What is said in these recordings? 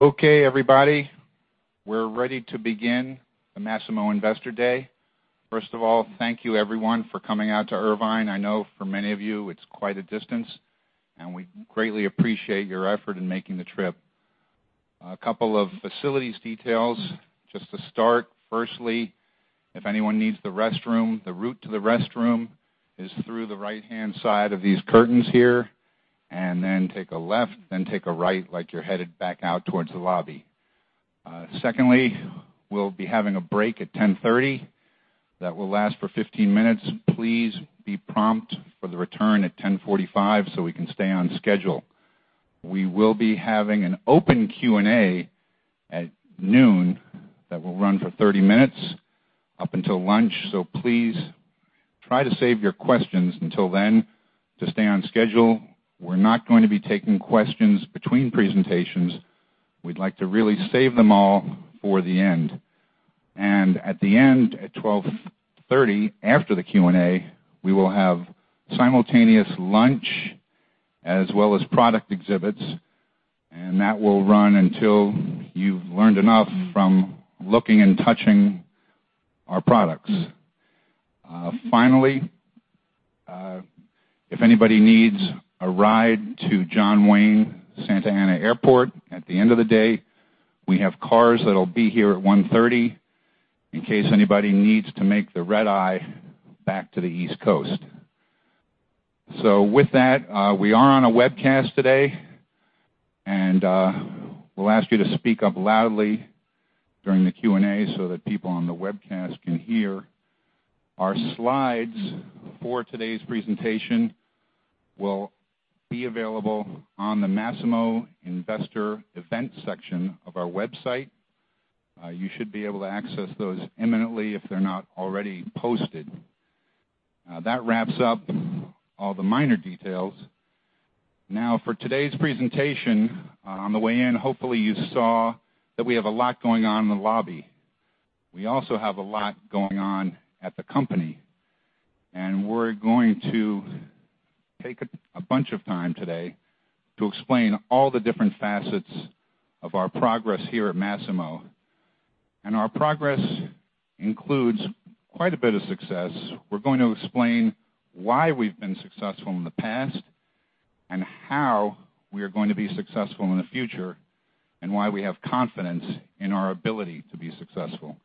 Okay, everybody. We're ready to begin the Masimo Investor Day. First of all, thank you everyone for coming out to Irvine. I know for many of you it's quite a distance, and we greatly appreciate your effort in making the trip. A couple of facilities details just to start. Firstly, if anyone needs the restroom, the route to the restroom is through the right-hand side of these curtains here, and then take a left, then take a right like you're headed back out towards the lobby. Secondly, we'll be having a break at 10:30. That will last for 15 minutes. Please be prompt for the return at 10:45 so we can stay on schedule. We will be having an open Q&A at noon that will run for 30 minutes up until lunch, so please try to save your questions until then to stay on schedule. We're not going to be taking questions between presentations. We'd like to really save them all for the end. At the end, at 12:30, after the Q&A, we will have simultaneous lunch as well as product exhibits, and that will run until you've learned enough from looking and touching our products. Finally, if anybody needs a ride to John Wayne, Santa Ana Airport at the end of the day, we have cars that'll be here at 1:30 in case anybody needs to make the red-eye back to the East Coast. With that, we are on a webcast today, and we'll ask you to speak up loudly during the Q&A so that people on the webcast can hear. Our slides for today's presentation will be available on the Masimo investor event section of our website. You should be able to access those imminently if they're not already posted. That wraps up all the minor details. Now for today's presentation, on the way in, hopefully you saw that we have a lot going on in the lobby. We also have a lot going on at the company. We're going to take a bunch of time today to explain all the different facets of our progress here at Masimo. Our progress includes quite a bit of success. We're going to explain why we've been successful in the past and how we are going to be successful in the future, and why we have confidence in our ability to be successful.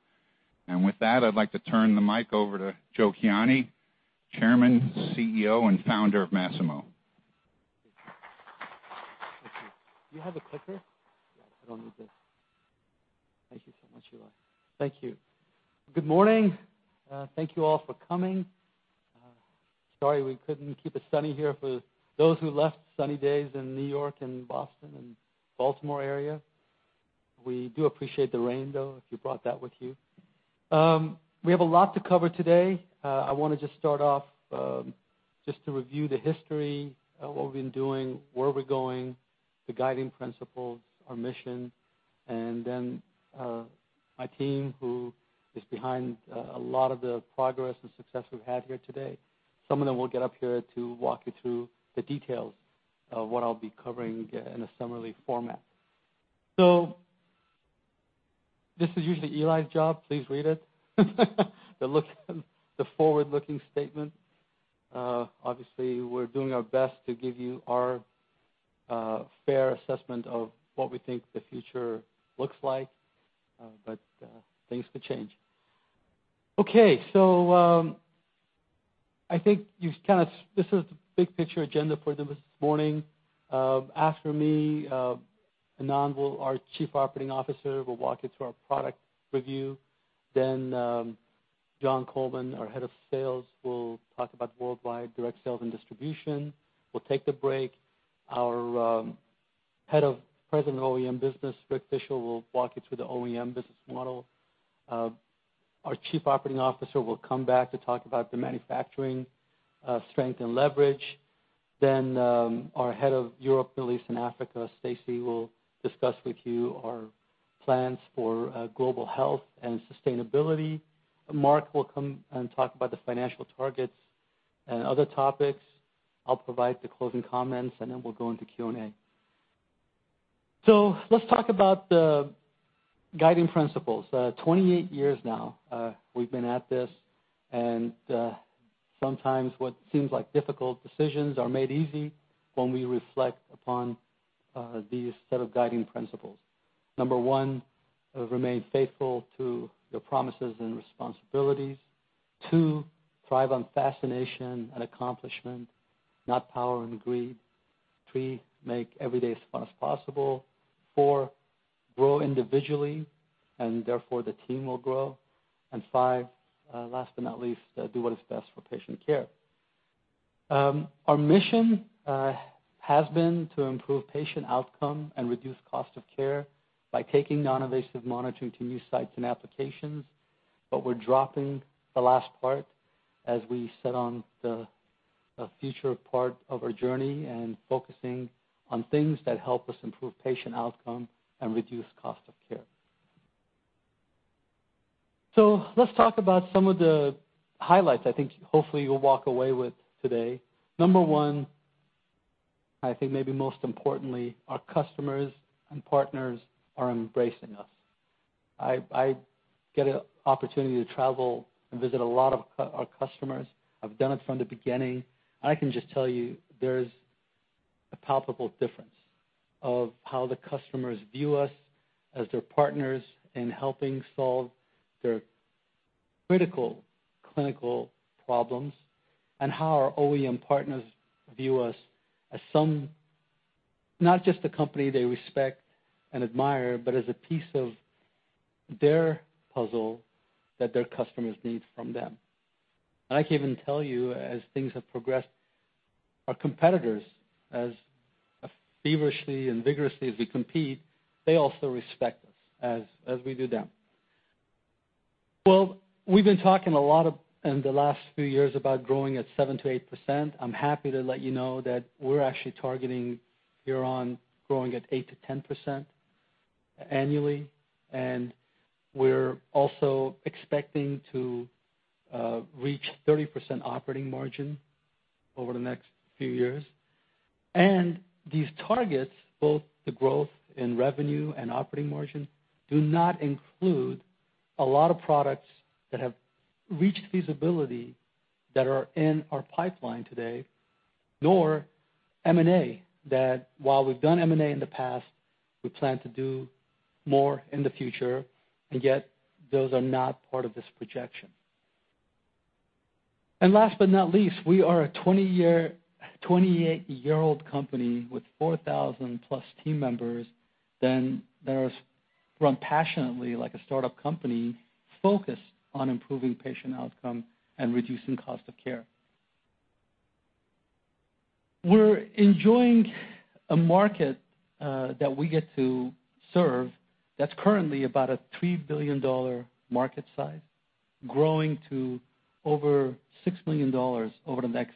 With that, I'd like to turn the mic over to Joe Kiani, Chairman, CEO, and founder of Masimo. Thank you. Do you have a clicker? Yes. I don't need this. Thank you so much, Eli. Thank you. Good morning. Thank you all for coming. Sorry we couldn't keep it sunny here for those who left sunny days in New York and Boston and Baltimore area. We do appreciate the rain, though, if you brought that with you. We have a lot to cover today. I want to just start off just to review the history of what we've been doing, where we're going, the guiding principles, our mission, and then my team who is behind a lot of the progress and success we've had here today. Some of them will get up here to walk you through the details of what I'll be covering in a summary format. This is usually Eli's job. Please read it. The forward-looking statement. Obviously, we're doing our best to give you our fair assessment of what we think the future looks like. Things could change. Okay. I think this is the big picture agenda for this morning. After me, Anand, our Chief Operating Officer, will walk you through our product review. John Coleman, our Head of Sales, will talk about worldwide direct sales and distribution. We'll take the break. Our Head of President OEM Business, Rick Fishel, will walk you through the OEM business model. Our Chief Operating Officer will come back to talk about the manufacturing strength and leverage. Our Head of Europe, Middle East, and Africa, Stacey, will discuss with you our plans for global health and sustainability. Mark will come and talk about the financial targets and other topics. I'll provide the closing comments, we'll go into Q&A. Let's talk about the guiding principles. 28 years now we've been at this, and sometimes what seems like difficult decisions are made easy when we reflect upon these set of guiding principles. Number 1, remain faithful to your promises and responsibilities. 2, thrive on fascination and accomplishment, not power and greed. 3, make every day as fun as possible. 4, grow individually and therefore the team will grow. 5, last but not least, do what is best for patient care. Our mission has been to improve patient outcome and reduce cost of care by taking non-invasive monitoring to new sites and applications. We're dropping the last part as we set on the future part of our journey and focusing on things that help us improve patient outcome and reduce cost of care. Let's talk about some of the highlights I think hopefully you'll walk away with today. Number 1, I think maybe most importantly, our customers and partners are embracing us. I get an opportunity to travel and visit a lot of our customers. I've done it from the beginning. I can just tell you there's a palpable difference of how the customers view us as their partners in helping solve their critical clinical problems, and how our OEM partners view us as some, not just a company they respect and admire, but as a piece of their puzzle that their customers need from them. I can even tell you, as things have progressed, our competitors, as feverishly and vigorously as we compete, they also respect us as we do them. We've been talking a lot in the last few years about growing at 7%-8%. I'm happy to let you know that we're actually targeting here on growing at 8%-10% annually. We're also expecting to reach 30% operating margin over the next few years. These targets, both the growth in revenue and operating margin, do not include a lot of products that have reached feasibility that are in our pipeline today, nor M&A. While we've done M&A in the past, we plan to do more in the future, yet those are not part of this projection. Last but not least, we are a 28-year-old company with 4,000-plus team members that is run passionately like a startup company, focused on improving patient outcome and reducing cost of care. We're enjoying a market that we get to serve that's currently about a $3 billion market size, growing to over $6 billion over the next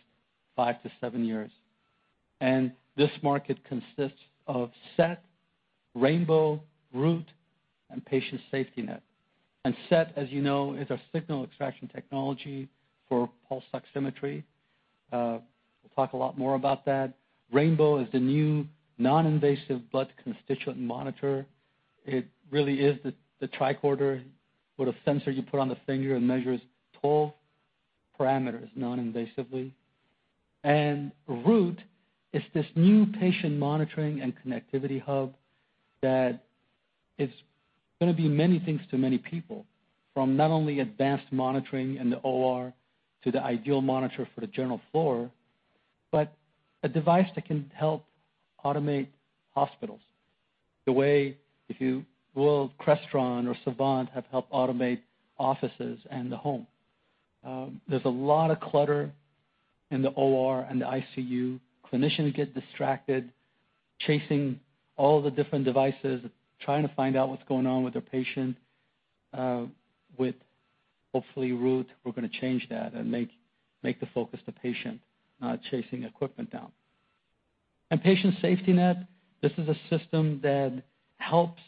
five to seven years. This market consists of SET, Rainbow, Root, and Patient SafetyNet. SET, as you know, is our Signal Extraction Technology for pulse oximetry. We'll talk a lot more about that. Rainbow is the new noninvasive blood constituent monitor. It really is the tricorder with a sensor you put on the finger and measures 12 parameters noninvasively. Root is this new patient monitoring and connectivity hub that is going to be many things to many people, from not only advanced monitoring in the OR to the ideal monitor for the general floor, but a device that can help automate hospitals the way if you will, Crestron or Savant have helped automate offices and the home. There's a lot of clutter in the OR and the ICU. Clinicians get distracted chasing all the different devices, trying to find out what's going on with their patient. With, hopefully, Root, we're going to change that and make the focus the patient, not chasing equipment down. Patient SafetyNet, this is a system that helps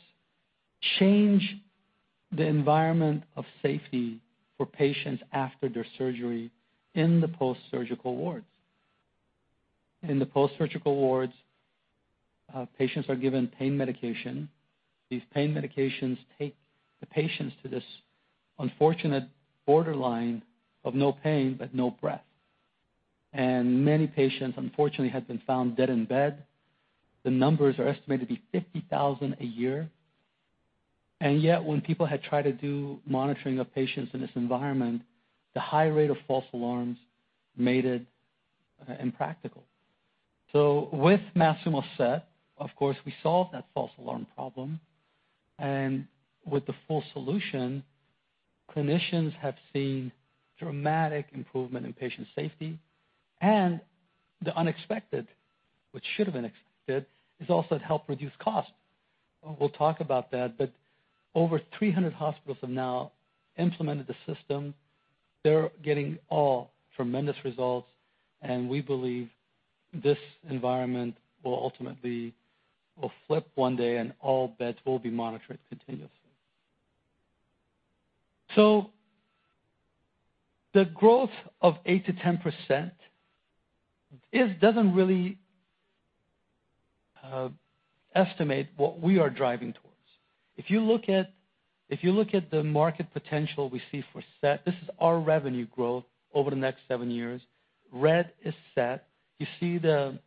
change the environment of safety for patients after their surgery in the post-surgical wards. In the post-surgical wards, patients are given pain medication. These pain medications take the patients to this unfortunate borderline of no pain, but no breath. Many patients, unfortunately, have been found dead in bed. The numbers are estimated to be 50,000 a year. Yet, when people had tried to do monitoring of patients in this environment, the high rate of false alarms made it impractical. With Masimo SET, of course, we solved that false alarm problem. With the full solution, clinicians have seen dramatic improvement in patient safety. The unexpected, which should have been expected, is also it helped reduce cost. We'll talk about that. Over 300 hospitals have now implemented the system. They're getting all tremendous results. We believe this environment will ultimately flip one day and all beds will be monitored continuously. The growth of 8%-10% doesn't really estimate what we are driving towards. If you look at the market potential we see for SET, this is our revenue growth over the next seven years. Red is SET. You see the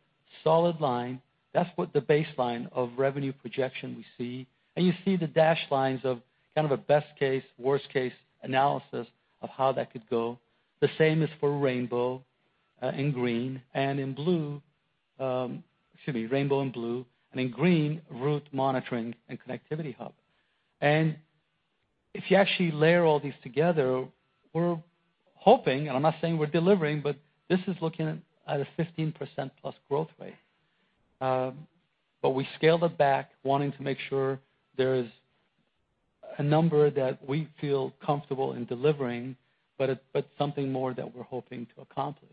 solid line. That's what the baseline of revenue projection we see. You see the dashed lines of kind of a best case/worst case analysis of how that could go. The same is for Rainbow in blue and in green, Root monitoring and connectivity hub. If you actually layer all these together, we're hoping, and I am not saying we're delivering, but this is looking at a 15%-plus growth rate. We scaled it back, wanting to make sure there's a number that we feel comfortable in delivering, but something more that we're hoping to accomplish.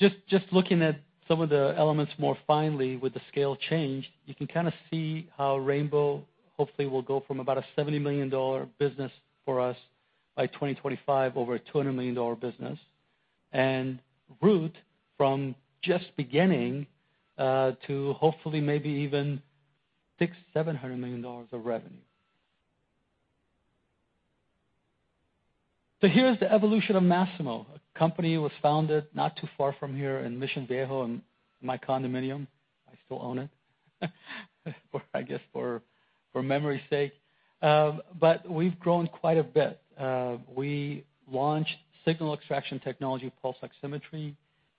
Just looking at some of the elements more finely with the scale change, you can kind of see how Rainbow hopefully will go from about a $70 million business for us by 2025, over a $200 million business. Root from just beginning, to hopefully maybe even $600 million, $700 million of revenue. Here's the evolution of Masimo. A company was founded not too far from here in Mission Viejo, in my condominium. I still own it, I guess for memory's sake. We've grown quite a bit. We launched Signal Extraction Technology, pulse oximetry,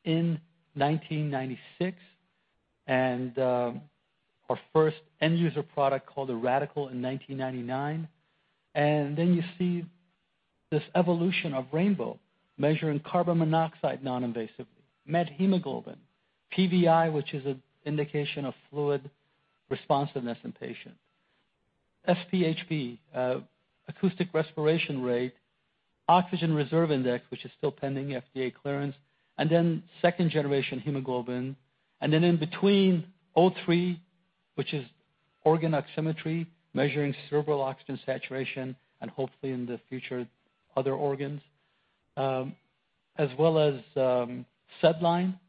in 1996, and our first end-user product called the Radical in 1999. You see this evolution of Rainbow measuring carbon monoxide non-invasively. Methemoglobin, PVI, which is an indication of fluid responsiveness in patients. SpHb, acoustic respiration rate, Oxygen Reserve Index, which is still pending FDA clearance, and then second generation hemoglobin. Then in between, O3, which is organ oximetry, measuring cerebral oxygen saturation, and hopefully in the future, other organs, as well as SedLine,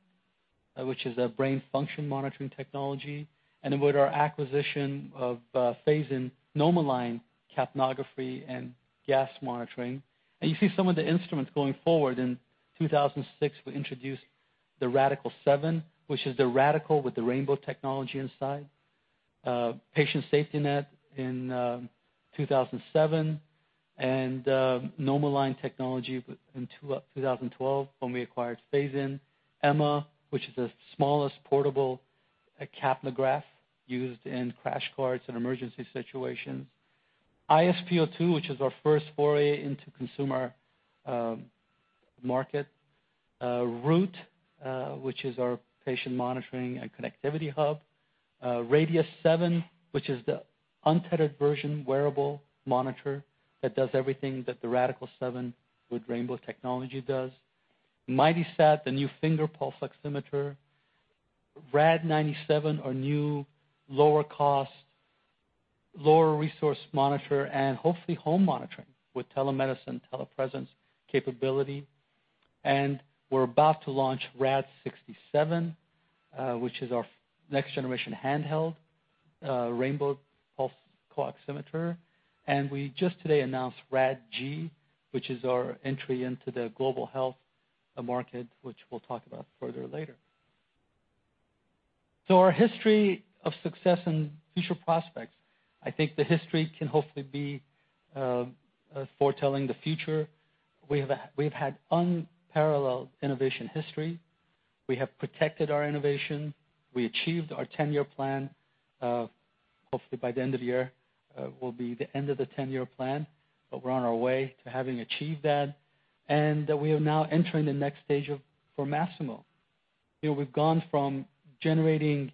which is a brain function monitoring technology. Then with our acquisition of Phasein, NomoLine capnography and gas monitoring. You see some of the instruments going forward. In 2006, we introduced the Radical-7, which is the Radical with the Rainbow technology inside. Patient SafetyNet in 2007, and NomoLine technology in 2012 when we acquired Phasein. EMMA, which is the smallest portable capnograph used in crash carts and emergency situations. iSpO2, which is our first foray into consumer market. Root, which is our patient monitoring and connectivity hub. Radius-7, which is the untethered version wearable monitor that does everything that the Radical-7 with Rainbow technology does. MightySat, the new finger pulse oximeter. Rad-97, our new lower cost, lower resource monitor, and hopefully home monitoring with telemedicine, telepresence capability. We're about to launch Rad-67, which is our next generation handheld Rainbow pulse oximeter. We just today announced Rad-G, which is our entry into the global health market, which we'll talk about further later. Our history of success and future prospects. I think the history can hopefully be foretelling the future. We've had unparalleled innovation history. We have protected our innovation. We achieved our 10-year plan. Hopefully by the end of the year, will be the end of the 10-year plan, but we're on our way to having achieved that. We are now entering the next stage for Masimo. We've gone from generating,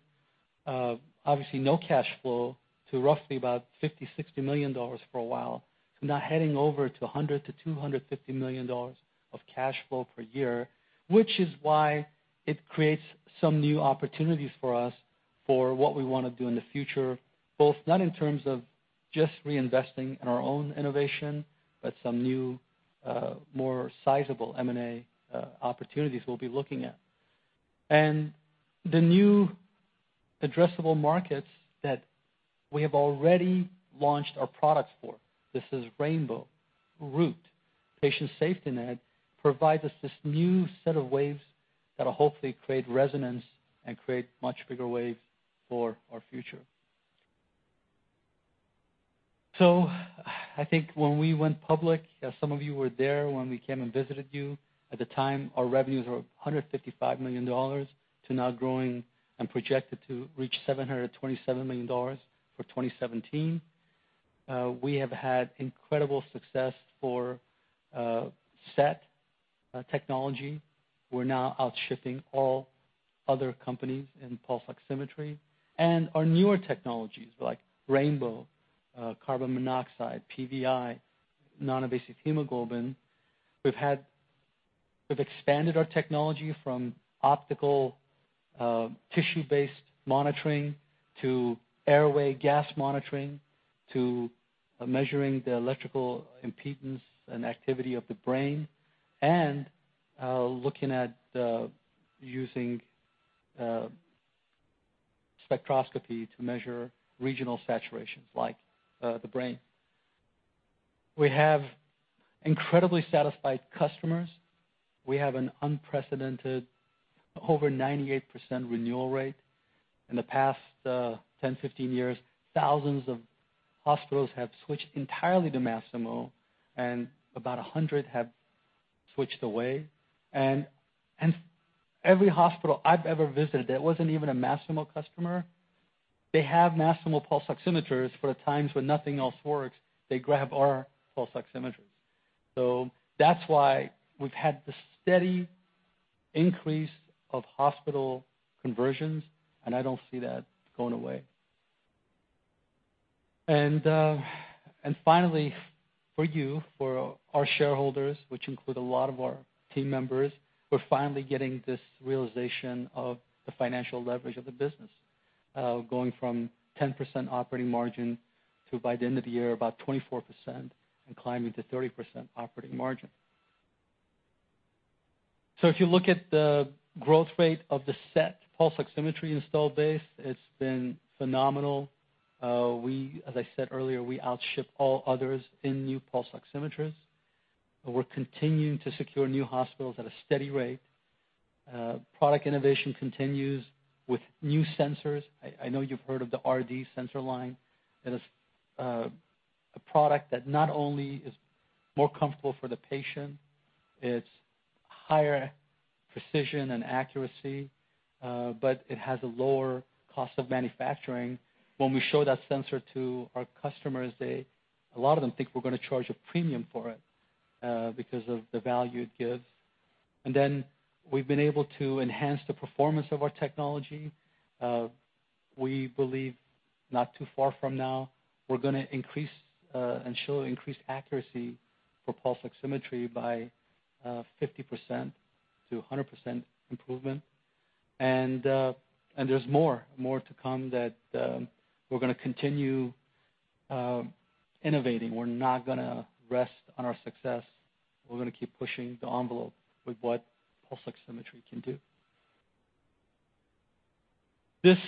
obviously no cash flow, to roughly about $50 million, $60 million for a while, to now heading over to $100 million-$250 million of cash flow per year, which is why it creates some new opportunities for us for what we want to do in the future, both not in terms of just reinvesting in our own innovation, but some new, more sizable M&A opportunities we'll be looking at. The new addressable markets that we have already launched our products for. This is Rainbow, Root, Patient SafetyNet, provides us this new set of waves that'll hopefully create resonance and create much bigger waves for our future. I think when we went public, some of you were there when we came and visited you. At the time, our revenues were $155 million, to now growing and projected to reach $727 million for 2017. We have had incredible success for SET technology. We're now out-shipping all other companies in pulse oximetry and our newer technologies like Rainbow, carbon monoxide, PVI, non-invasive hemoglobin. We've expanded our technology from optical tissue-based monitoring to airway gas monitoring, to measuring the electrical impedance and activity of the brain, and looking at using spectroscopy to measure regional saturations like the brain. We have incredibly satisfied customers. We have an unprecedented over 98% renewal rate. In the past 10, 15 years, thousands of hospitals have switched entirely to Masimo, and about 100 have switched away. Every hospital I've ever visited that wasn't even a Masimo customer, they have Masimo pulse oximeters for times when nothing else works. They grab our pulse oximeters. That's why we've had the steady increase of hospital conversions, and I don't see that going away. Finally, for you, for our shareholders, which include a lot of our team members, we're finally getting this realization of the financial leverage of the business, going from 10% operating margin to, by the end of the year, about 24% and climbing to 30% operating margin. If you look at the growth rate of the SET pulse oximetry installed base, it's been phenomenal. As I said earlier, we outship all others in new pulse oximeters, and we're continuing to secure new hospitals at a steady rate. Product innovation continues with new sensors. I know you've heard of the RD sensor line. It is a product that not only is more comfortable for the patient, it's higher precision and accuracy, but it has a lower cost of manufacturing. When we show that sensor to our customers, a lot of them think we're going to charge a premium for it because of the value it gives. We've been able to enhance the performance of our technology. We believe not too far from now, we're going to increase and show increased accuracy for pulse oximetry by 50%-100% improvement. There's more to come that we're going to continue innovating. We're not going to rest on our success. We're going to keep pushing the envelope with what pulse oximetry can do. This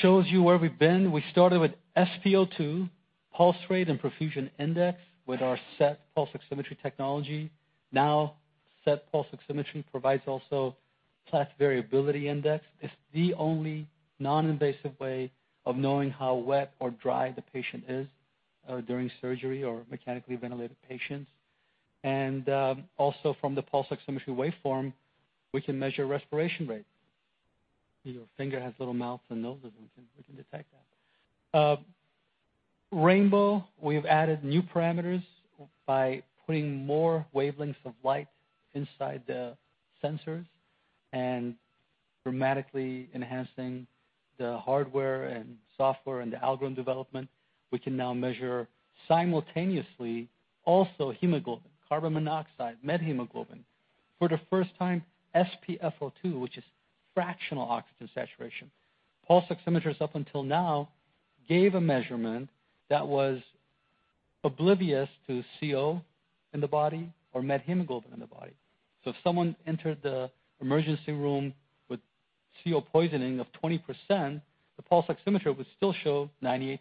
shows you where we've been. We started with SpO2, pulse rate, and perfusion index with our SET pulse oximetry technology. Now, SET pulse oximetry provides also Pleth Variability Index. It's the only non-invasive way of knowing how wet or dry the patient is during surgery or mechanically ventilated patients. From the pulse oximetry waveform, we can measure respiration rate. Your finger has little mouths and noses, and we can detect that. Rainbow, we've added new parameters by putting more wavelengths of light inside the sensors and dramatically enhancing the hardware and software and the algorithm development. We can now measure simultaneously also hemoglobin, carbon monoxide, methemoglobin. For the first time, SpfO2, which is fractional oxygen saturation. Pulse oximeters up until now gave a measurement that was oblivious to CO in the body or methemoglobin in the body. If someone entered the emergency room with CO poisoning of 20%, the pulse oximeter would still show 98%,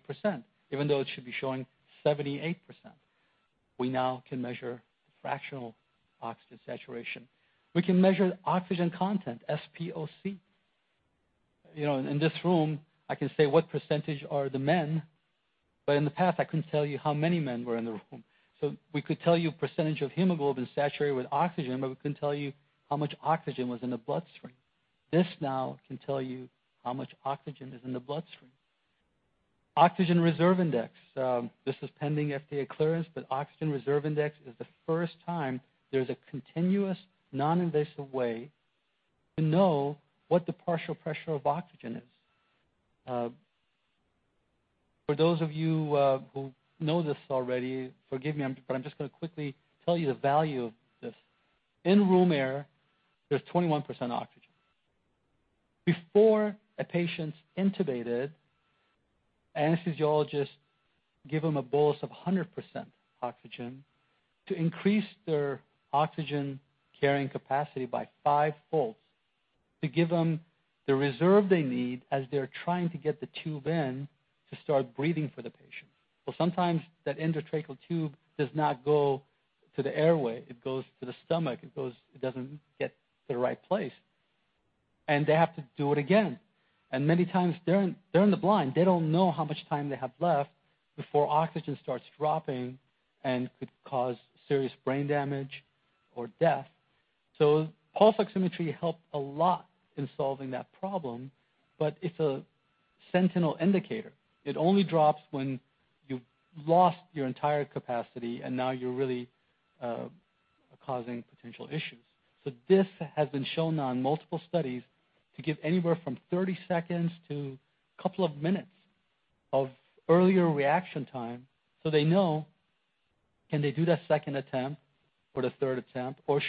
even though it should be showing 78%. We now can measure fractional oxygen saturation. We can measure oxygen content, SpOC. In this room, I can say what percentage are the men, but in the past, I couldn't tell you how many men were in the room. We could tell you percentage of hemoglobin saturated with oxygen, but we couldn't tell you how much oxygen was in the bloodstream. This now can tell you how much oxygen is in the bloodstream. Oxygen Reserve Index, this is pending FDA clearance, but Oxygen Reserve Index is the first time there's a continuous non-invasive way to know what the partial pressure of oxygen is. For those of you who know this already, forgive me, but I'm just going to quickly tell you the value of this. In room air, there's 21% oxygen. Before a patient's intubated, anesthesiologists give them a bolus of 100% oxygen to increase their oxygen carrying capacity by fivefold to give them the reserve they need as they're trying to get the tube in to start breathing for the patient. Sometimes that endotracheal tube does not go to the airway, it goes to the stomach. It doesn't get to the right place, and they have to do it again. Many times, they're in the blind. They don't know how much time they have left before oxygen starts dropping and could cause serious brain damage or death. Pulse oximetry helped a lot in solving that problem, but it's a sentinel indicator. It only drops when you've lost your entire capacity, and now you're really causing potential issues. This has been shown on multiple studies to give anywhere from 30 seconds to a couple of minutes of earlier reaction time so they know, can they do that 2nd attempt or the 3rd attempt, or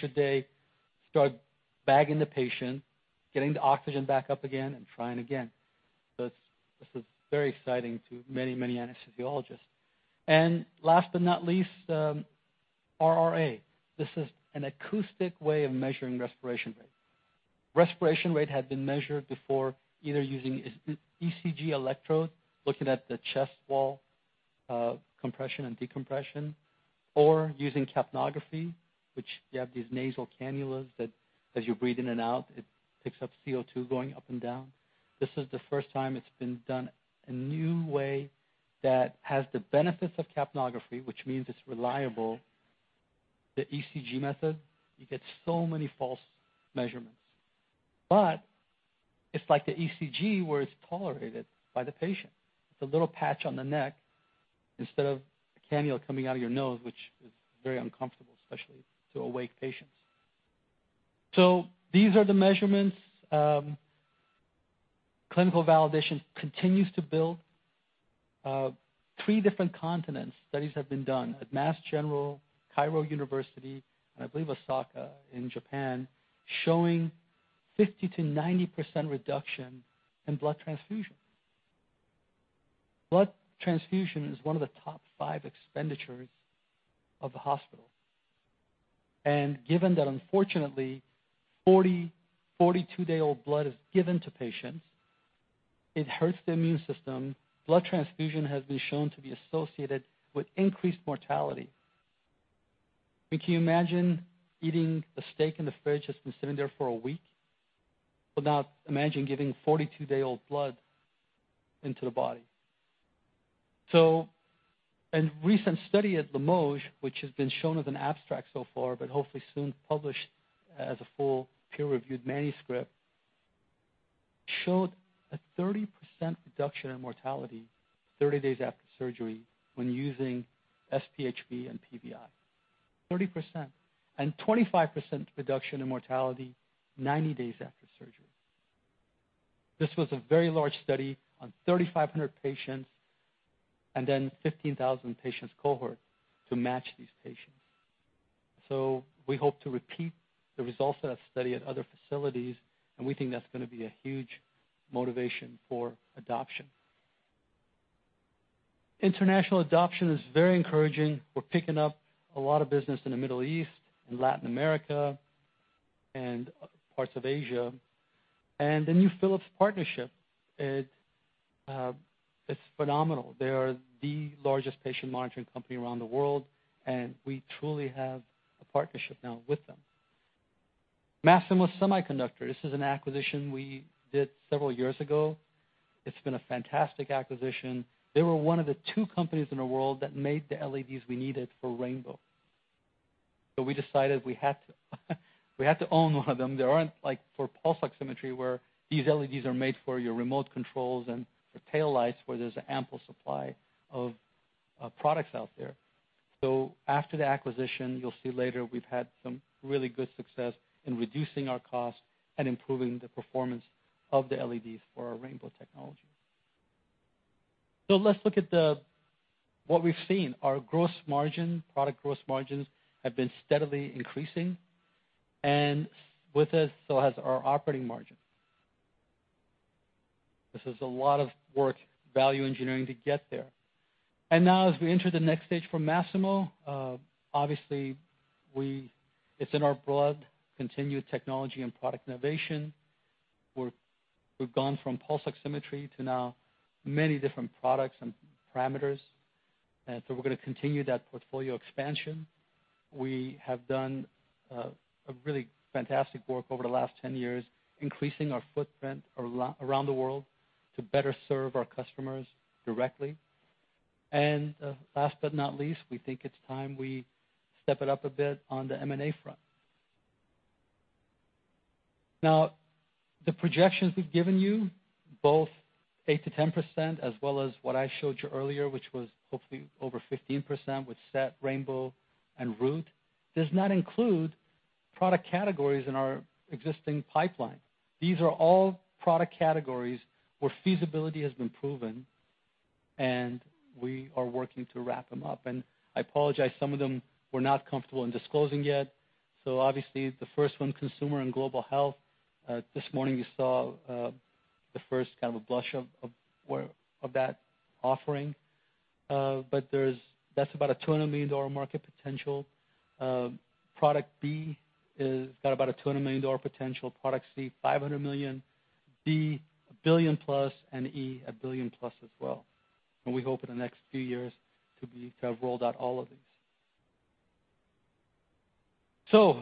should they start bagging the patient, getting the oxygen back up again and trying again? This is very exciting to many, many anesthesiologists. Last but not least, RRa. This is an acoustic way of measuring respiration rate. Respiration rate had been measured before either using ECG electrode, looking at the chest wall compression and decompression, or using capnography, which you have these nasal cannulas that as you breathe in and out, it picks up CO2 going up and down. This is the first time it's been done a new way that has the benefits of capnography, which means it's reliable. The ECG method, you get so many false measurements. It's like the ECG where it's tolerated by the patient. It's a little patch on the neck instead of a cannula coming out of your nose, which is very uncomfortable, especially to awake patients. These are the measurements. Clinical validation continues to build. three different continent studies have been done at Mass General, Cairo University, and I believe Osaka in Japan, showing 50%-90% reduction in blood transfusion. Blood transfusion is one of the top five expenditures of the hospital. Given that, unfortunately, 40, 42-day-old blood is given to patients, it hurts the immune system. Blood transfusion has been shown to be associated with increased mortality. I mean, can you imagine eating a steak in the fridge that's been sitting there for a week? Now imagine giving 42-day-old blood into the body. A recent study at Limoges, which has been shown as an abstract so far, but hopefully soon published as a full peer-reviewed manuscript, showed a 30% reduction in mortality 30 days after surgery when using SpHb and PVI. 30%. A 25% reduction in mortality 90 days after surgery. This was a very large study on 3,500 patients, then 15,000 patients cohort to match these patients. We hope to repeat the results of that study at other facilities, and we think that's going to be a huge motivation for adoption. International adoption is very encouraging. We're picking up a lot of business in the Middle East and Latin America and parts of Asia. The new Philips partnership, it's phenomenal. They are the largest patient monitoring company around the world, and we truly have a partnership now with them. Masimo Semiconductor, this is an acquisition we did several years ago. It's been a fantastic acquisition. They were one of the two companies in the world that made the LEDs we needed for Rainbow. We decided we had to own one of them. There aren't, like for pulse oximetry, where these LEDs are made for your remote controls and for taillights, where there's ample supply of products out there. After the acquisition, you'll see later we've had some really good success in reducing our cost and improving the performance of the LEDs for our Rainbow technology. Let's look at what we've seen. Our gross margin, product gross margins, have been steadily increasing and with it so has our operating margin. This is a lot of work, value engineering to get there. Now as we enter the next stage for Masimo, obviously it's in our blood, continued technology and product innovation. We've gone from pulse oximetry to now many different products and parameters. We're going to continue that portfolio expansion. We have done really fantastic work over the last 10 years, increasing our footprint around the world to better serve our customers directly. Last but not least, we think it's time we step it up a bit on the M&A front. Now, the projections we've given you, both 8%-10%, as well as what I showed you earlier, which was hopefully over 15% with SET, Rainbow, and Root, does not include product categories in our existing pipeline. These are all product categories where feasibility has been proven, and we are working to wrap them up. I apologize, some of them we're not comfortable in disclosing yet. Obviously the first one, consumer and global health. This morning we saw the first kind of a blush of that offering. That's about a $200 million market potential. Product B has got about a $200 million potential. Product C, $500 million. B, a billion-plus, and E, a billion-plus as well. We hope in the next few years to have rolled out all of these.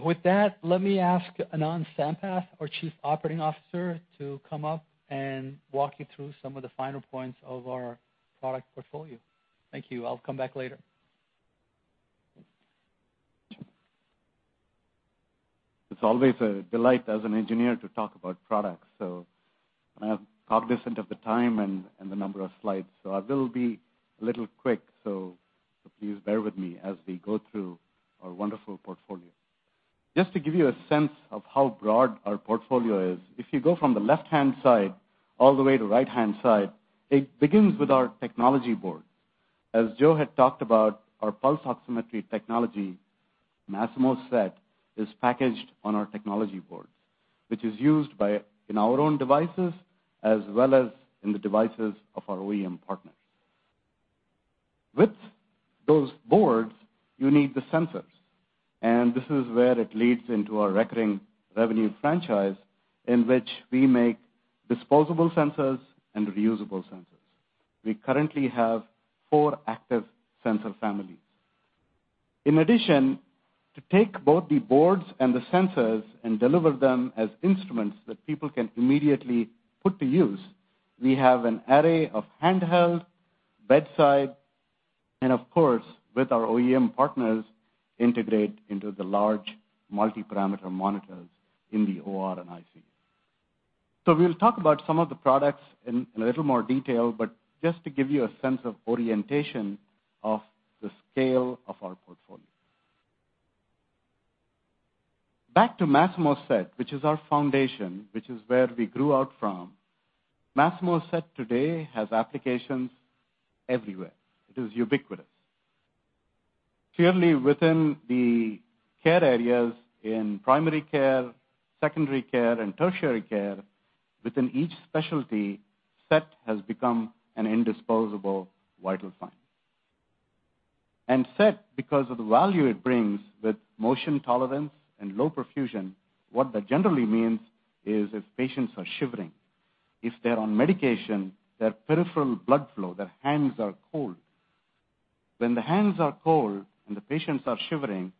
With that, let me ask Anand Sampath, our Chief Operating Officer, to come up and walk you through some of the finer points of our product portfolio. Thank you. I'll come back later. It's always a delight as an engineer to talk about products. I'm cognizant of the time and the number of slides, I will be a little quick, please bear with me as we go through our wonderful portfolio. Just to give you a sense of how broad our portfolio is, if you go from the left-hand side all the way to right-hand side, it begins with our technology board. As Joe had talked about, our pulse oximetry technology, Masimo SET, is packaged on our technology board, which is used in our own devices as well as in the devices of our OEM partners. With those boards, you need the sensors, and this is where it leads into our recurring revenue franchise in which we make disposable sensors and reusable sensors. We currently have four active sensor families. In addition, to take both the boards and the sensors and deliver them as instruments that people can immediately put to use, we have an array of handheld, bedside, and of course, with our OEM partners, integrate into the large multi-parameter monitors in the OR and ICU. We'll talk about some of the products in a little more detail, but just to give you a sense of orientation of the scale of our portfolio. Back to Masimo SET, which is our foundation, which is where we grew out from. Masimo SET today has applications everywhere. It is ubiquitous. Clearly, within the care areas in primary care, secondary care, and tertiary care, within each specialty, SET has become an indisposable vital sign. SET, because of the value it brings with motion tolerance and low perfusion, what that generally means is if patients are shivering, if they're on medication, their peripheral blood flow, their hands are cold. When the hands are cold and the patients are shivering,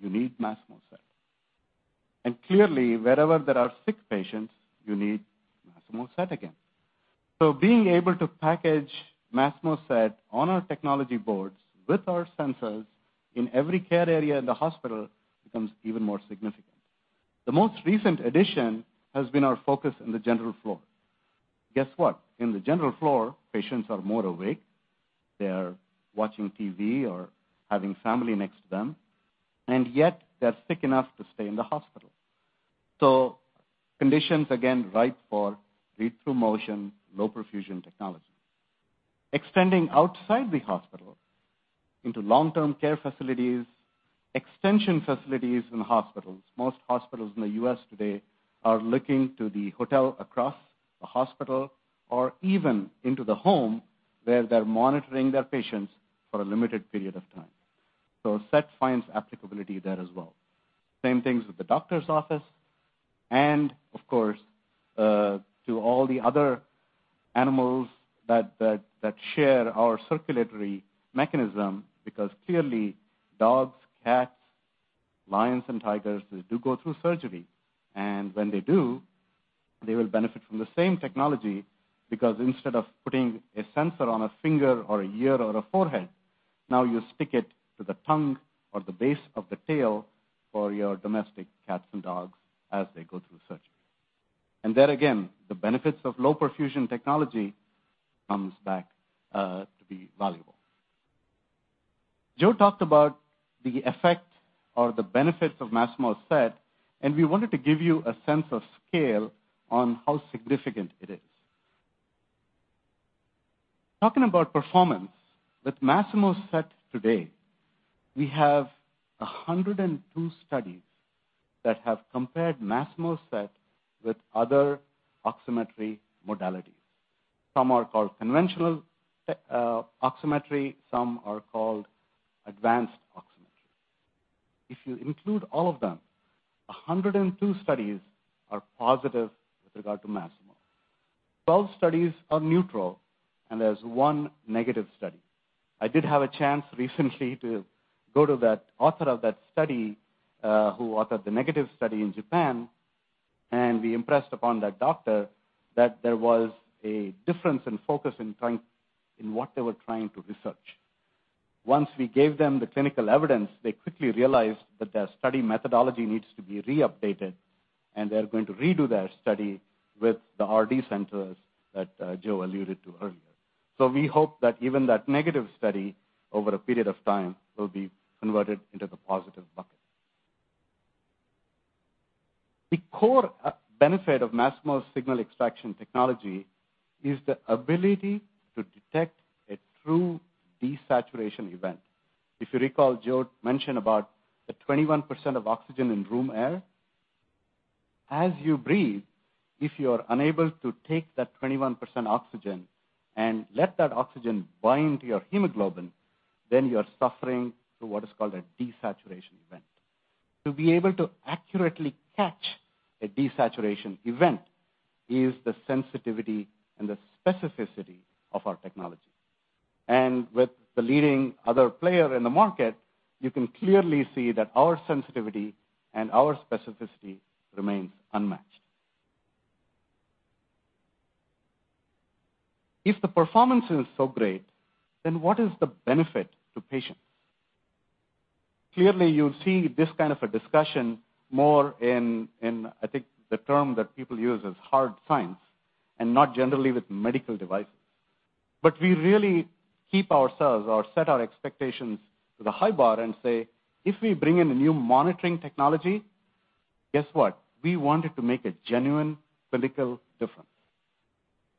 you need Masimo SET. Clearly, wherever there are sick patients, you need Masimo SET again. Being able to package Masimo SET on our technology boards with our sensors in every care area in the hospital becomes even more significant. The most recent addition has been our focus on the general floor. Guess what? In the general floor, patients are more awake, they're watching TV or having family next to them, and yet they're sick enough to stay in the hospital. Conditions, again, ripe for measure-through motion, low perfusion technology. Extending outside the hospital into long-term care facilities, extension facilities in hospitals. Most hospitals in the U.S. today are looking to the hotel across the hospital or even into the home, where they're monitoring their patients for a limited period of time. SET finds applicability there as well. Same things with the doctor's office and, of course, to all the other animals that share our circulatory mechanism because clearly, dogs, cats, lions, and tigers do go through surgery. When they do, they will benefit from the same technology because instead of putting a sensor on a finger or an ear or a forehead, now you stick it to the tongue or the base of the tail for your domestic cats and dogs as they go through surgery. There again, the benefits of low perfusion technology comes back to be valuable. Joe talked about the effect or the benefits of Masimo SET, and we wanted to give you a sense of scale on how significant it is. Talking about performance with Masimo SET today, we have 102 studies that have compared Masimo SET with other oximetry modalities. Some are called conventional oximetry, some are called advanced oximetry. If you include all of them, 102 studies are positive with regard to Masimo. 12 studies are neutral. There is one negative study. I did have a chance recently to go to the author of that study, who authored the negative study in Japan, and we impressed upon that doctor that there was a difference in focus in what they were trying to research. Once we gave them the clinical evidence, they quickly realized that their study methodology needs to be re-updated, and they're going to redo their study with the RD sensors that Joe alluded to earlier. We hope that even that negative study over a period of time will be converted into the positive bucket. The core benefit of Masimo's signal extraction technology is the ability to detect a true desaturation event. If you recall, Joe mentioned about the 21% of oxygen in room air. As you breathe, if you are unable to take that 21% oxygen and let that oxygen bind to your hemoglobin, then you are suffering through what is called a desaturation event. To be able to accurately catch a desaturation event is the sensitivity and the specificity of our technology. With the leading other player in the market, you can clearly see that our sensitivity and our specificity remains unmatched. If the performance is so great, then what is the benefit to patients? Clearly, you'll see this kind of a discussion more in, I think the term that people use is hard science, and not generally with medical devices. We really keep ourselves or set our expectations to the high bar and say, if we bring in a new monitoring technology, guess what? We want it to make a genuine clinical difference.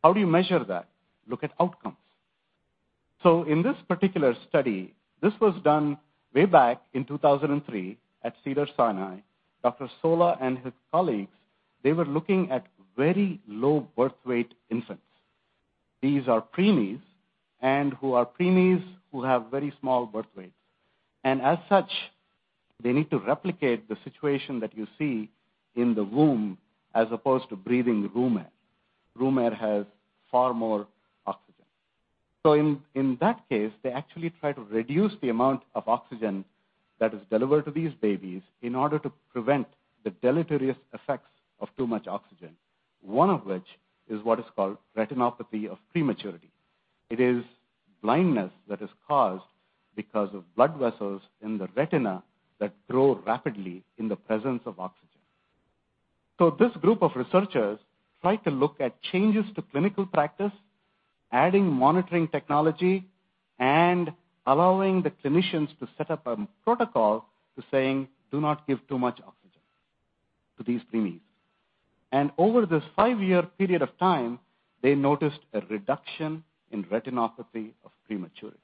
How do you measure that? Look at outcomes. In this particular study, this was done way back in 2003 at Cedars-Sinai. Dr. Sola and his colleagues, they were looking at very low birth weight infants. These are preemies, and who are preemies who have very small birth weights. As such, they need to replicate the situation that you see in the womb, as opposed to breathing room air. Room air has far more oxygen. In that case, they actually try to reduce the amount of oxygen that is delivered to these babies in order to prevent the deleterious effects of too much oxygen. One of which is what is called retinopathy of prematurity. It is blindness that is caused because of blood vessels in the retina that grow rapidly in the presence of oxygen. This group of researchers tried to look at changes to clinical practice, adding monitoring technology, and allowing the clinicians to set up a protocol to saying, "Do not give too much oxygen to these preemies." Over this five-year period of time, they noticed a reduction in retinopathy of prematurity.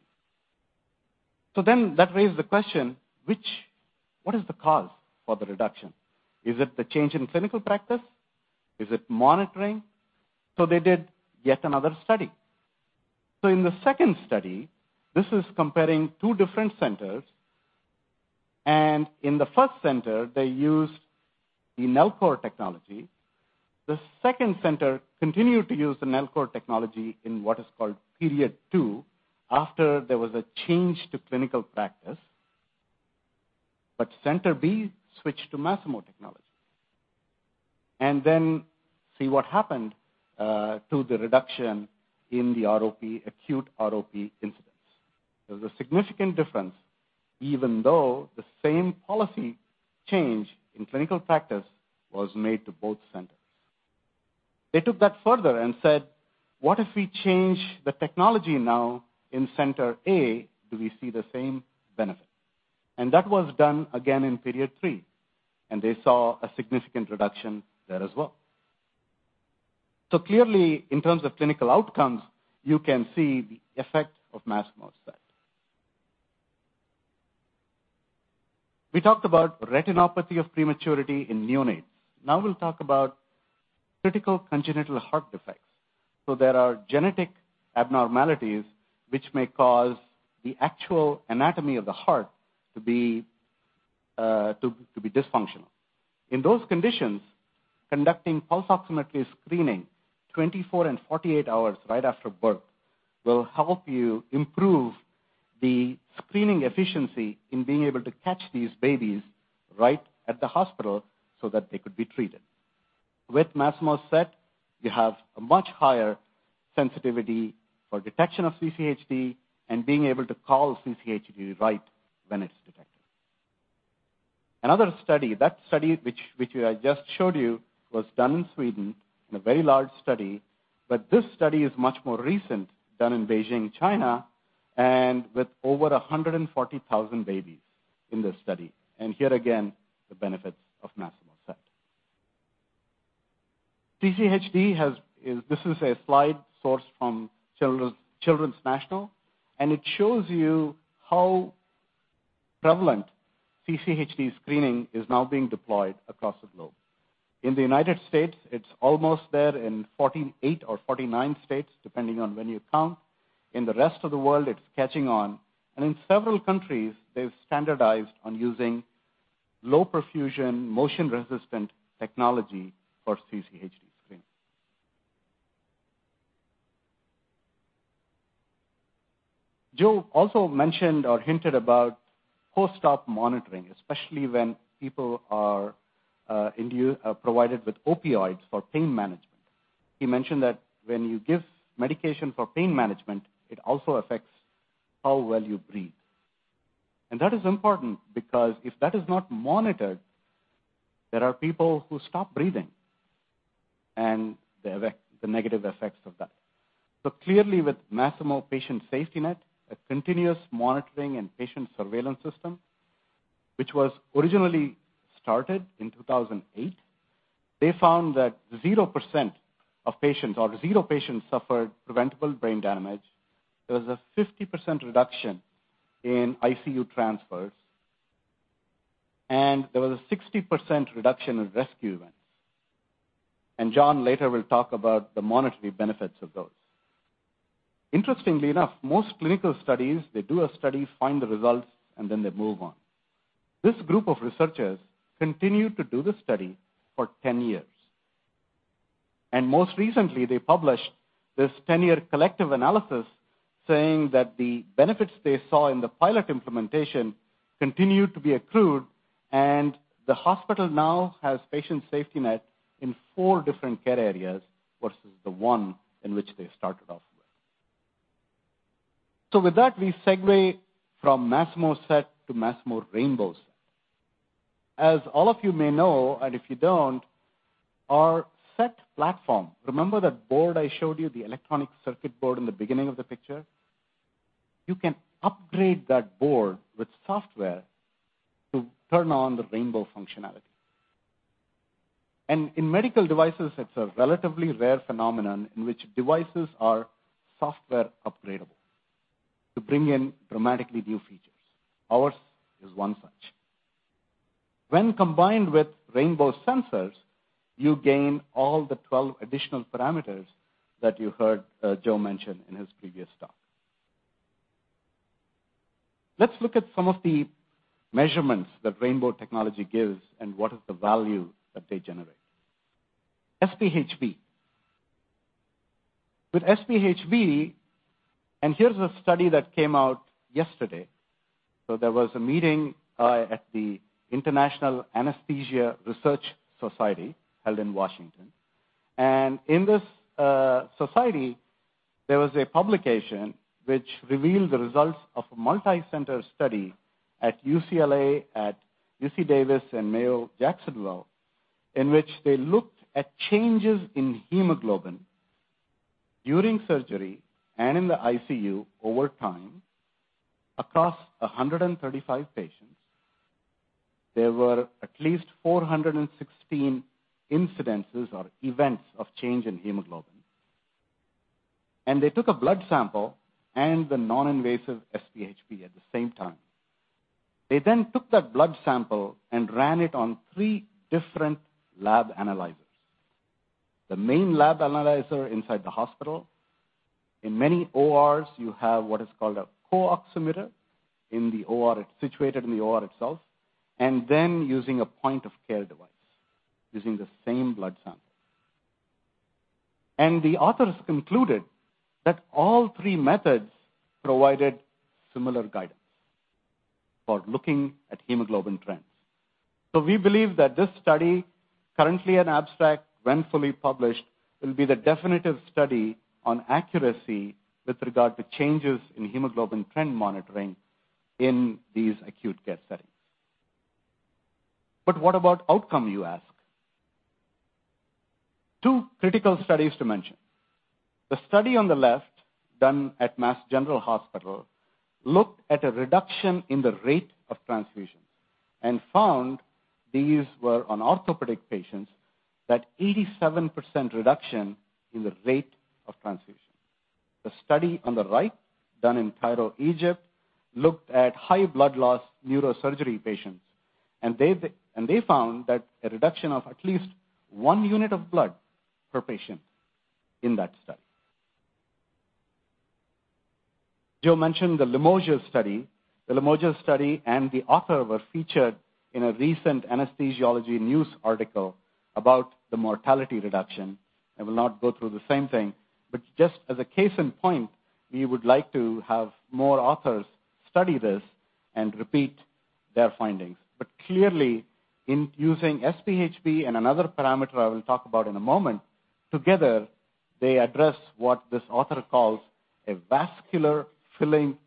That raised the question, what is the cause for the reduction? Is it the change in clinical practice? Is it monitoring? They did yet another study. In the second study, this is comparing two different centers. In the first center, they used the Nellcor technology. The second center continued to use the Nellcor technology in what is called period two, after there was a change to clinical practice. Center B switched to Masimo technology. Then see what happened to the reduction in the acute ROP incidence. There was a significant difference even though the same policy change in clinical practice was made to both centers. They took that further and said, "What if we change the technology now in Center A, do we see the same benefit?" That was done again in period three, and they saw a significant reduction there as well. Clearly, in terms of clinical outcomes, you can see the effect of Masimo SET. We talked about retinopathy of prematurity in neonates. Now we'll talk about critical congenital heart defects. There are genetic abnormalities which may cause the actual anatomy of the heart to be dysfunctional. In those conditions, conducting pulse oximetry screening 24 and 48 hours right after birth will help you improve the screening efficiency in being able to catch these babies right at the hospital so that they could be treated. With Masimo SET, you have a much higher sensitivity for detection of CCHD and being able to call CCHD right when it's detected. Another study, that study which I just showed you, was done in Sweden in a very large study, but this study is much more recent, done in Beijing, China, with over 140,000 babies in this study. Here again, the benefits of Masimo SET. CCHD, this is a slide sourced from Children's National, and it shows you how prevalent CCHD screening is now being deployed across the globe. In the U.S., it's almost there in 48 or 49 states, depending on when you count. In the rest of the world, it's catching on. In several countries, they've standardized on using low perfusion, motion-resistant technology for CCHD screening. Joe also mentioned or hinted about postop monitoring, especially when people are provided with opioids for pain management. He mentioned that when you give medication for pain management, it also affects how well you breathe. That is important because if that is not monitored, there are people who stop breathing, and the negative effects of that. Clearly with Masimo Patient SafetyNet, a continuous monitoring and patient surveillance system, which was originally started in 2008. They found that 0% of patients or zero patients suffered preventable brain damage. There was a 50% reduction in ICU transfers, and there was a 60% reduction in rescue events. John later will talk about the monetary benefits of those. Interestingly enough, most clinical studies, they do a study, find the results, and then they move on. This group of researchers continued to do the study for 10 years. Most recently, they published this 10-year collective analysis saying that the benefits they saw in the pilot implementation continued to be accrued, and the hospital now has Patient SafetyNet in four different care areas versus the one in which they started off with. With that, we segue from Masimo SET to Masimo Rainbow SET. As all of you may know, and if you don't, our SET platform, remember that board I showed you, the electronic circuit board in the beginning of the picture? You can upgrade that board with software to turn on the Rainbow functionality. In medical devices, it's a relatively rare phenomenon in which devices are software upgradable to bring in dramatically new features. Ours is one such. When combined with Rainbow sensors, you gain all the 12 additional parameters that you heard Joe mention in his previous talk. Let's look at some of the measurements that Rainbow technology gives and what is the value that they generate. SpHb. With SpHb, here's a study that came out yesterday. There was a meeting at the International Anesthesia Research Society held in Washington. In this society, there was a publication which revealed the results of a multi-center study at UCLA, at UC Davis, and Mayo, Jacksonville, in which they looked at changes in hemoglobin during surgery and in the ICU over time across 135 patients. There were at least 416 incidences or events of change in hemoglobin. They took a blood sample and the non-invasive SpHb at the same time. They then took that blood sample and ran it on three different lab analyzers. The main lab analyzer inside the hospital. In many ORs, you have what is called a CO-oximeter. In the OR, it's situated in the OR itself, using a point-of-care device using the same blood sample. The authors concluded that all three methods provided similar guidance for looking at hemoglobin trends. We believe that this study, currently an abstract, when fully published, will be the definitive study on accuracy with regard to changes in hemoglobin trend monitoring in these acute care settings. What about outcome, you ask? Two critical studies to mention. The study on the left, done at Mass General Hospital, looked at a reduction in the rate of transfusion and found these were on orthopedic patients that 87% reduction in the rate of transfusion. The study on the right, done in Cairo, Egypt, looked at high blood loss neurosurgery patients, and they found that a reduction of at least one unit of blood per patient in that study. Joe mentioned the Limoges study. The Limoges study and the author were featured in a recent Anesthesiology News article about the mortality reduction. I will not go through the same thing, just as a case in point, we would like to have more authors study this and repeat their findings. Clearly, in using SpHb and another parameter I will talk about in a moment, together, they address what this author calls a vascular filling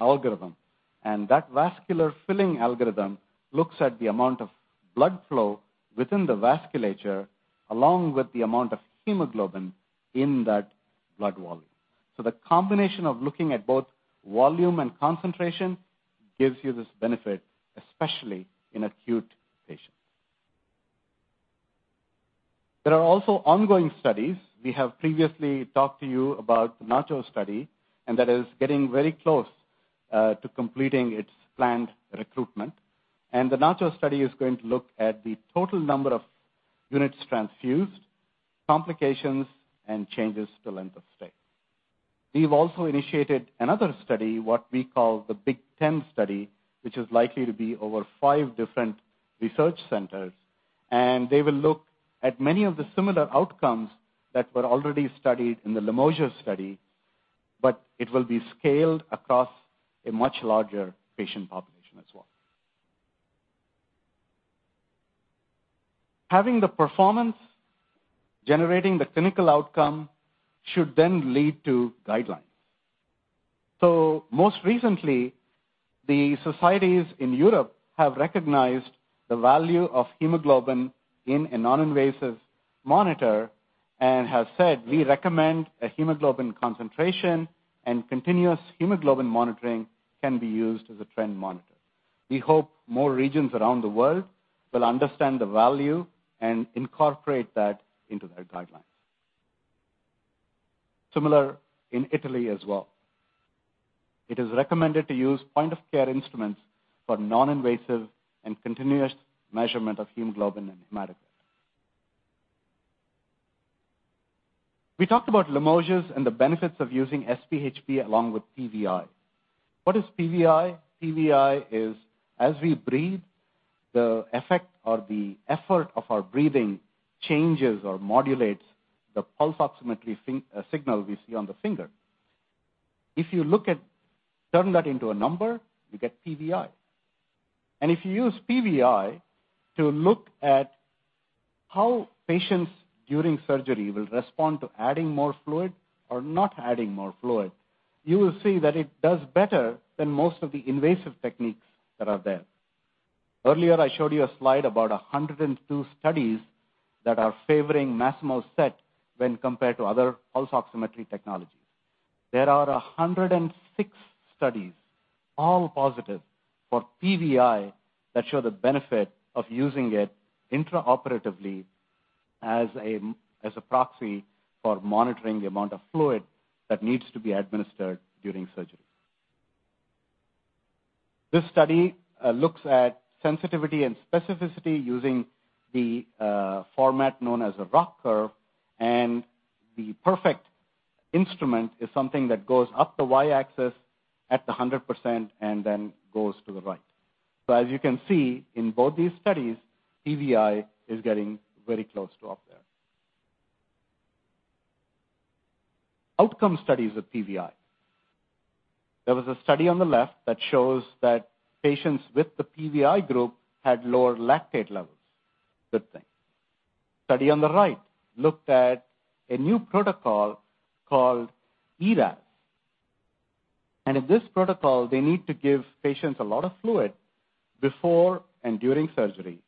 algorithm. That vascular filling algorithm looks at the amount of blood flow within the vasculature, along with the amount of hemoglobin in that blood volume. The combination of looking at both volume and concentration gives you this benefit, especially in acute patients. There are also ongoing studies. We have previously talked to you about the NATO study, that is getting very close to completing its planned recruitment. The NATO study is going to look at the total number of units transfused, complications, and changes to length of stay. We've also initiated another study, what we call the Big Ten study, which is likely to be over five different research centers, and they will look at many of the similar outcomes that were already studied in the Limoges study, but it will be scaled across a much larger patient population as well. Having the performance, generating the clinical outcome should then lead to guidelines. Most recently, the societies in Europe have recognized the value of hemoglobin in a noninvasive monitor and have said, "We recommend a hemoglobin concentration and continuous hemoglobin monitoring can be used as a trend monitor." We hope more regions around the world will understand the value and incorporate that into their guidelines. Similar in Italy as well. It is recommended to use point-of-care instruments for noninvasive and continuous measurement of hemoglobin and hematocrit. We talked about Limoges and the benefits of using SpHb along with PVI. What is PVI? PVI is as we breathe, the effect or the effort of our breathing changes or modulates the pulse oximetry signal we see on the finger. If you turn that into a number, you get PVI. If you use PVI to look at how patients during surgery will respond to adding more fluid or not adding more fluid, you will see that it does better than most of the invasive techniques that are there. Earlier, I showed you a slide about 102 studies that are favoring Masimo SET when compared to other pulse oximetry technologies. There are 106 studies, all positive for PVI that show the benefit of using it intraoperatively as a proxy for monitoring the amount of fluid that needs to be administered during surgery. This study looks at sensitivity and specificity using the format known as a ROC curve, and the perfect instrument is something that goes up the Y-axis at the 100% and then goes to the right. As you can see in both these studies, PVI is getting very close to up there. Outcome studies of PVI. There was a study on the left that shows that patients with the PVI group had lower lactate levels. Good thing. Study on the right looked at a new protocol called ERAS. In this protocol, they need to give patients a lot of fluid before and during surgery.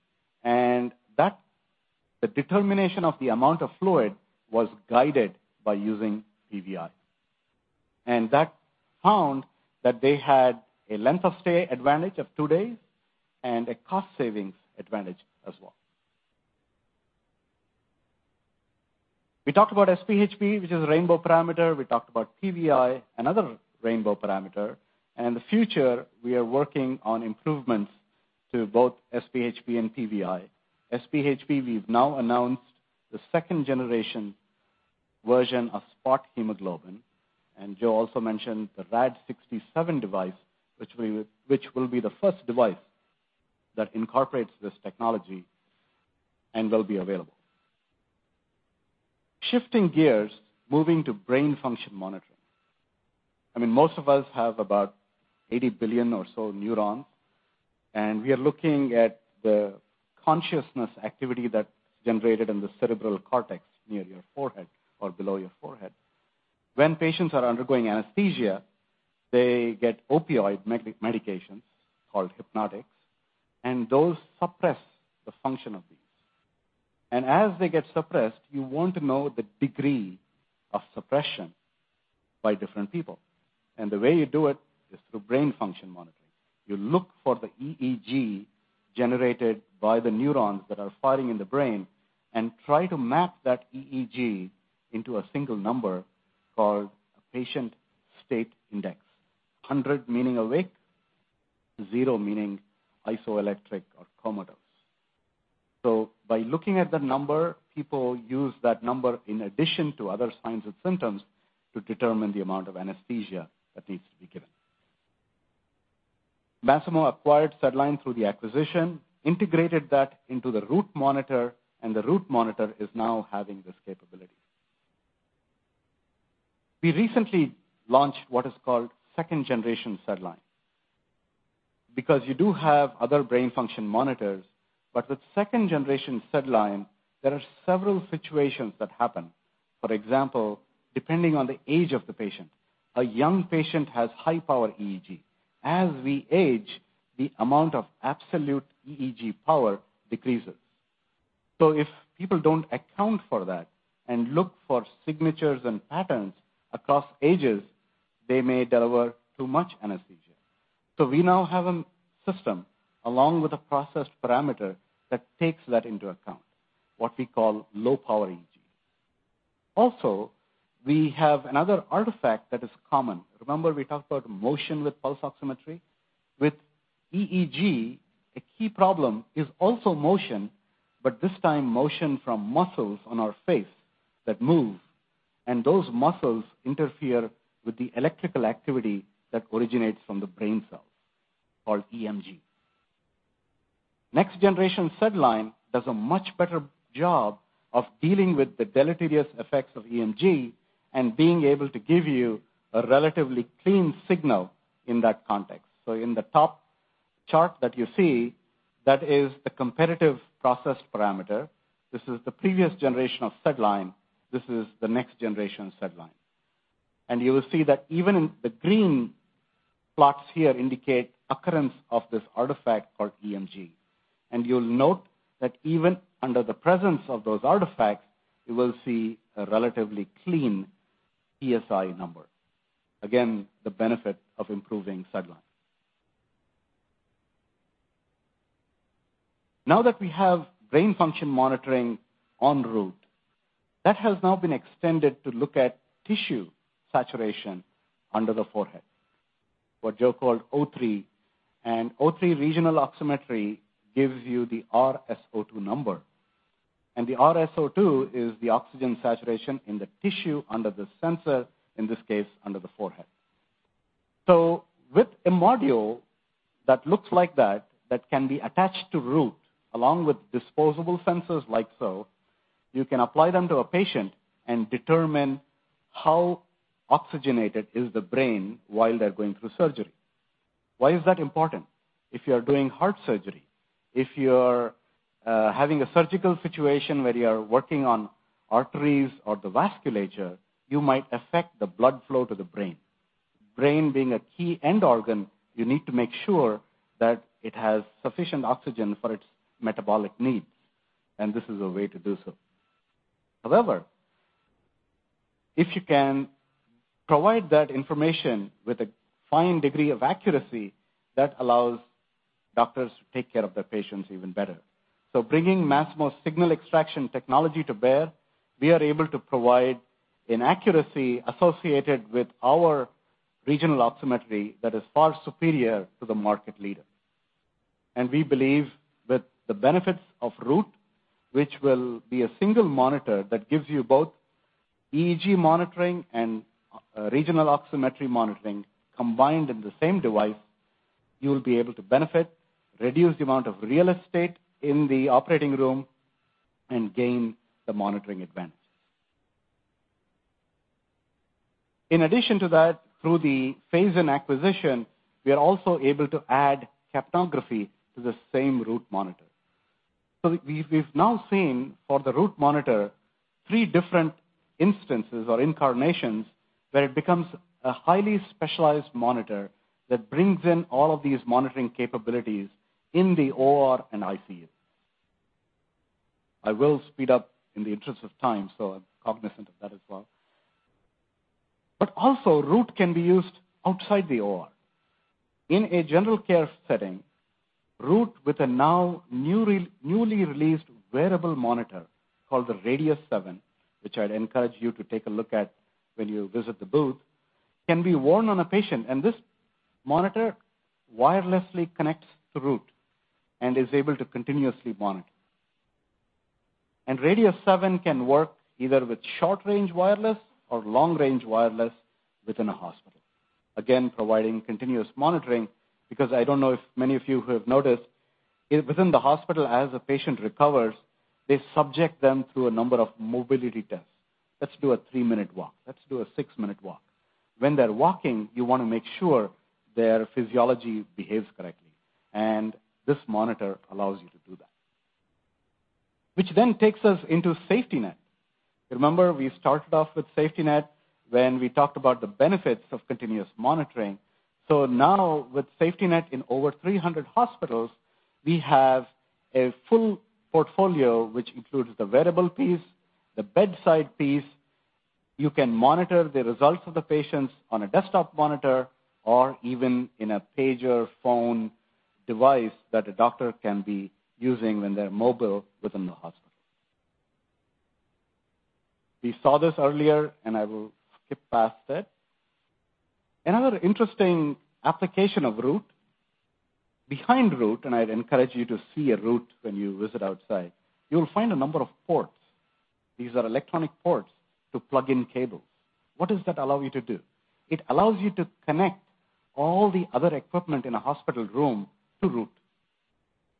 The determination of the amount of fluid was guided by using PVI. That found that they had a length of stay advantage of two days and a cost savings advantage as well. We talked about SpHb, which is a rainbow parameter. We talked about PVI, another rainbow parameter. In the future, we are working on improvements to both SpHb and PVI. SpHb, we've now announced the second generation version of Spot hemoglobin, and Joe also mentioned the Rad-67 device, which will be the first device that incorporates this technology and will be available. Shifting gears, moving to brain function monitoring. I mean, most of us have about 80 billion or so neurons, and we are looking at the consciousness activity that's generated in the cerebral cortex near your forehead or below your forehead. When patients are undergoing anesthesia, they get opioid medications called hypnotics, and those suppress the function of these. As they get suppressed, you want to know the degree of suppression by different people. The way you do it is through brain function monitoring. You look for the EEG generated by the neurons that are firing in the brain and try to map that EEG into a single number called a Patient State Index. 100 meaning awake, 0 meaning isoelectric or comatose. By looking at the number, people use that number in addition to other signs and symptoms to determine the amount of anesthesia that needs to be given. Masimo acquired SedLine through the acquisition, integrated that into the Root monitor, and the Root monitor is now having this capability. We recently launched what is called second-generation SedLine. You do have other brain function monitors, but with second-generation SedLine, there are several situations that happen. For example, depending on the age of the patient. A young patient has high-power EEG. As we age, the amount of absolute EEG power decreases. If people don't account for that and look for signatures and patterns across ages, they may deliver too much anesthesia. We now have a system along with a processed parameter that takes that into account, what we call low-power EEG. We have another artifact that is common. Remember we talked about motion with pulse oximetry? With EEG, a key problem is also motion, but this time motion from muscles on our face that move, and those muscles interfere with the electrical activity that originates from the brain cells, called EMG. Next generation SedLine does a much better job of dealing with the deleterious effects of EMG and being able to give you a relatively clean signal in that context. In the top chart that you see, that is the competitive processed parameter. This is the previous generation of SedLine. This is the next generation SedLine. You will see that even the green plots here indicate occurrence of this artifact called EMG. You'll note that even under the presence of those artifacts, you will see a relatively clean PSI number. Again, the benefit of improving SedLine. Now that we have brain function monitoring on Root, that has now been extended to look at tissue saturation under the forehead, what Joe called O3. O3 regional oximetry gives you the RSO2 number. The RSO2 is the oxygen saturation in the tissue under the sensor, in this case, under the forehead. With a module that looks like that can be attached to Root, along with disposable sensors like so, you can apply them to a patient and determine how oxygenated is the brain while they're going through surgery. Why is that important? If you are doing heart surgery, if you're having a surgical situation where you are working on arteries or the vasculature, you might affect the blood flow to the brain. Brain being a key end organ, you need to make sure that it has sufficient oxygen for its metabolic needs, and this is a way to do so. However, if you can provide that information with a fine degree of accuracy, that allows doctors to take care of their patients even better. Bringing Masimo's signal extraction technology to bear, we are able to provide an accuracy associated with our regional oximetry that is far superior to the market leader. We believe that the benefits of Root, which will be a single monitor that gives you both EEG monitoring and regional oximetry monitoring combined in the same device. You will be able to benefit, reduce the amount of real estate in the operating room, and gain the monitoring advantage. In addition to that, through the Phasein acquisition, we are also able to add capnography to the same Root monitor. We've now seen for the Root monitor three different instances or incarnations where it becomes a highly specialized monitor that brings in all of these monitoring capabilities in the OR and ICU. I will speed up in the interest of time, I'm cognizant of that as well. Also, Root can be used outside the OR. In a general care setting, Root with a now newly released wearable monitor called the Rad-7, which I'd encourage you to take a look at when you visit the booth, can be worn on a patient, and this monitor wirelessly connects to Root and is able to continuously monitor. Rad-7 can work either with short-range wireless or long-range wireless within a hospital. Again, providing continuous monitoring, because I don't know if many of you have noticed, within the hospital as a patient recovers, they subject them to a number of mobility tests. "Let's do a three-minute walk. Let's do a six-minute walk." When they're walking, you want to make sure their physiology behaves correctly, and this monitor allows you to do that. Takes us into SafetyNet. Remember, we started off with SafetyNet when we talked about the benefits of continuous monitoring. Now with SafetyNet in over 300 hospitals, we have a full portfolio, which includes the wearable piece, the bedside piece. You can monitor the results of the patients on a desktop monitor or even in a pager phone device that a doctor can be using when they're mobile within the hospital. We saw this earlier, and I will skip past it. Another interesting application of Root, behind Root, and I'd encourage you to see a Root when you visit outside, you'll find a number of ports. These are electronic ports to plug in cables. What does that allow you to do? It allows you to connect all the other equipment in a hospital room to Root.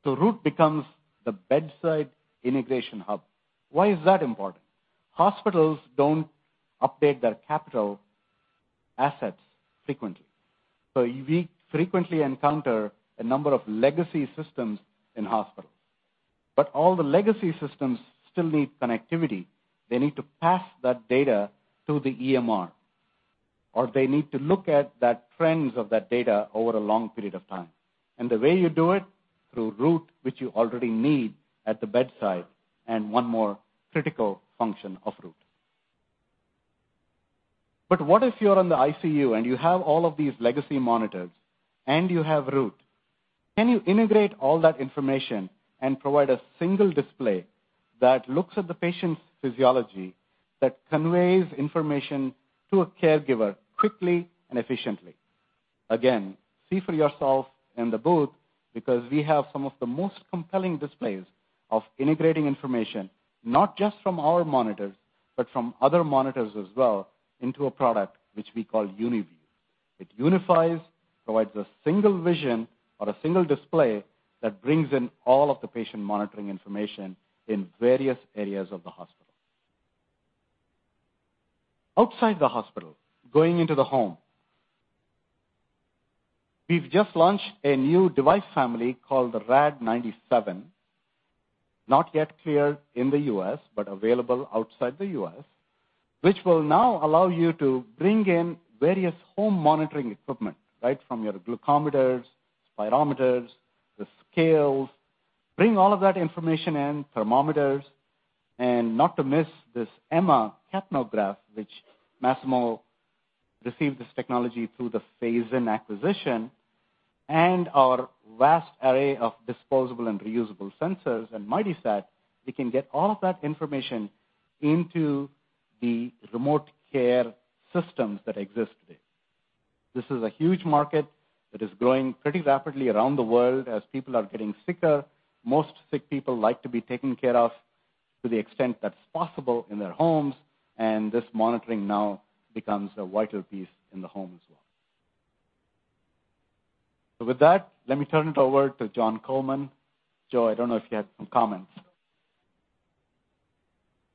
Root becomes the bedside integration hub. Why is that important? Hospitals don't update their capital assets frequently. We frequently encounter a number of legacy systems in hospitals. All the legacy systems still need connectivity. They need to pass that data to the EMR, or they need to look at that trends of that data over a long period of time. The way you do it, through Root, which you already need at the bedside, and one more critical function of Root. What if you're in the ICU and you have all of these legacy monitors and you have Root? Can you integrate all that information and provide a single display that looks at the patient's physiology, that conveys information to a caregiver quickly and efficiently? Again, see for yourself in the booth because we have some of the most compelling displays of integrating information, not just from our monitors, but from other monitors as well into a product which we call UniView. It unifies, provides a single vision or a single display that brings in all of the patient monitoring information in various areas of the hospital. Outside the hospital, going into the home, we've just launched a new device family called the Rad-97, not yet cleared in the U.S. but available outside the U.S., which will now allow you to bring in various home monitoring equipment, right from your glucometers, spirometers, the scales, bring all of that information in, thermometers, and not to miss this EMMA capnograph, which Masimo received this technology through the Phasein acquisition, and our vast array of disposable and reusable sensors and MightySat. We can get all of that information into the remote care systems that exist today. This is a huge market that is growing pretty rapidly around the world as people are getting sicker. Most sick people like to be taken care of to the extent that's possible in their homes, and this monitoring now becomes a vital piece in the home as well. With that, let me turn it over to Jon Coleman. Joe, I don't know if you had some comments.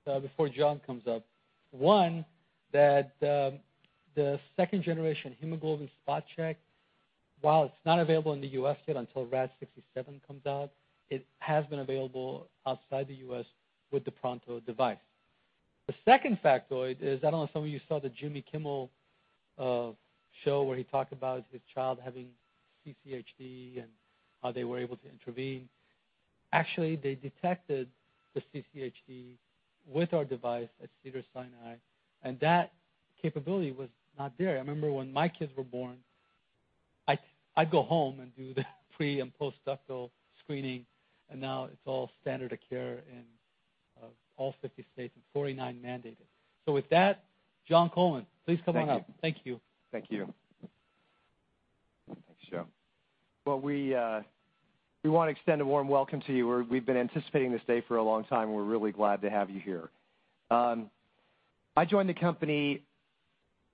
Before Jon comes up, one, that the second-generation hemoglobin Spot Check, while it's not available in the U.S. yet until Rad-67 comes out, it has been available outside the U.S. with the Pronto device. The second factoid is, I don't know if some of you saw the Jimmy Kimmel show where he talked about his child having CCHD and how they were able to intervene. Actually, they detected the CCHD with our device at Cedars-Sinai, and that capability was not there. I remember when my kids were born, I'd go home and do the pre- and postductal screening, and now it's all standard of care in all 50 states, and 49 mandate it. With that, Jon Coleman, please come on up. Thank you. Thank you. Thank you. Thanks, Joe. Well, we want to extend a warm welcome to you. We've been anticipating this day for a long time. We're really glad to have you here. I joined the company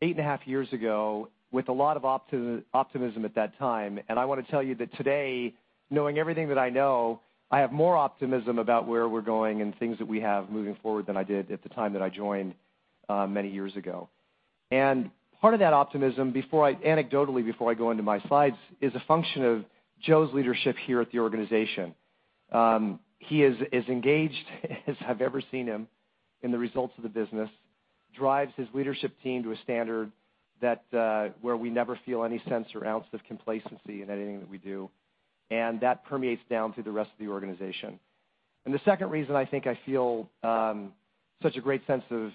eight and a half years ago with a lot of optimism at that time. I want to tell you that today, knowing everything that I know, I have more optimism about where we're going and things that we have moving forward than I did at the time that I joined many years ago. Part of that optimism, anecdotally, before I go into my slides, is a function of Joe's leadership here at the organization. He is as engaged as I've ever seen him in the results of the business, drives his leadership team to a standard where we never feel any sense or ounce of complacency in anything that we do, and that permeates down through the rest of the organization. The second reason I think I feel such a great sense of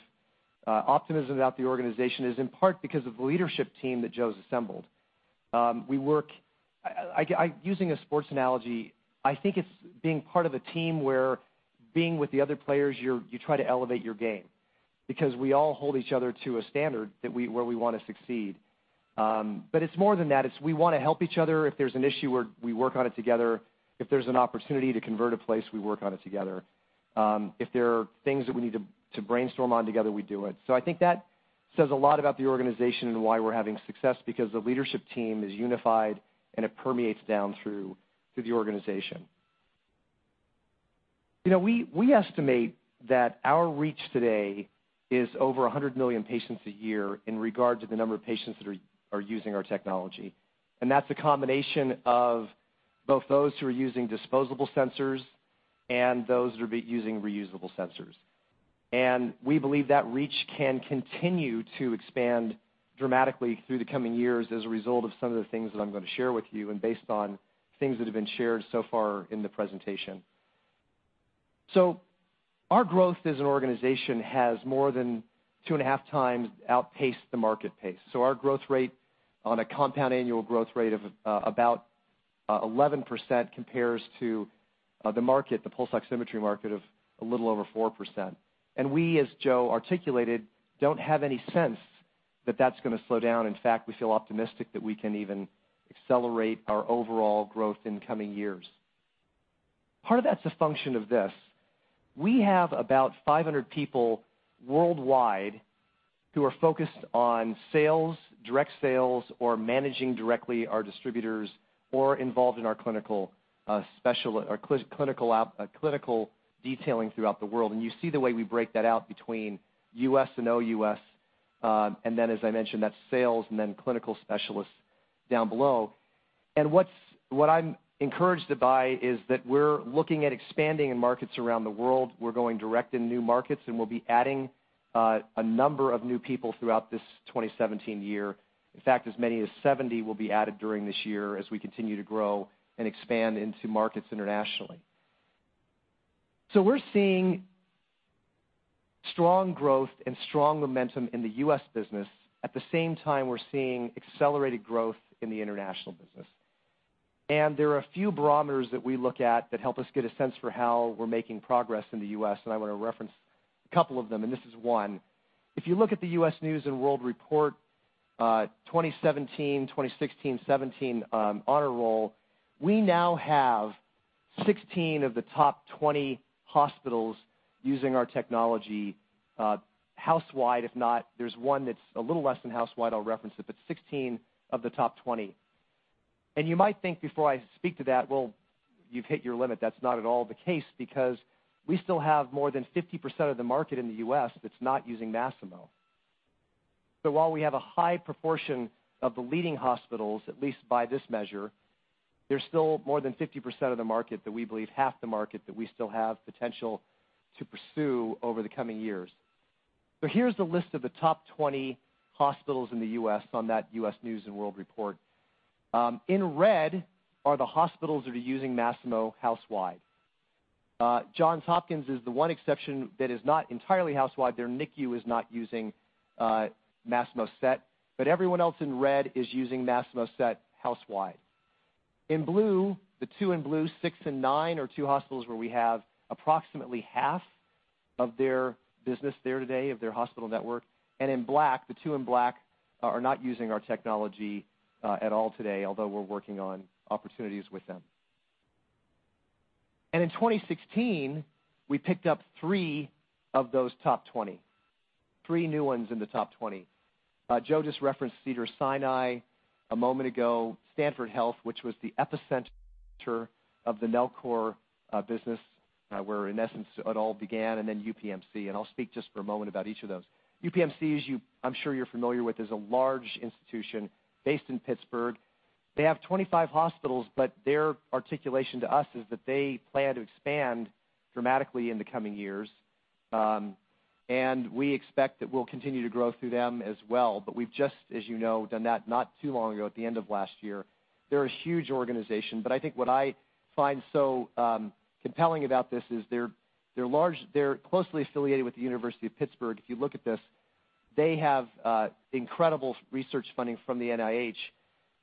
optimism about the organization is in part because of the leadership team that Joe's assembled. Using a sports analogy, I think it's being part of a team where being with the other players, you try to elevate your game, because we all hold each other to a standard where we want to succeed. It's more than that. It's we want to help each other. If there's an issue, we work on it together. If there's an opportunity to convert a place, we work on it together. If there are things that we need to brainstorm on together, we do it. I think that says a lot about the organization and why we're having success, because the leadership team is unified, and it permeates down through the organization. We estimate that our reach today is over 100 million patients a year in regard to the number of patients that are using our technology. That's a combination of both those who are using disposable sensors and those that are using reusable sensors. We believe that reach can continue to expand dramatically through the coming years as a result of some of the things that I'm going to share with you and based on things that have been shared so far in the presentation. Our growth as an organization has more than two and a half times outpaced the market pace. Our growth rate on a compound annual growth rate of about 11% compares to the market, the pulse oximetry market, of a little over 4%. We, as Joe articulated, don't have any sense that that's going to slow down. In fact, we feel optimistic that we can even accelerate our overall growth in coming years. Part of that's a function of this. We have about 500 people worldwide who are focused on sales, direct sales, or managing directly our distributors or involved in our clinical detailing throughout the world. You see the way we break that out between U.S. and OUS, and then as I mentioned, that's sales and then clinical specialists down below. What I'm encouraged by is that we're looking at expanding in markets around the world. We're going direct in new markets, and we'll be adding a number of new people throughout this 2017 year. In fact, as many as 70 will be added during this year as we continue to grow and expand into markets internationally. We're seeing strong growth and strong momentum in the U.S. business. At the same time, we're seeing accelerated growth in the international business. There are a few barometers that we look at that help us get a sense for how we're making progress in the U.S., and I want to reference a couple of them, and this is one. If you look at the U.S. News & World Report 2016/2017 Honor Roll, we now have 16 of the top 20 hospitals using our technology house-wide. There's one that's a little less than house-wide, I'll reference it, but 16 of the top 20. You might think before I speak to that, you've hit your limit. That's not at all the case because we still have more than 50% of the market in the U.S. that's not using Masimo. While we have a high proportion of the leading hospitals, at least by this measure, there's still more than 50% of the market that we believe, half the market, that we still have potential to pursue over the coming years. Here's the list of the top 20 hospitals in the U.S. on that U.S. News & World Report. In red are the hospitals that are using Masimo house-wide. Johns Hopkins is the one exception that is not entirely house-wide. Their NICU is not using Masimo SET, but everyone else in red is using Masimo SET house-wide. In blue, the two in blue, six and nine, are two hospitals where we have approximately half of their business there today, of their hospital network. In black, the two in black are not using our technology at all today, although we're working on opportunities with them. In 2016, we picked up three of those top 20. Three new ones in the top 20. Joe just referenced Cedars-Sinai a moment ago, Stanford Health, which was the epicenter of the Nellcor business, where in essence it all began, then UPMC, and I'll speak just for a moment about each of those. UPMC, as I'm sure you're familiar with, is a large institution based in Pittsburgh. They have 25 hospitals, but their articulation to us is that they plan to expand dramatically in the coming years. We expect that we'll continue to grow through them as well, we've just, as you know, done that not too long ago at the end of last year. They're a huge organization, I think what I find so compelling about this is they're closely affiliated with the University of Pittsburgh. If you look at this, they have incredible research funding from the NIH,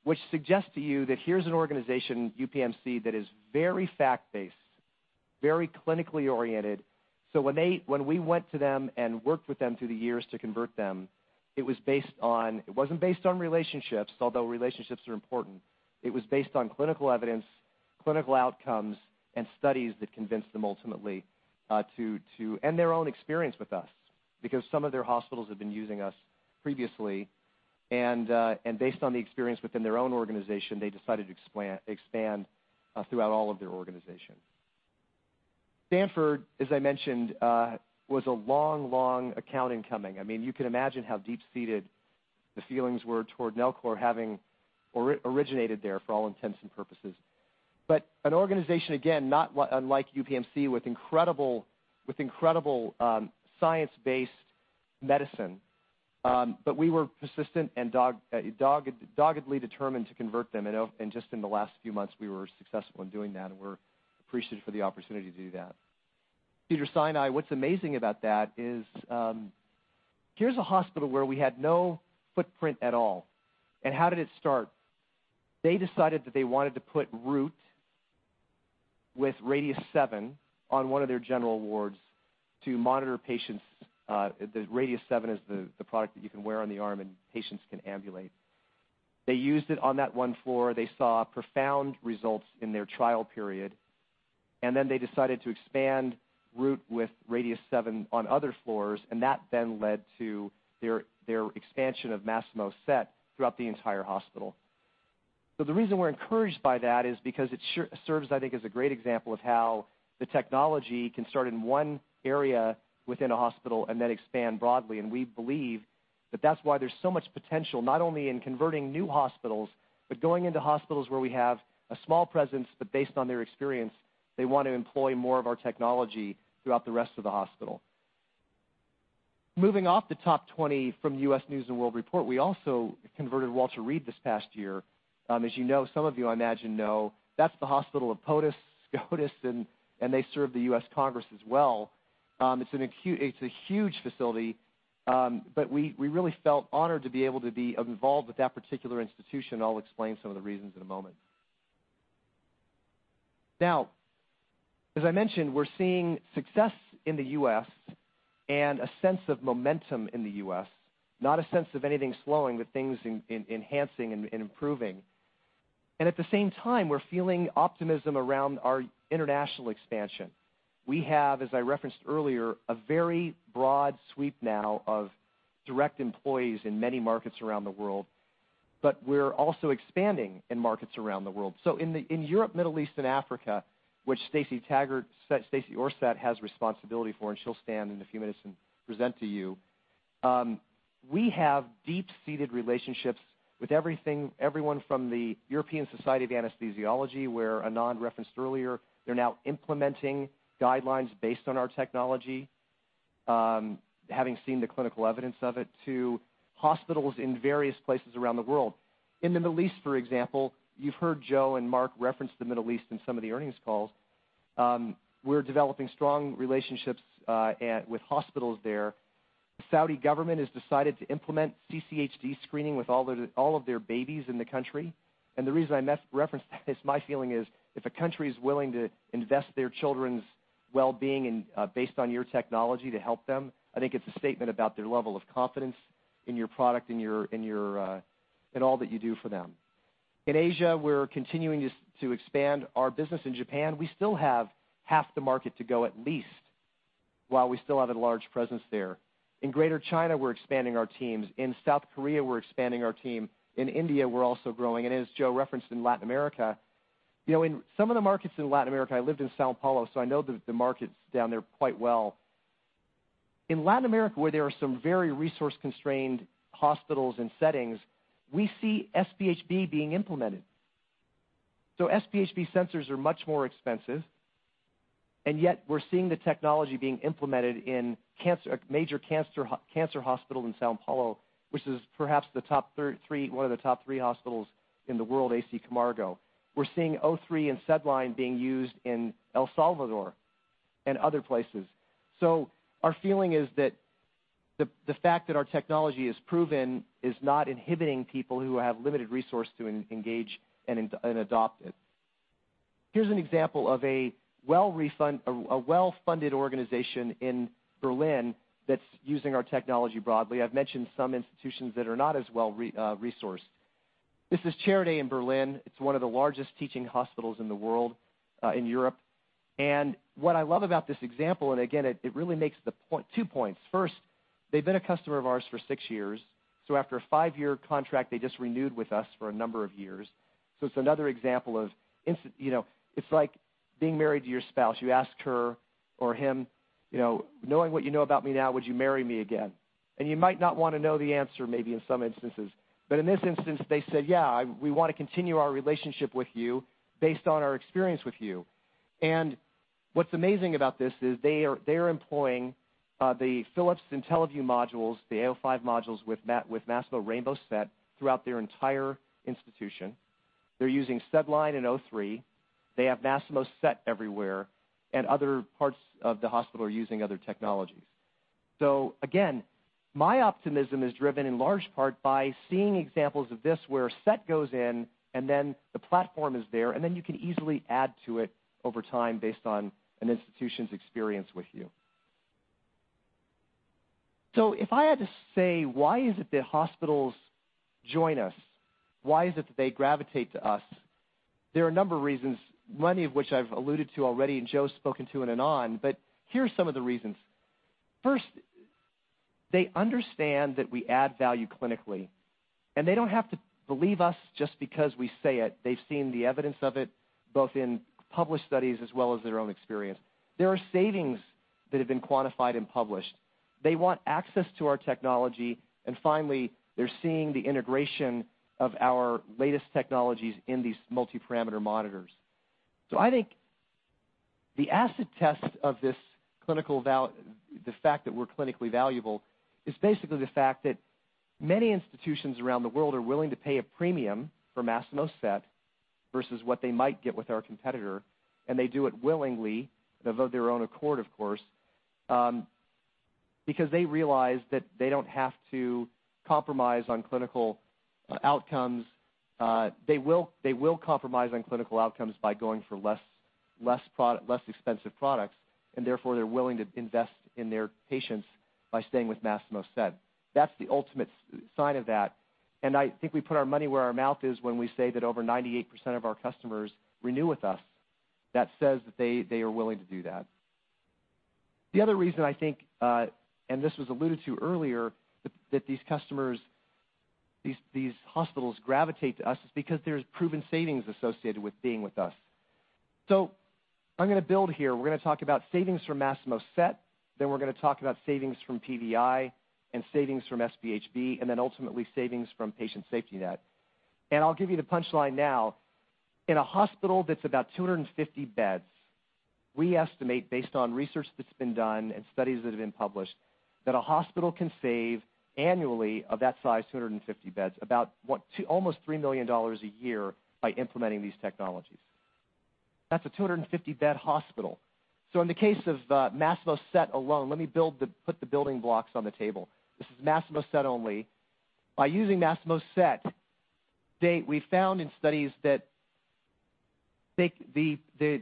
which suggests to you that here's an organization, UPMC, that is very fact-based, very clinically oriented. When we went to them and worked with them through the years to convert them, it wasn't based on relationships, although relationships are important. It was based on clinical evidence clinical outcomes and studies that convinced them ultimately to end their own experience with us, because some of their hospitals have been using us previously, based on the experience within their own organization, they decided to expand throughout all of their organization. Stanford, as I mentioned, was a long accounting coming. You can imagine how deep-seated the feelings were toward Nellcor having originated there for all intents and purposes. An organization, again, not unlike UPMC, with incredible science-based medicine, we were persistent and doggedly determined to convert them. Just in the last few months, we were successful in doing that, and we're appreciative for the opportunity to do that. Cedars-Sinai, what's amazing about that is, here's a hospital where we had no footprint at all. How did it start? They decided that they wanted to put Root with Radius7 on one of their general wards to monitor patients. The Radius7 is the product that you can wear on the arm, patients can ambulate. They used it on that one floor. They saw profound results in their trial period, they decided to expand Root with Radius7 on other floors, that led to their expansion of Masimo SET throughout the entire hospital. The reason we're encouraged by that is because it serves, I think, as a great example of how the technology can start in one area within a hospital and then expand broadly, and we believe that that's why there's so much potential, not only in converting new hospitals, but going into hospitals where we have a small presence, but based on their experience, they want to employ more of our technology throughout the rest of the hospital. Moving off the top 20 from U.S. News & World Report, we also converted Walter Reed this past year. As you know, some of you I imagine know, that's the hospital of POTUS, SCOTUS, and they serve the U.S. Congress as well. It's a huge facility, but we really felt honored to be able to be involved with that particular institution. I'll explain some of the reasons in a moment. As I mentioned, we're seeing success in the U.S. and a sense of momentum in the U.S., not a sense of anything slowing, but things enhancing and improving. At the same time, we're feeling optimism around our international expansion. We have, as I referenced earlier, a very broad sweep now of direct employees in many markets around the world, but we're also expanding in markets around the world. In Europe, Middle East, and Africa, which Stacey Orsat has responsibility for, and she'll stand in a few minutes and present to you, we have deep-seated relationships with everyone from the European Society of Anaesthesiology, where Anand referenced earlier, they're now implementing guidelines based on our technology, having seen the clinical evidence of it, to hospitals in various places around the world. In the Middle East, for example, you've heard Joe and Mark reference the Middle East in some of the earnings calls. We're developing strong relationships with hospitals there. The Saudi government has decided to implement CCHD screening with all of their babies in the country. The reason I reference that is my feeling is, if a country is willing to invest their children's well-being based on your technology to help them, I think it's a statement about their level of confidence in your product and all that you do for them. In Asia, we're continuing to expand our business. In Japan, we still have half the market to go at least, while we still have a large presence there. In Greater China, we're expanding our teams. In South Korea, we're expanding our team. In India, we're also growing. As Joe referenced in Latin America, in some of the markets in Latin America, I lived in São Paulo, so I know the markets down there quite well. In Latin America, where there are some very resource-constrained hospitals and settings, we see SpHb being implemented. SpHb sensors are much more expensive, and yet we're seeing the technology being implemented in major cancer hospitals in São Paulo, which is perhaps one of the top three hospitals in the world, A.C.Camargo. We're seeing O3 and SedLine being used in El Salvador and other places. Our feeling is that the fact that our technology is proven is not inhibiting people who have limited resource to engage and adopt it. Here's an example of a well-funded organization in Berlin that's using our technology broadly. I've mentioned some institutions that are not as well-resourced. This is Charité in Berlin. It's one of the largest teaching hospitals in the world, in Europe. What I love about this example, again, it really makes two points. First, they've been a customer of ours for six years, after a five-year contract, they just renewed with us for a number of years. It's another example of, it's like being married to your spouse. You ask her or him, "Knowing what you know about me now, would you marry me again?" You might not want to know the answer, maybe in some instances. In this instance, they said, "Yeah, we want to continue our relationship with you based on our experience with you." What's amazing about this is they are employing the Philips IntelliVue modules, the AL5 modules with Masimo Rainbow SET throughout their entire institution. They're using SedLine and O3. They have Masimo SET everywhere, and other parts of the hospital are using other technologies. Again, my optimism is driven in large part by seeing examples of this, where a SET goes in, and then the platform is there, and then you can easily add to it over time based on an institution's experience with you. If I had to say, why is it that hospitals join us? Why is it that they gravitate to us? There are a number of reasons, many of which I've alluded to already, Joe spoken to and Anand, here are some of the reasons. First, they understand that we add value clinically, and they don't have to believe us just because we say it. They've seen the evidence of it, both in published studies as well as their own experience. There are savings that have been quantified and published. They want access to our technology. Finally, they're seeing the integration of our latest technologies in these multi-parameter monitors. I think the acid test of the fact that we're clinically valuable is basically the fact that many institutions around the world are willing to pay a premium for Masimo SET, versus what they might get with our competitor, and they do it willingly, of their own accord, of course, because they realize that they will compromise on clinical outcomes by going for less expensive products, and therefore, they're willing to invest in their patients by staying with Masimo SET. That's the ultimate sign of that, and I think we put our money where our mouth is when we say that over 98% of our customers renew with us. That says that they are willing to do that. The other reason, I think, this was alluded to earlier, that these customers, these hospitals gravitate to us is because there's proven savings associated with being with us. I'm going to build here. We're going to talk about savings from Masimo SET, then we're going to talk about savings from PVI and savings from SpHb, and then ultimately savings from Patient SafetyNet. I'll give you the punchline now. In a hospital that's about 250 beds, we estimate, based on research that's been done and studies that have been published, that a hospital can save annually of that size, 250 beds, about almost $3 million a year by implementing these technologies. That's a 250-bed hospital. In the case of Masimo SET alone, let me put the building blocks on the table. This is Masimo SET only. By using Masimo SET, we found in studies that the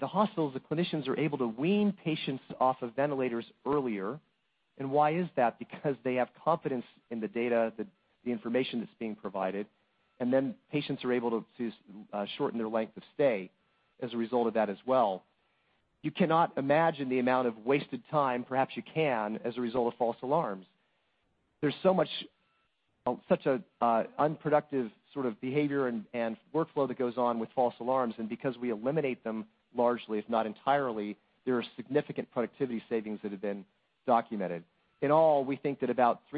hospitals, the clinicians are able to wean patients off of ventilators earlier. Why is that? Because they have confidence in the data, the information that's being provided, then patients are able to shorten their length of stay as a result of that as well. You cannot imagine the amount of wasted time, perhaps you can, as a result of false alarms. There's such an unproductive sort of behavior and workflow that goes on with false alarms, because we eliminate them largely, if not entirely, there are significant productivity savings that have been documented. In all, we think that about a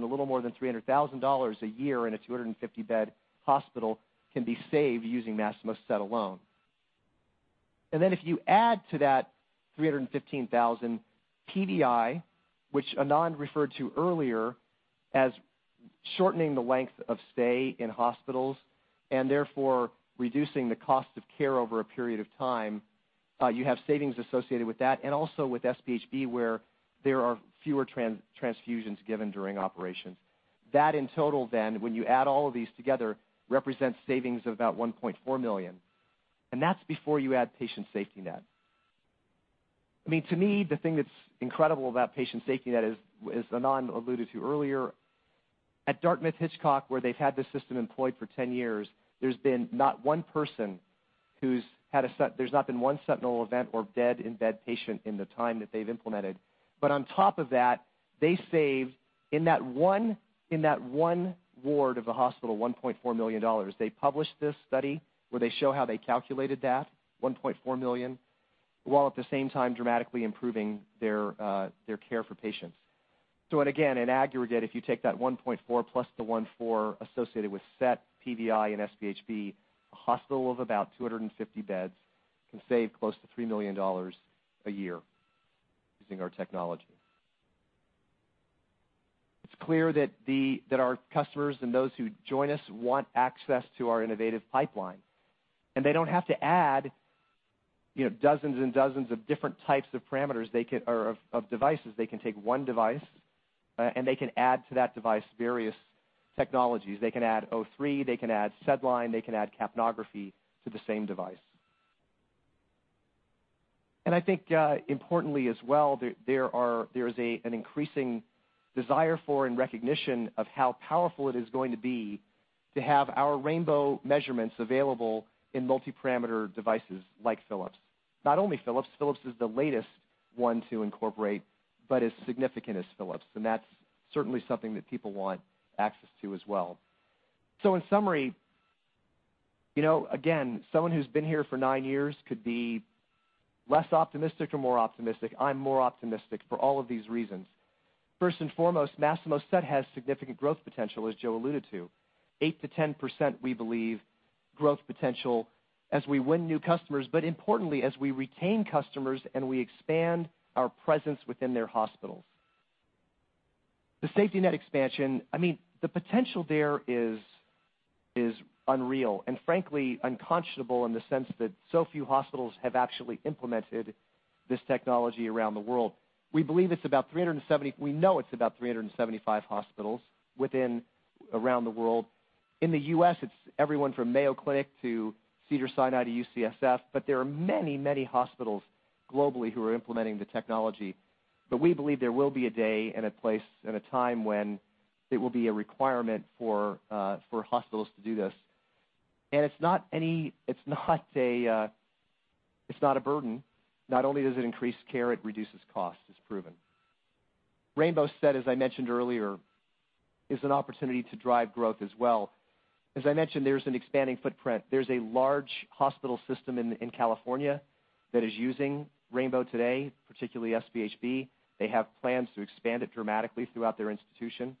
little more than $300,000 a year in a 250-bed hospital can be saved using Masimo SET alone. Then if you add to that $315,000 PVI, which Anand referred to earlier as shortening the length of stay in hospitals and therefore reducing the cost of care over a period of time, you have savings associated with that, also with SpHb, where there are fewer transfusions given during operations. That in total then, when you add all of these together, represents savings of about $1.4 million, and that's before you add Patient SafetyNet. To me, the thing that's incredible about Patient SafetyNet, as Anand alluded to earlier, at Dartmouth-Hitchcock, where they've had this system employed for 10 years, there's not been one sentinel event or dead in-bed patient in the time that they've implemented. On top of that, they saved, in that one ward of the hospital, $1.4 million. They published this study where they show how they calculated that $1.4 million, while at the same time dramatically improving their care for patients. Again, in aggregate, if you take that $1.4 plus the $1.4 associated with SET, PVI and SpHb, a hospital of about 250 beds can save close to $3 million a year using our technology. It's clear that our customers and those who join us want access to our innovative pipeline. They don't have to add dozens and dozens of different types of parameters or of devices. They can take one device, they can add to that device various technologies. They can add O3, they can add SedLine, they can add capnography to the same device. I think, importantly as well, there is an increasing desire for and recognition of how powerful it is going to be to have our Rainbow measurements available in multi-parameter devices like Philips. Not only Philips is the latest one to incorporate, as significant as Philips, that's certainly something that people want access to as well. In summary, again, someone who's been here for nine years could be less optimistic or more optimistic. I'm more optimistic for all of these reasons. First and foremost, Masimo SET has significant growth potential, as Joe alluded to. 8%-10%, we believe, growth potential as we win new customers, importantly, as we retain customers and we expand our presence within their hospitals. The SafetyNet expansion, the potential there is unreal and frankly unconscionable in the sense that so few hospitals have actually implemented this technology around the world. We know it's about 375 hospitals around the world. In the U.S., it's everyone from Mayo Clinic to Cedars-Sinai to UCSF, but there are many, many hospitals globally who are implementing the technology. We believe there will be a day and a place and a time when it will be a requirement for hospitals to do this. It's not a burden. Not only does it increase care, it reduces costs. It's proven. Rainbow SET, as I mentioned earlier, is an opportunity to drive growth as well. As I mentioned, there's an expanding footprint. There's a large hospital system in California that is using Rainbow today, particularly SpHb. They have plans to expand it dramatically throughout their institution.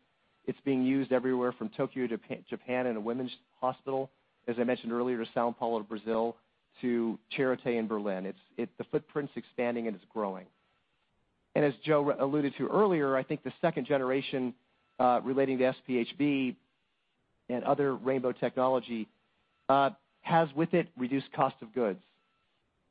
It's being used everywhere from Tokyo, Japan, in a women's hospital, as I mentioned earlier, to São Paulo, Brazil, to Charité in Berlin. The footprint's expanding, and it's growing. As Joe alluded to earlier, I think the second generation, relating to SpHb and other Rainbow technology, has with it reduced cost of goods,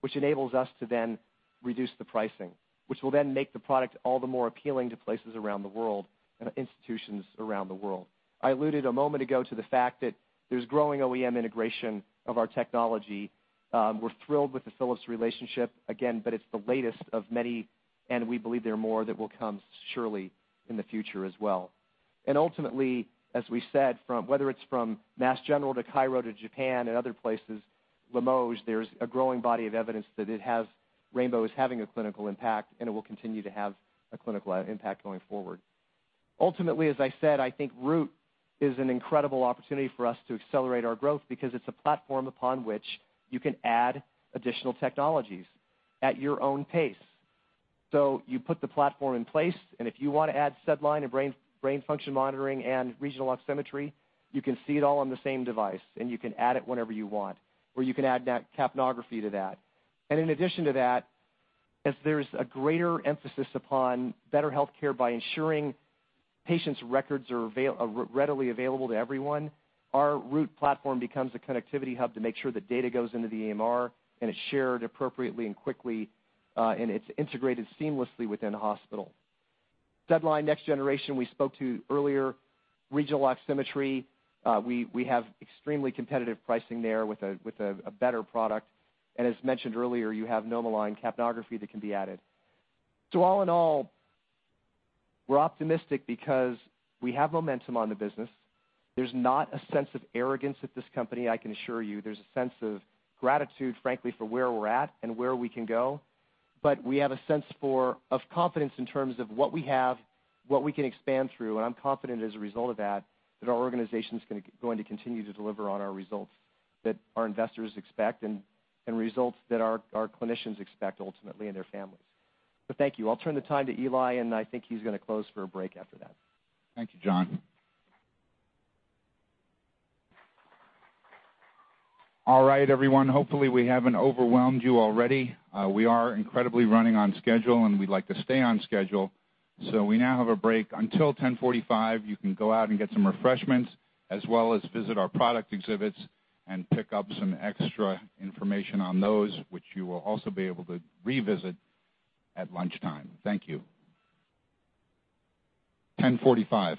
which enables us to then reduce the pricing, which will then make the product all the more appealing to places around the world and institutions around the world. I alluded a moment ago to the fact that there's growing OEM integration of our technology. We're thrilled with the Philips relationship, again, but it's the latest of many, and we believe there are more that will come surely in the future as well. Ultimately, as we said, whether it's from Mass General to Cairo to Japan and other places, Limoges, there's a growing body of evidence that Rainbow is having a clinical impact, and it will continue to have a clinical impact going forward. Ultimately, as I said, I think Root is an incredible opportunity for us to accelerate our growth because it's a platform upon which you can add additional technologies at your own pace. You put the platform in place, and if you want to add SedLine and brain function monitoring and regional oximetry, you can see it all on the same device, and you can add it whenever you want. You can add capnography to that. In addition to that, as there's a greater emphasis upon better healthcare by ensuring patients' records are readily available to everyone, our Root platform becomes a connectivity hub to make sure the data goes into the EMR and is shared appropriately and quickly, and it's integrated seamlessly within a hospital. SedLine next generation we spoke to earlier. Regional oximetry, we have extremely competitive pricing there with a better product. As mentioned earlier, you have NomoLine capnography that can be added. All in all, we're optimistic because we have momentum on the business. There's not a sense of arrogance at this company, I can assure you. There's a sense of gratitude, frankly, for where we're at and where we can go. We have a sense of confidence in terms of what we have, what we can expand through, I'm confident as a result of that our organization's going to continue to deliver on our results that our investors expect and results that our clinicians expect, ultimately, and their families. Thank you. I'll turn the time to Eli, and I think he's going to close for a break after that. Thank you, Jon. All right, everyone. Hopefully, we haven't overwhelmed you already. We are incredibly running on schedule, and we'd like to stay on schedule. We now have a break until 10:45 A.M. You can go out and get some refreshments as well as visit our product exhibits and pick up some extra information on those, which you will also be able to revisit at lunchtime. Thank you. 10:45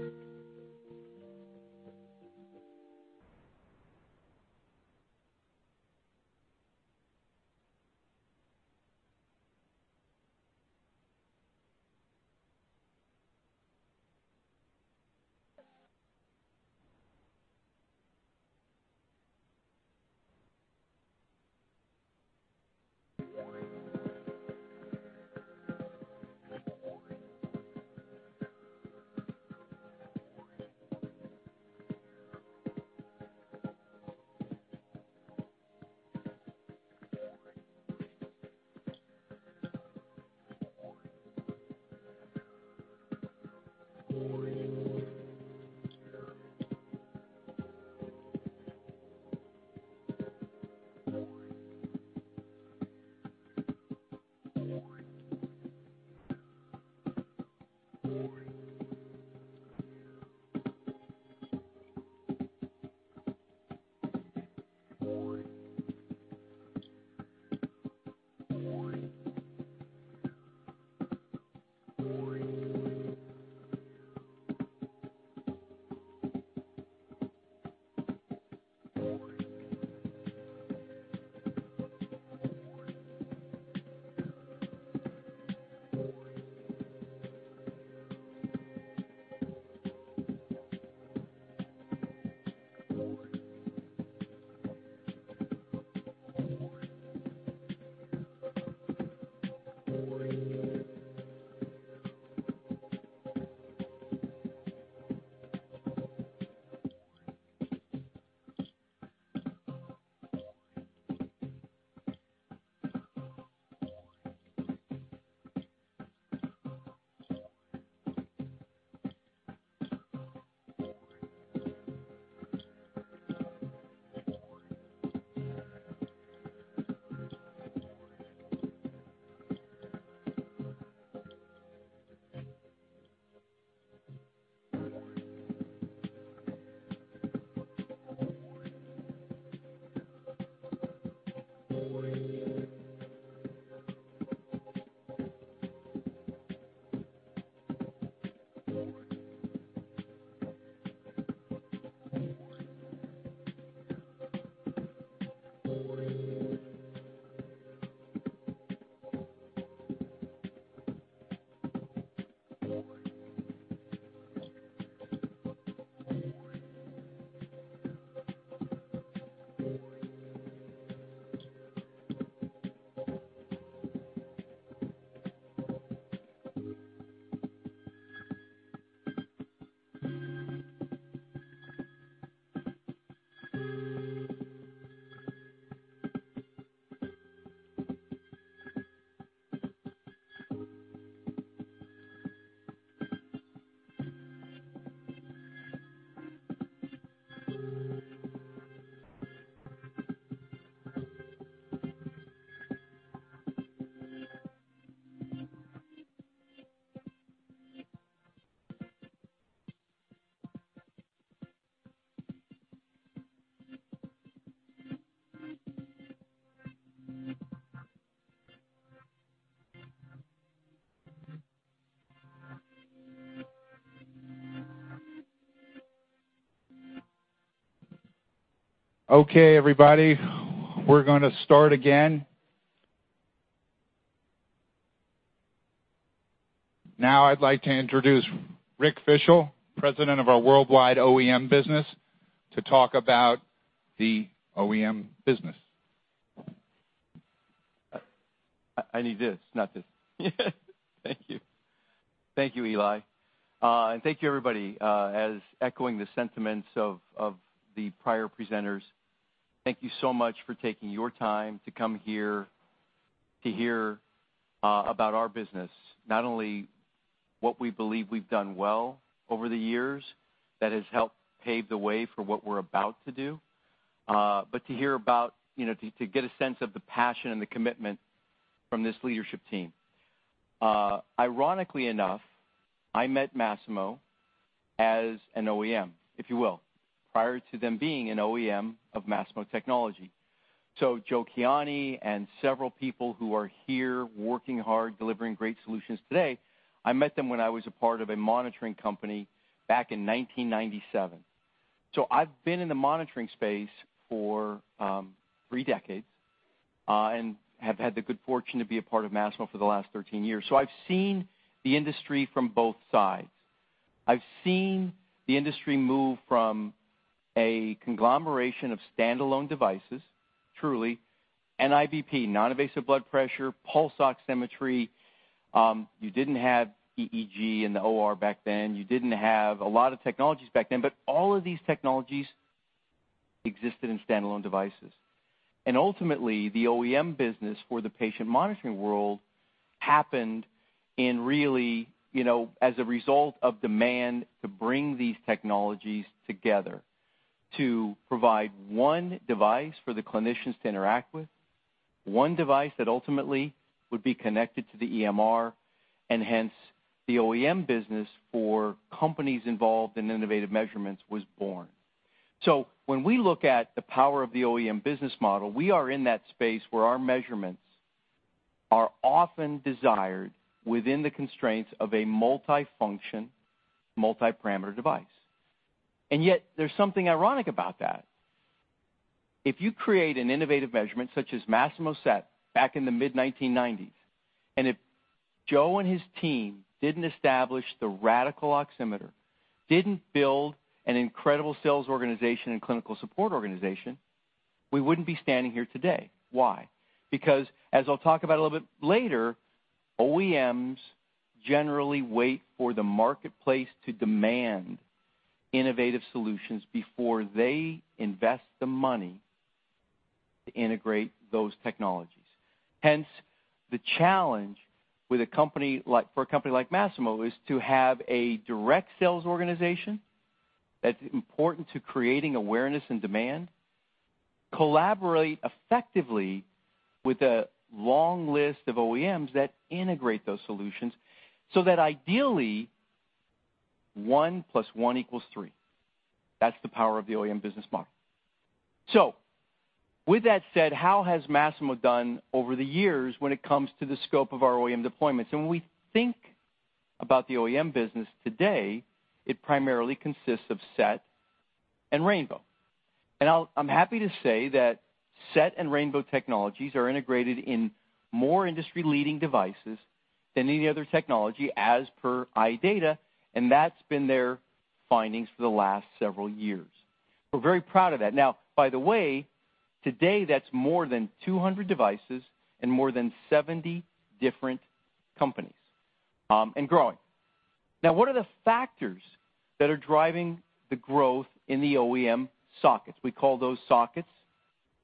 A.M. Okay, everybody, we're going to start again. Now I'd like to introduce Rick Fishel, President of our worldwide OEM business, to talk about the OEM business. I need this, not this. Thank you. Thank you, Eli. Thank you everybody. As echoing the sentiments of the prior presenters, thank you so much for taking your time to come here to hear about our business, not only what we believe we've done well over the years that has helped pave the way for what we're about to do, but to get a sense of the passion and the commitment from this leadership team. Ironically enough, I met Masimo as an OEM, if you will, prior to them being an OEM of Masimo technology. Joe Kiani and several people who are here working hard, delivering great solutions today, I met them when I was a part of a monitoring company back in 1997. I've been in the monitoring space for three decades, and have had the good fortune to be a part of Masimo for the last 13 years. I've seen the industry from both sides. I've seen the industry move from a conglomeration of standalone devices, truly NIBP, non-invasive blood pressure, pulse oximetry. You didn't have EEG in the OR back then. You didn't have a lot of technologies back then, but all of these technologies existed in standalone devices. Ultimately, the OEM business for the patient monitoring world happened in really, as a result of demand to bring these technologies together, to provide one device for the clinicians to interact with, one device that ultimately would be connected to the EMR, and hence the OEM business for companies involved in innovative measurements was born. When we look at the power of the OEM business model, we are in that space where our measurements are often desired within the constraints of a multifunction, multi-parameter device. Yet, there's something ironic about that. If you create an innovative measurement such as Masimo SET back in the mid-1990s, and if Joe and his team didn't establish the Radical oximeter, didn't build an incredible sales organization and clinical support organization, we wouldn't be standing here today. Why? Because, as I'll talk about a little bit later, OEMs generally wait for the marketplace to demand innovative solutions before they invest the money to integrate those technologies. Hence, the challenge for a company like Masimo is to have a direct sales organization that's important to creating awareness and demand, collaborate effectively with a long list of OEMs that integrate those solutions so that ideally, one plus one equals three. That's the power of the OEM business model. With that said, how has Masimo done over the years when it comes to the scope of our OEM deployments? When we think about the OEM business today, it primarily consists of SET and Rainbow. I'm happy to say that SET and Rainbow technologies are integrated in more industry-leading devices than any other technology as per iData, and that's been their findings for the last several years. We're very proud of that. By the way, today that's more than 200 devices and more than 70 different companies, and growing. What are the factors that are driving the growth in the OEM sockets? We call those sockets,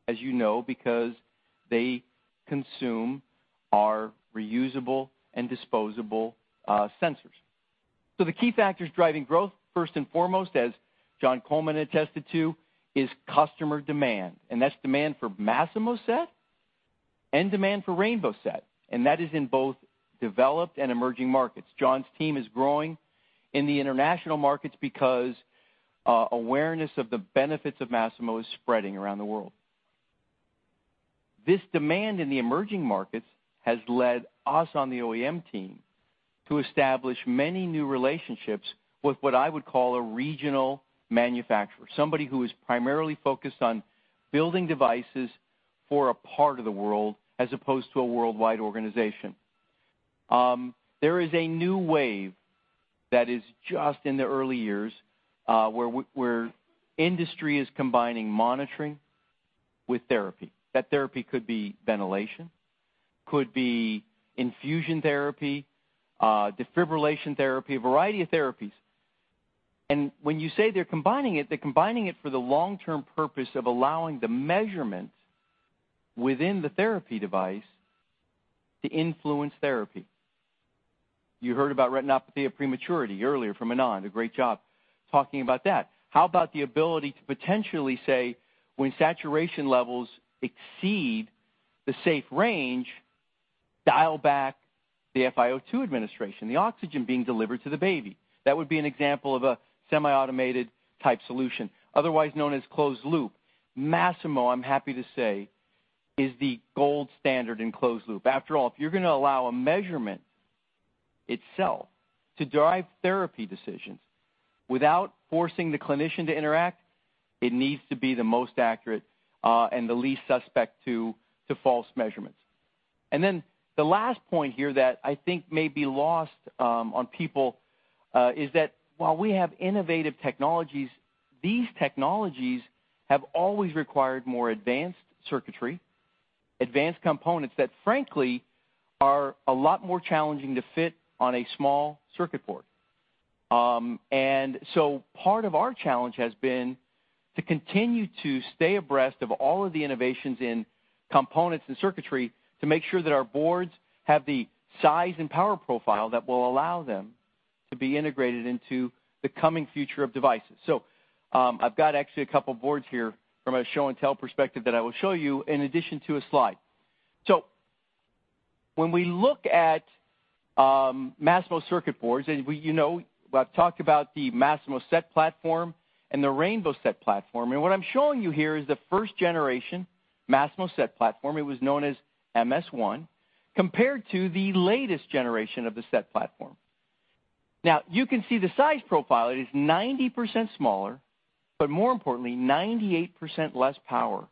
as you know, because they consume our reusable and disposable sensors. The key factors driving growth, first and foremost, as Jon Coleman attested to, is customer demand, and that's demand for Masimo SET and demand for Rainbow SET, and that is in both developed and emerging markets. Jon's team is growing in the international markets because awareness of the benefits of Masimo is spreading around the world. This demand in the emerging markets has led us on the OEM team to establish many new relationships with what I would call a regional manufacturer, somebody who is primarily focused on building devices for a part of the world as opposed to a worldwide organization. There is a new wave that is just in the early years, where industry is combining monitoring with therapy. That therapy could be ventilation, could be infusion therapy, defibrillation therapy, a variety of therapies. When you say they're combining it, they're combining it for the long-term purpose of allowing the measurement within the therapy device to influence therapy. You heard about retinopathy of prematurity earlier from Anand, a great job talking about that. How about the ability to potentially say when saturation levels exceed the safe range, dial back the FiO2 administration, the oxygen being delivered to the baby? That would be an example of a semi-automated type solution, otherwise known as closed loop. Masimo, I'm happy to say, is the gold standard in closed loop. After all, if you're going to allow a measurement itself to drive therapy decisions without forcing the clinician to interact, it needs to be the most accurate, and the least suspect to false measurements. The last point here that I think may be lost on people, is that while we have innovative technologies, these technologies have always required more advanced circuitry, advanced components that frankly are a lot more challenging to fit on a small circuit board. Part of our challenge has been to continue to stay abreast of all of the innovations in components and circuitry to make sure that our boards have the size and power profile that will allow them to be integrated into the coming future of devices. I've got actually a couple boards here from a show and tell perspective that I will show you in addition to a slide. When we look at Masimo circuit boards, I've talked about the Masimo SET platform and the Rainbow SET platform. What I'm showing you here is the first generation Masimo SET platform, it was known as MS-1, compared to the latest generation of the SET platform. You can see the size profile. It is 90% smaller, but more importantly, 98% less power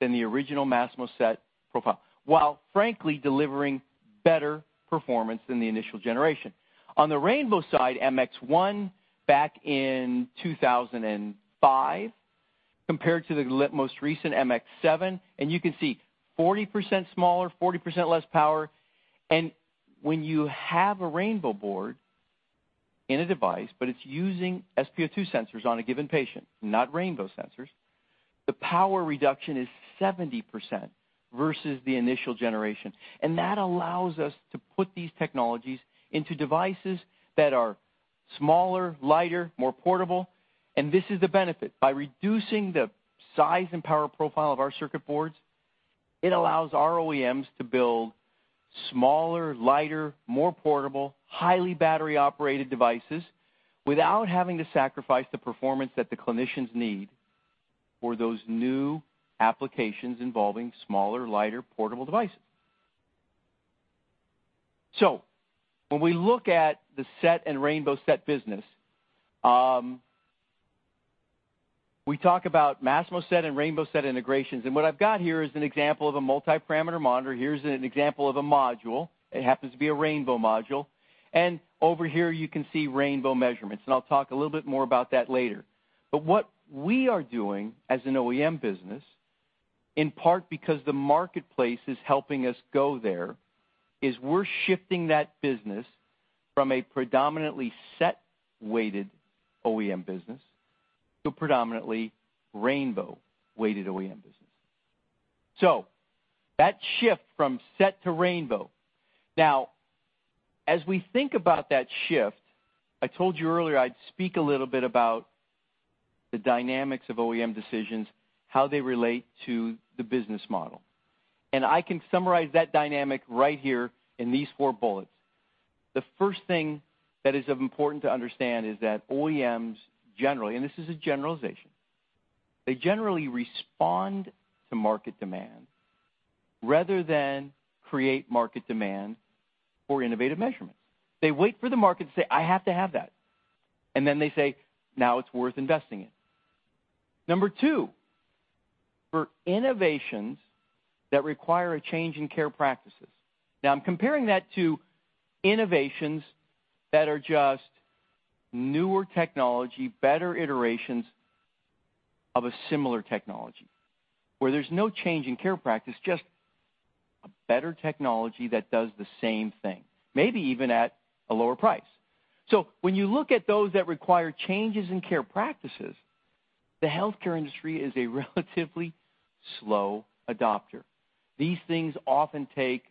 than the original Masimo SET profile, while frankly delivering better performance than the initial generation. On the Rainbow side, MX-1 back in 2005, compared to the most recent MX-7, you can see 40% smaller, 40% less power. When you have a Rainbow board in a device, but it's using SpO2 sensors on a given patient, not Rainbow sensors, the power reduction is 70% versus the initial generation. That allows us to put these technologies into devices that are smaller, lighter, more portable. This is the benefit. By reducing the size and power profile of our circuit boards, it allows our OEMs to build smaller, lighter, more portable, highly battery-operated devices without having to sacrifice the performance that the clinicians need for those new applications involving smaller, lighter portable devices. When we look at the SET and Rainbow SET business, we talk about Masimo SET and Rainbow SET integrations. What I've got here is an example of a multi-parameter monitor. Here's an example of a module. It happens to be a Rainbow module. Over here, you can see Rainbow measurements, and I'll talk a little bit more about that later. What we are doing as an OEM business, in part because the marketplace is helping us go there, is we're shifting that business from a predominantly SET-weighted OEM business to predominantly Rainbow-weighted OEM business. That shift from SET to Rainbow. As we think about that shift, I told you earlier I'd speak a little bit about the dynamics of OEM decisions, how they relate to the business model. I can summarize that dynamic right here in these four bullets. The first thing that is important to understand is that OEMs generally, and this is a generalization, they generally respond to market demand rather than create market demand for innovative measurements. They wait for the market to say, "I have to have that." They say, "Now it's worth investing in." Number two, for innovations that require a change in care practices. I'm comparing that to innovations that are just newer technology, better iterations of a similar technology, where there's no change in care practice, just a better technology that does the same thing, maybe even at a lower price. When you look at those that require changes in care practices, the healthcare industry is a relatively slow adopter. These things often take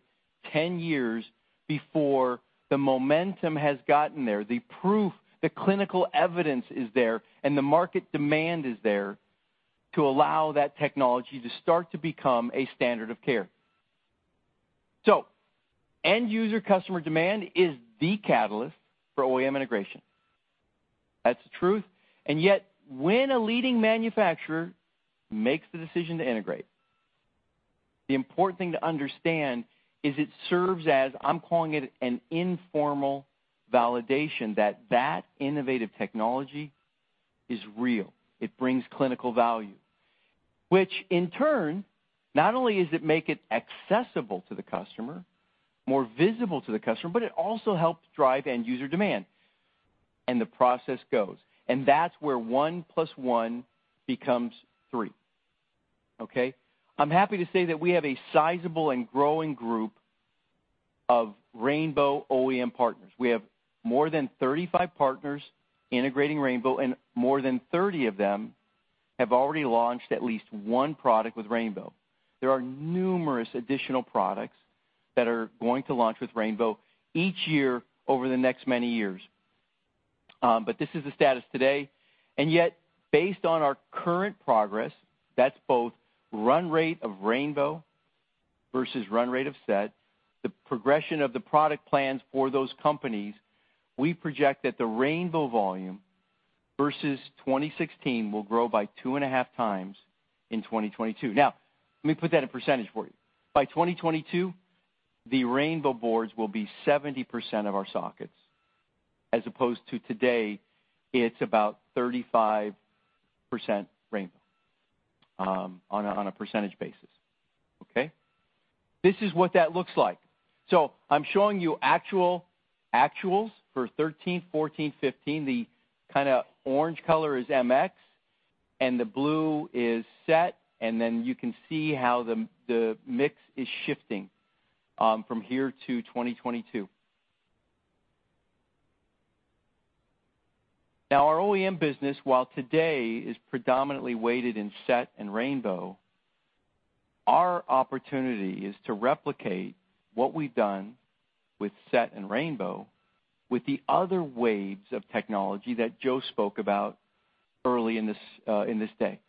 10 years before the momentum has gotten there, the proof, the clinical evidence is there, and the market demand is there to allow that technology to start to become a standard of care. End user customer demand is the catalyst for OEM integration. That's the truth, and yet when a leading manufacturer makes the decision to integrate, the important thing to understand is it serves as, I'm calling it, an informal validation that that innovative technology is real. It brings clinical value. Which in turn, not only does it make it accessible to the customer, more visible to the customer, but it also helps drive end user demand, and the process goes. That's where one plus one becomes three. Okay? I'm happy to say that we have a sizable and growing group of Rainbow OEM partners. We have more than 35 partners integrating Rainbow, and more than 30 of them have already launched at least one product with Rainbow. There are numerous additional products that are going to launch with Rainbow each year over the next many years. This is the status today. Yet, based on our current progress, that's both run rate of Rainbow versus run rate of SET, the progression of the product plans for those companies, we project that the Rainbow volume versus 2016 will grow by 2.5 times in 2022. Let me put that in percentage for you. By 2022, the Rainbow boards will be 70% of our sockets, as opposed to today, it's about 35% Rainbow on a percentage basis. Okay? This is what that looks like. I'm showing you actuals for 2013, 2014, 2015. The kind of orange color is MX, and the blue is SET, then you can see how the mix is shifting from here to 2022. Our OEM business, while today is predominantly weighted in SET and Rainbow, our opportunity is to replicate what we've done with SET and Rainbow with the other waves of technology that Joe spoke about early in this day.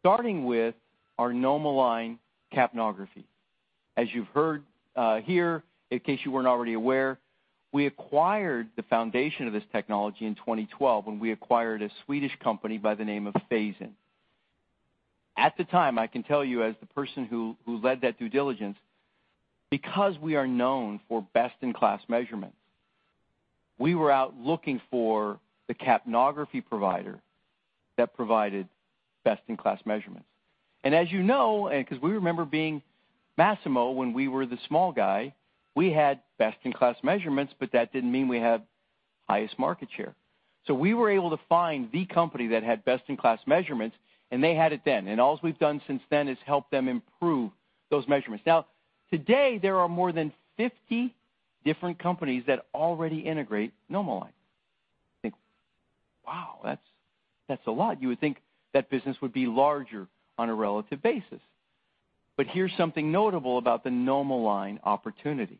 Starting with our NomoLine capnography. As you've heard here, in case you weren't already aware, we acquired the foundation of this technology in 2012 when we acquired a Swedish company by the name of Phasein. At the time, I can tell you as the person who led that due diligence, because we are known for best-in-class measurements, we were out looking for the capnography provider that provided best-in-class measurements. As you know, because we remember being Masimo when we were the small guy, we had best-in-class measurements, but that didn't mean we had highest market share. We were able to find the company that had best-in-class measurements, and they had it then. All we've done since then is help them improve those measurements. Today, there are more than 50 different companies that already integrate NomoLine. Think, "Wow, that's a lot." You would think that business would be larger on a relative basis. Here's something notable about the NomoLine opportunity.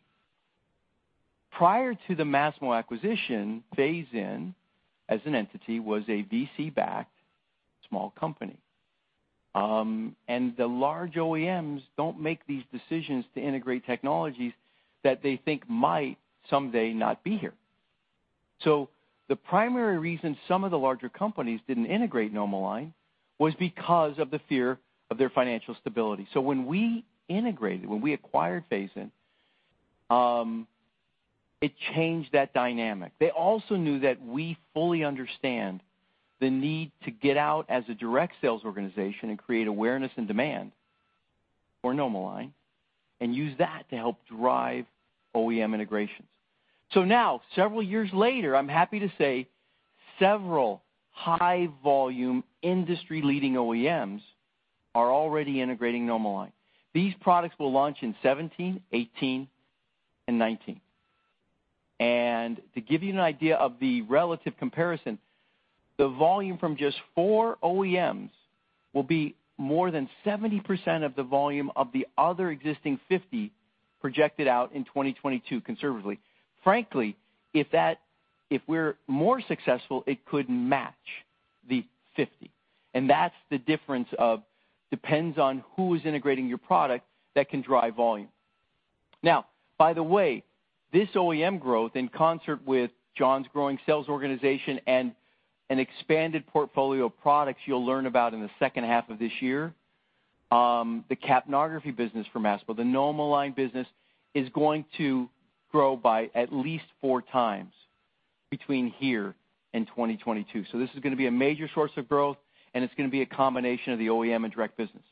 Prior to the Masimo acquisition, Phasein, as an entity, was a VC-backed small company. The large OEMs don't make these decisions to integrate technologies that they think might someday not be here. The primary reason some of the larger companies didn't integrate NomoLine was because of the fear of their financial stability. When we integrated, when we acquired Phasein it changed that dynamic. They also knew that we fully understand the need to get out as a direct sales organization and create awareness and demand for NomoLine and use that to help drive OEM integrations. Now, several years later, I'm happy to say several high-volume, industry-leading OEMs are already integrating NomoLine. These products will launch in 2017, 2018, and 2019. To give you an idea of the relative comparison, the volume from just four OEMs will be more than 70% of the volume of the other existing 50 projected out in 2022, conservatively. Frankly, if we're more successful, it could match the 50. That's the difference of depends on who is integrating your product that can drive volume. By the way, this OEM growth in concert with Jon's growing sales organization and an expanded portfolio of products you'll learn about in the second half of this year, the capnography business for Masimo, the NomoLine business is going to grow by at least four times between here and 2022. This is going to be a major source of growth, and it's going to be a combination of the OEM and direct business.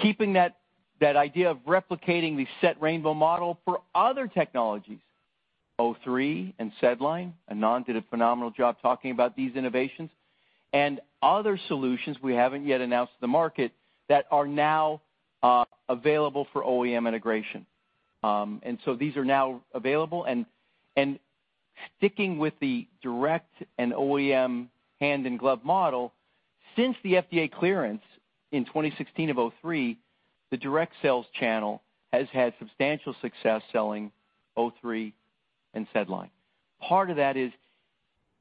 Keeping that idea of replicating the SET Rainbow model for other technologies, O3 and SedLine, Anand did a phenomenal job talking about these innovations, and other solutions we haven't yet announced to the market that are now available for OEM integration. These are now available and sticking with the direct and OEM hand-in-glove model, since the FDA clearance in 2016 of O3, the direct sales channel has had substantial success selling O3 and SedLine. Part of that is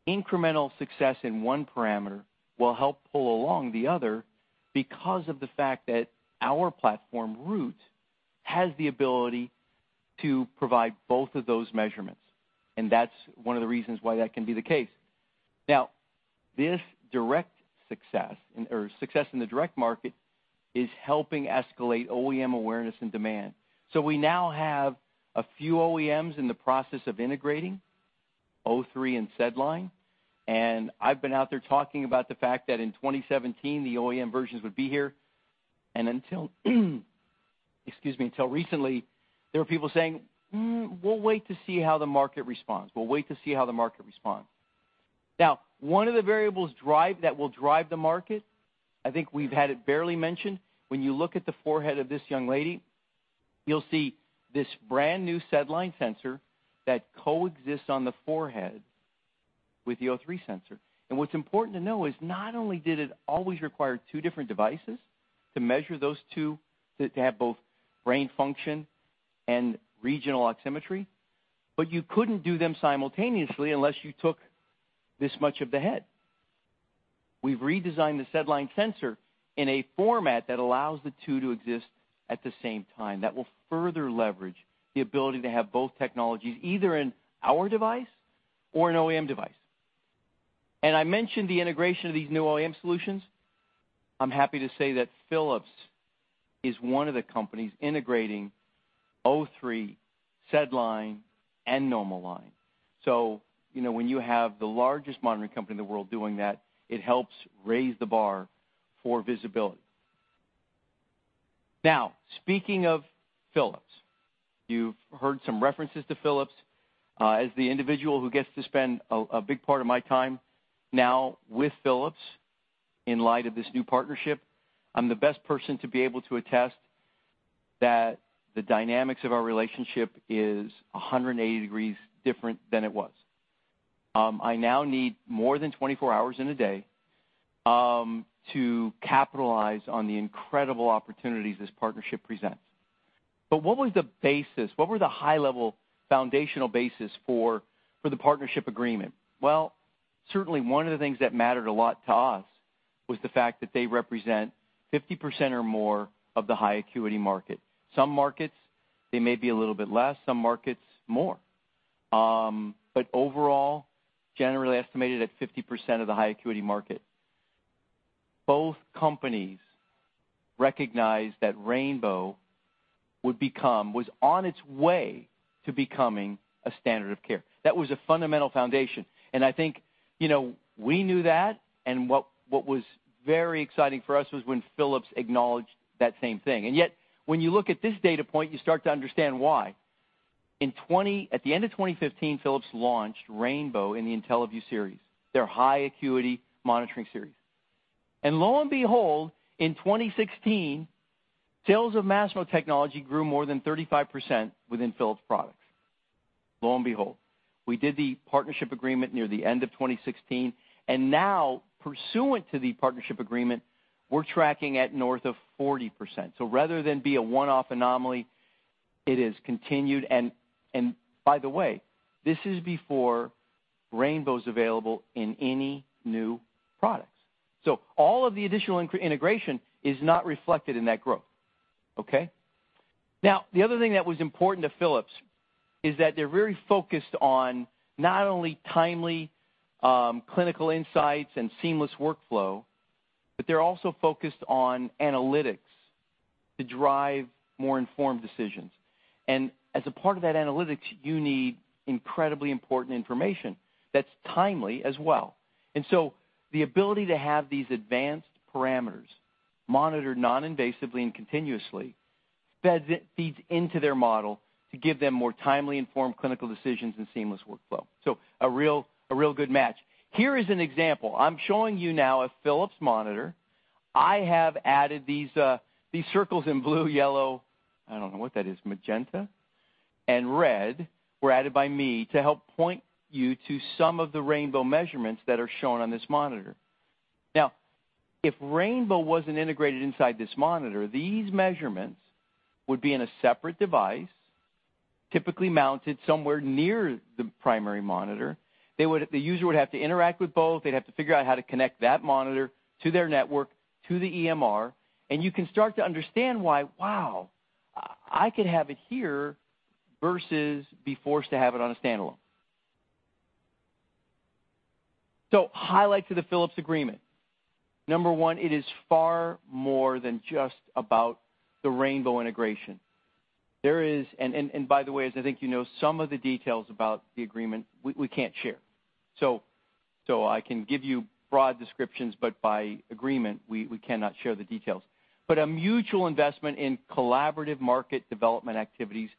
incremental success in one parameter will help pull along the other because of the fact that our platform Root has the ability to provide both of those measurements, and that's one of the reasons why that can be the case. This success in the direct market is helping escalate OEM awareness and demand. We now have a few OEMs in the process of integrating O3 and SedLine, and I've been out there talking about the fact that in 2017, the OEM versions would be here. Until, excuse me, until recently, there were people saying, "We'll wait to see how the market responds." One of the variables that will drive the market, I think we've had it barely mentioned, when you look at the forehead of this young lady, you'll see this brand-new SedLine sensor that coexists on the forehead with the O3 sensor. What's important to know is not only did it always require two different devices to measure those two to have both brain function and regional oximetry, but you couldn't do them simultaneously unless you took this much of the head. We've redesigned the SedLine sensor in a format that allows the two to exist at the same time. That will further leverage the ability to have both technologies, either in our device or an OEM device. I mentioned the integration of these new OEM solutions. I'm happy to say that Philips is one of the companies integrating O3, SedLine, and NomoLine. When you have the largest monitoring company in the world doing that, it helps raise the bar for visibility. Speaking of Philips, you've heard some references to Philips. As the individual who gets to spend a big part of my time now with Philips in light of this new partnership, I'm the best person to be able to attest that the dynamics of our relationship is 180 degrees different than it was. I now need more than 24 hours in a day to capitalize on the incredible opportunities this partnership presents. What was the basis? What were the high-level foundational basis for the partnership agreement? Certainly one of the things that mattered a lot to us was the fact that they represent 50% or more of the high acuity market. Some markets, they may be a little bit less, some markets more. Overall, generally estimated at 50% of the high acuity market. Both companies recognize that Rainbow was on its way to becoming a standard of care. That was a fundamental foundation, and I think we knew that, and what was very exciting for us was when Philips acknowledged that same thing. Yet, when you look at this data point, you start to understand why. At the end of 2015, Philips launched Rainbow in the IntelliVue series, their high acuity monitoring series. Lo and behold, in 2016, sales of Masimo technology grew more than 35% within Philips products. Lo and behold. We did the partnership agreement near the end of 2016, and now pursuant to the partnership agreement, we're tracking at north of 40%. Rather than be a one-off anomaly, it has continued, and by the way, this is before Rainbow's available in any new products. All of the additional integration is not reflected in that growth. Okay? The other thing that was important to Philips is that they're very focused on not only timely, clinical insights and seamless workflow, but they're also focused on analytics to drive more informed decisions. As a part of that analytics, you need incredibly important information that's timely as well. The ability to have these advanced parameters monitored non-invasively and continuously feeds into their model to give them more timely, informed clinical decisions and seamless workflow. A real good match. Here is an example. I'm showing you now a Philips monitor. I have added these circles in blue, yellow, I don't know what that is, magenta, and red, were added by me to help point you to some of the Rainbow measurements that are shown on this monitor. If Rainbow wasn't integrated inside this monitor, these measurements would be in a separate device, typically mounted somewhere near the primary monitor. The user would have to interact with both. They'd have to figure out how to connect that monitor to their network, to the EMR, and you can start to understand why, wow, I could have it here versus be forced to have it on a standalone. Highlights of the Philips agreement. Number one, it is far more than just about the Rainbow integration. There is, and by the way, as I think you know, some of the details about the agreement we can't share. I can give you broad descriptions, but by agreement, we cannot share the details. A mutual investment in collaborative market development activities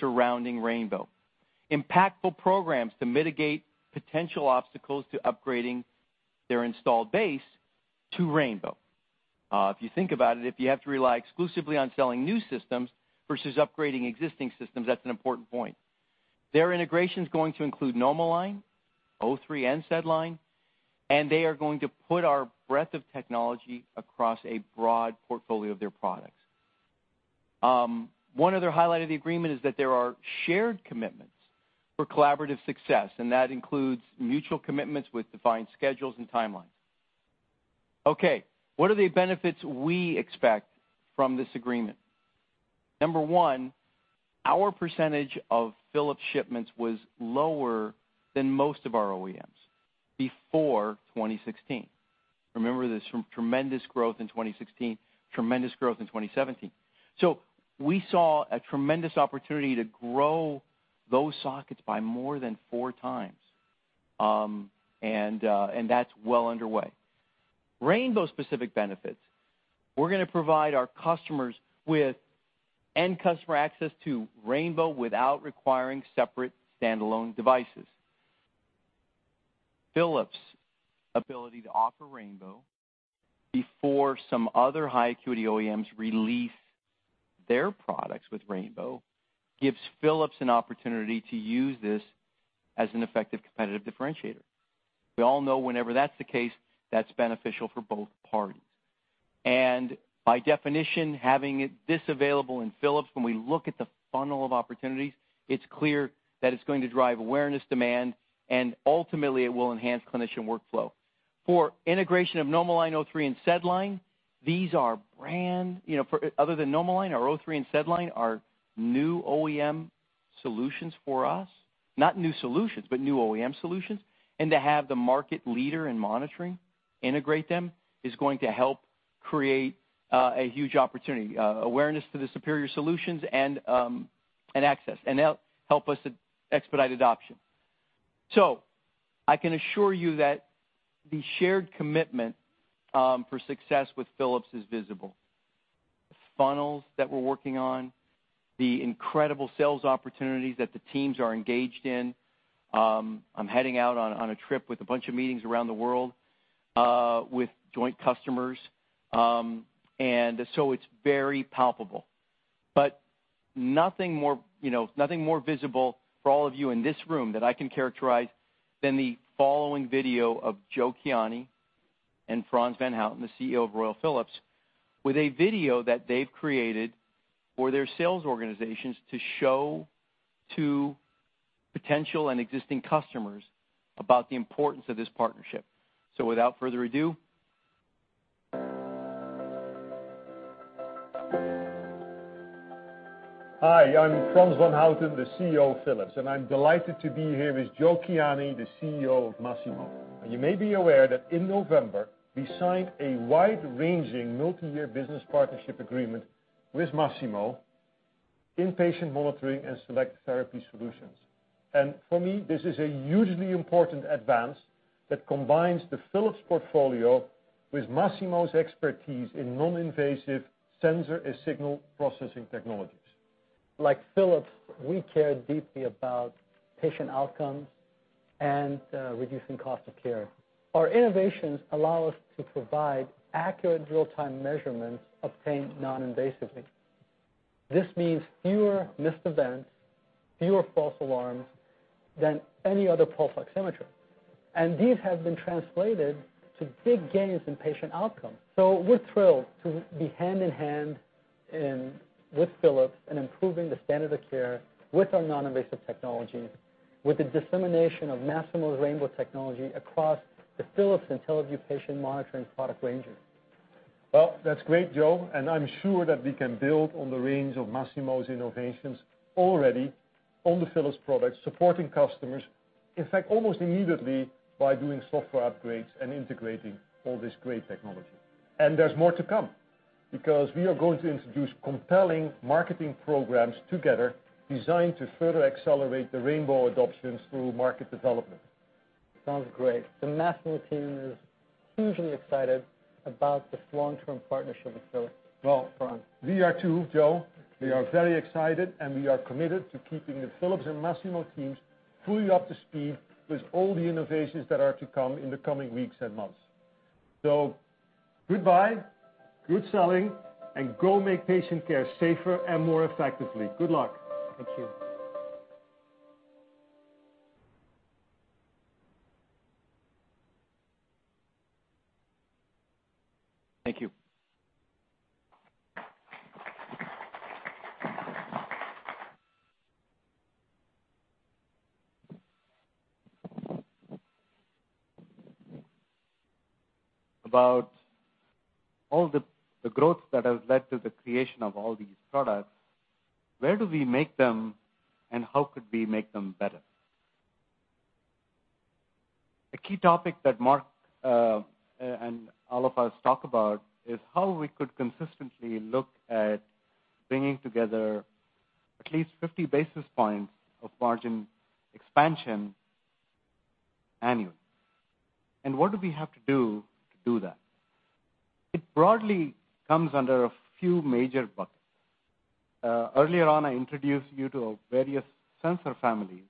surrounding Rainbow. Impactful programs to mitigate potential obstacles to upgrading their installed base to Rainbow. If you think about it, if you have to rely exclusively on selling new systems versus upgrading existing systems, that's an important point. Their integration is going to include NomoLine, O3 and SedLine, and they are going to put our breadth of technology across a broad portfolio of their products. One other highlight of the agreement is that there are shared commitments for collaborative success, and that includes mutual commitments with defined schedules and timelines. What are the benefits we expect from this agreement? Number 1, our percentage of Philips shipments was lower than most of our OEMs before 2016. Remember this, from tremendous growth in 2016, tremendous growth in 2017. We saw a tremendous opportunity to grow those sockets by more than four times. That's well underway. Rainbow-specific benefits. We're going to provide our customers with end customer access to Rainbow without requiring separate standalone devices. Philips' ability to offer Rainbow before some other high acuity OEMs release their products with Rainbow gives Philips an opportunity to use this as an effective competitive differentiator. We all know whenever that's the case, that's beneficial for both parties. By definition, having this available in Philips, when we look at the funnel of opportunities, it's clear that it's going to drive awareness, demand, and ultimately it will enhance clinician workflow. For integration of NomoLine, O3 and SedLine, these are brand Other than NomoLine, our O3 and SedLine are new OEM solutions for us. Not new solutions, but new OEM solutions. To have the market leader in monitoring integrate them is going to help create a huge opportunity, awareness to the superior solutions, and access. Help us expedite adoption. I can assure you that the shared commitment for success with Philips is visible. The funnels that we're working on, the incredible sales opportunities that the teams are engaged in, I'm heading out on a trip with a bunch of meetings around the world with joint customers, it's very palpable. Nothing more visible for all of you in this room that I can characterize than the following video of Joe Kiani and Frans van Houten, the CEO of Royal Philips, with a video that they've created for their sales organizations to show to potential and existing customers about the importance of this partnership. Without further ado Hi, I'm Frans van Houten, the CEO of Philips, and I'm delighted to be here with Joe Kiani, the CEO of Masimo. You may be aware that in November, we signed a wide-ranging, multi-year business partnership agreement with Masimo in patient monitoring and select therapy solutions. For me, this is a hugely important advance that combines the Philips portfolio with Masimo's expertise in non-invasive sensor and signal processing technologies. Like Philips, we care deeply about patient outcomes and reducing cost of care. Our innovations allow us to provide accurate real-time measurements obtained non-invasively. This means fewer missed events, fewer false alarms than any other pulse oximeter, and these have been translated to big gains in patient outcome. We're thrilled to be hand-in-hand with Philips in improving the standard of care with our non-invasive technology, with the dissemination of Masimo's Rainbow Technology across the Philips IntelliVue patient monitoring product range. That's great, Joe, I'm sure that we can build on the range of Masimo's innovations already on the Philips products, supporting customers, in fact, almost immediately by doing software upgrades and integrating all this great technology. There's more to come because we are going to introduce compelling marketing programs together, designed to further accelerate the Rainbow adoptions through market development. Sounds great. The Masimo team is hugely excited about this long-term partnership with Philips. Well- Frans We are, too, Joe. We are very excited, we are committed to keeping the Philips and Masimo teams fully up to speed with all the innovations that are to come in the coming weeks and months. Goodbye, good selling, and go make patient care safer and more effectively. Good luck. Thank you. Thank you. About all the growth that has led to the creation of all these products, where do we make them, and how could we make them better? A key topic that Mark and all of us talk about is how we could consistently look at bringing together at least 50 basis points of margin expansion annually. What do we have to do to do that? It broadly comes under a few major buckets. Earlier on, I introduced you to our various sensor families.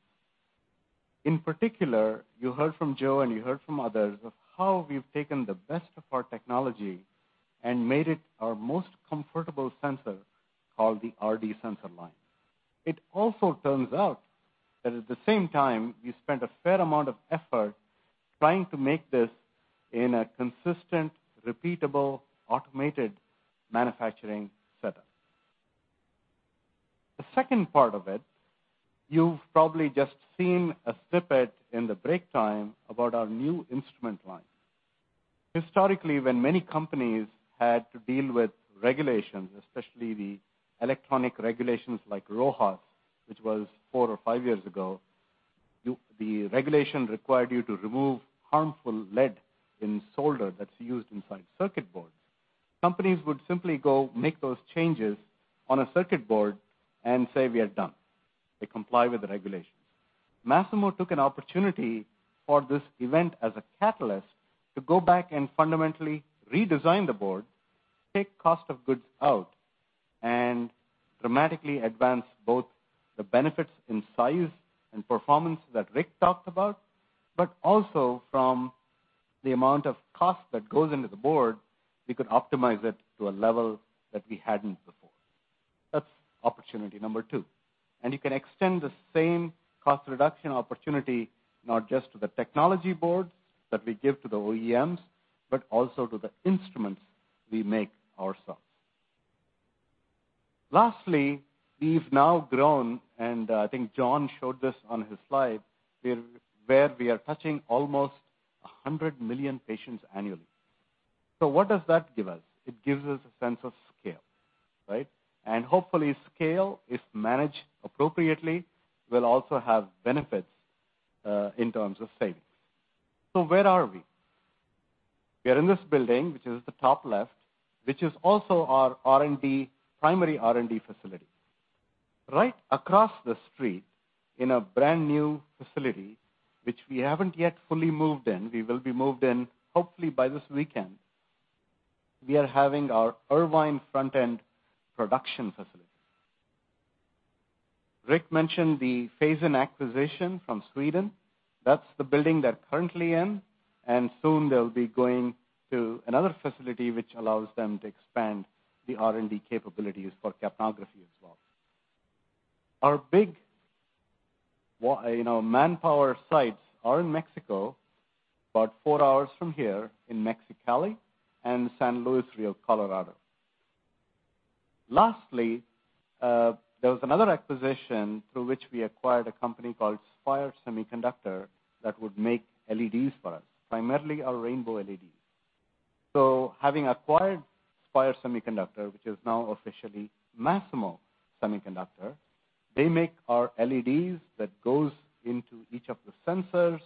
In particular, you heard from Joe and you heard from others of how we've taken the best of our technology and made it our most comfortable sensor, called the RD sensor line. It also turns out that at the same time, we spent a fair amount of effort trying to make this in a consistent, repeatable, automated manufacturing setup. The second part of it, you've probably just seen a snippet in the break time about our new instrument line. Historically, when many companies had to deal with regulations, especially the electronic regulations like RoHS, which was four or five years ago, the regulation required you to remove harmful lead in solder that's used inside circuit boards. Companies would simply go make those changes on a circuit board and say, "We are done." They comply with the regulations. Masimo took an opportunity for this event as a catalyst to go back and fundamentally redesign the board, take cost of goods out, and dramatically advance both the benefits in size and performance that Rick talked about. Also, from the amount of cost that goes into the board, we could optimize it to a level that we hadn't before. That's opportunity number two. You can extend the same cost reduction opportunity not just to the technology boards that we give to the OEMs, but also to the instruments we make ourselves. Lastly, we've now grown, and I think Jon showed this on his slide, where we are touching almost 100 million patients annually. What does that give us? It gives us a sense of scale, right? Hopefully, scale is managed appropriately, will also have benefits, in terms of savings. Where are we? We are in this building, which is the top left, which is also our primary R&D facility. Right across the street, in a brand-new facility, which we haven't yet fully moved in, we will be moved in hopefully by this weekend. We are having our Irvine front-end production facility. Rick mentioned the Phasein acquisition from Sweden. That's the building they're currently in, soon they'll be going to another facility which allows them to expand the R&D capabilities for capnography as well. Our big manpower sites are in Mexico, about four hours from here in Mexicali and San Luis Rio Colorado. There was another acquisition through which we acquired a company called Spire Semiconductor that would make LEDs for us, primarily our rainbow LEDs. Having acquired Spire Semiconductor, which is now officially Masimo Semiconductor, they make our LEDs that goes into each of the sensors,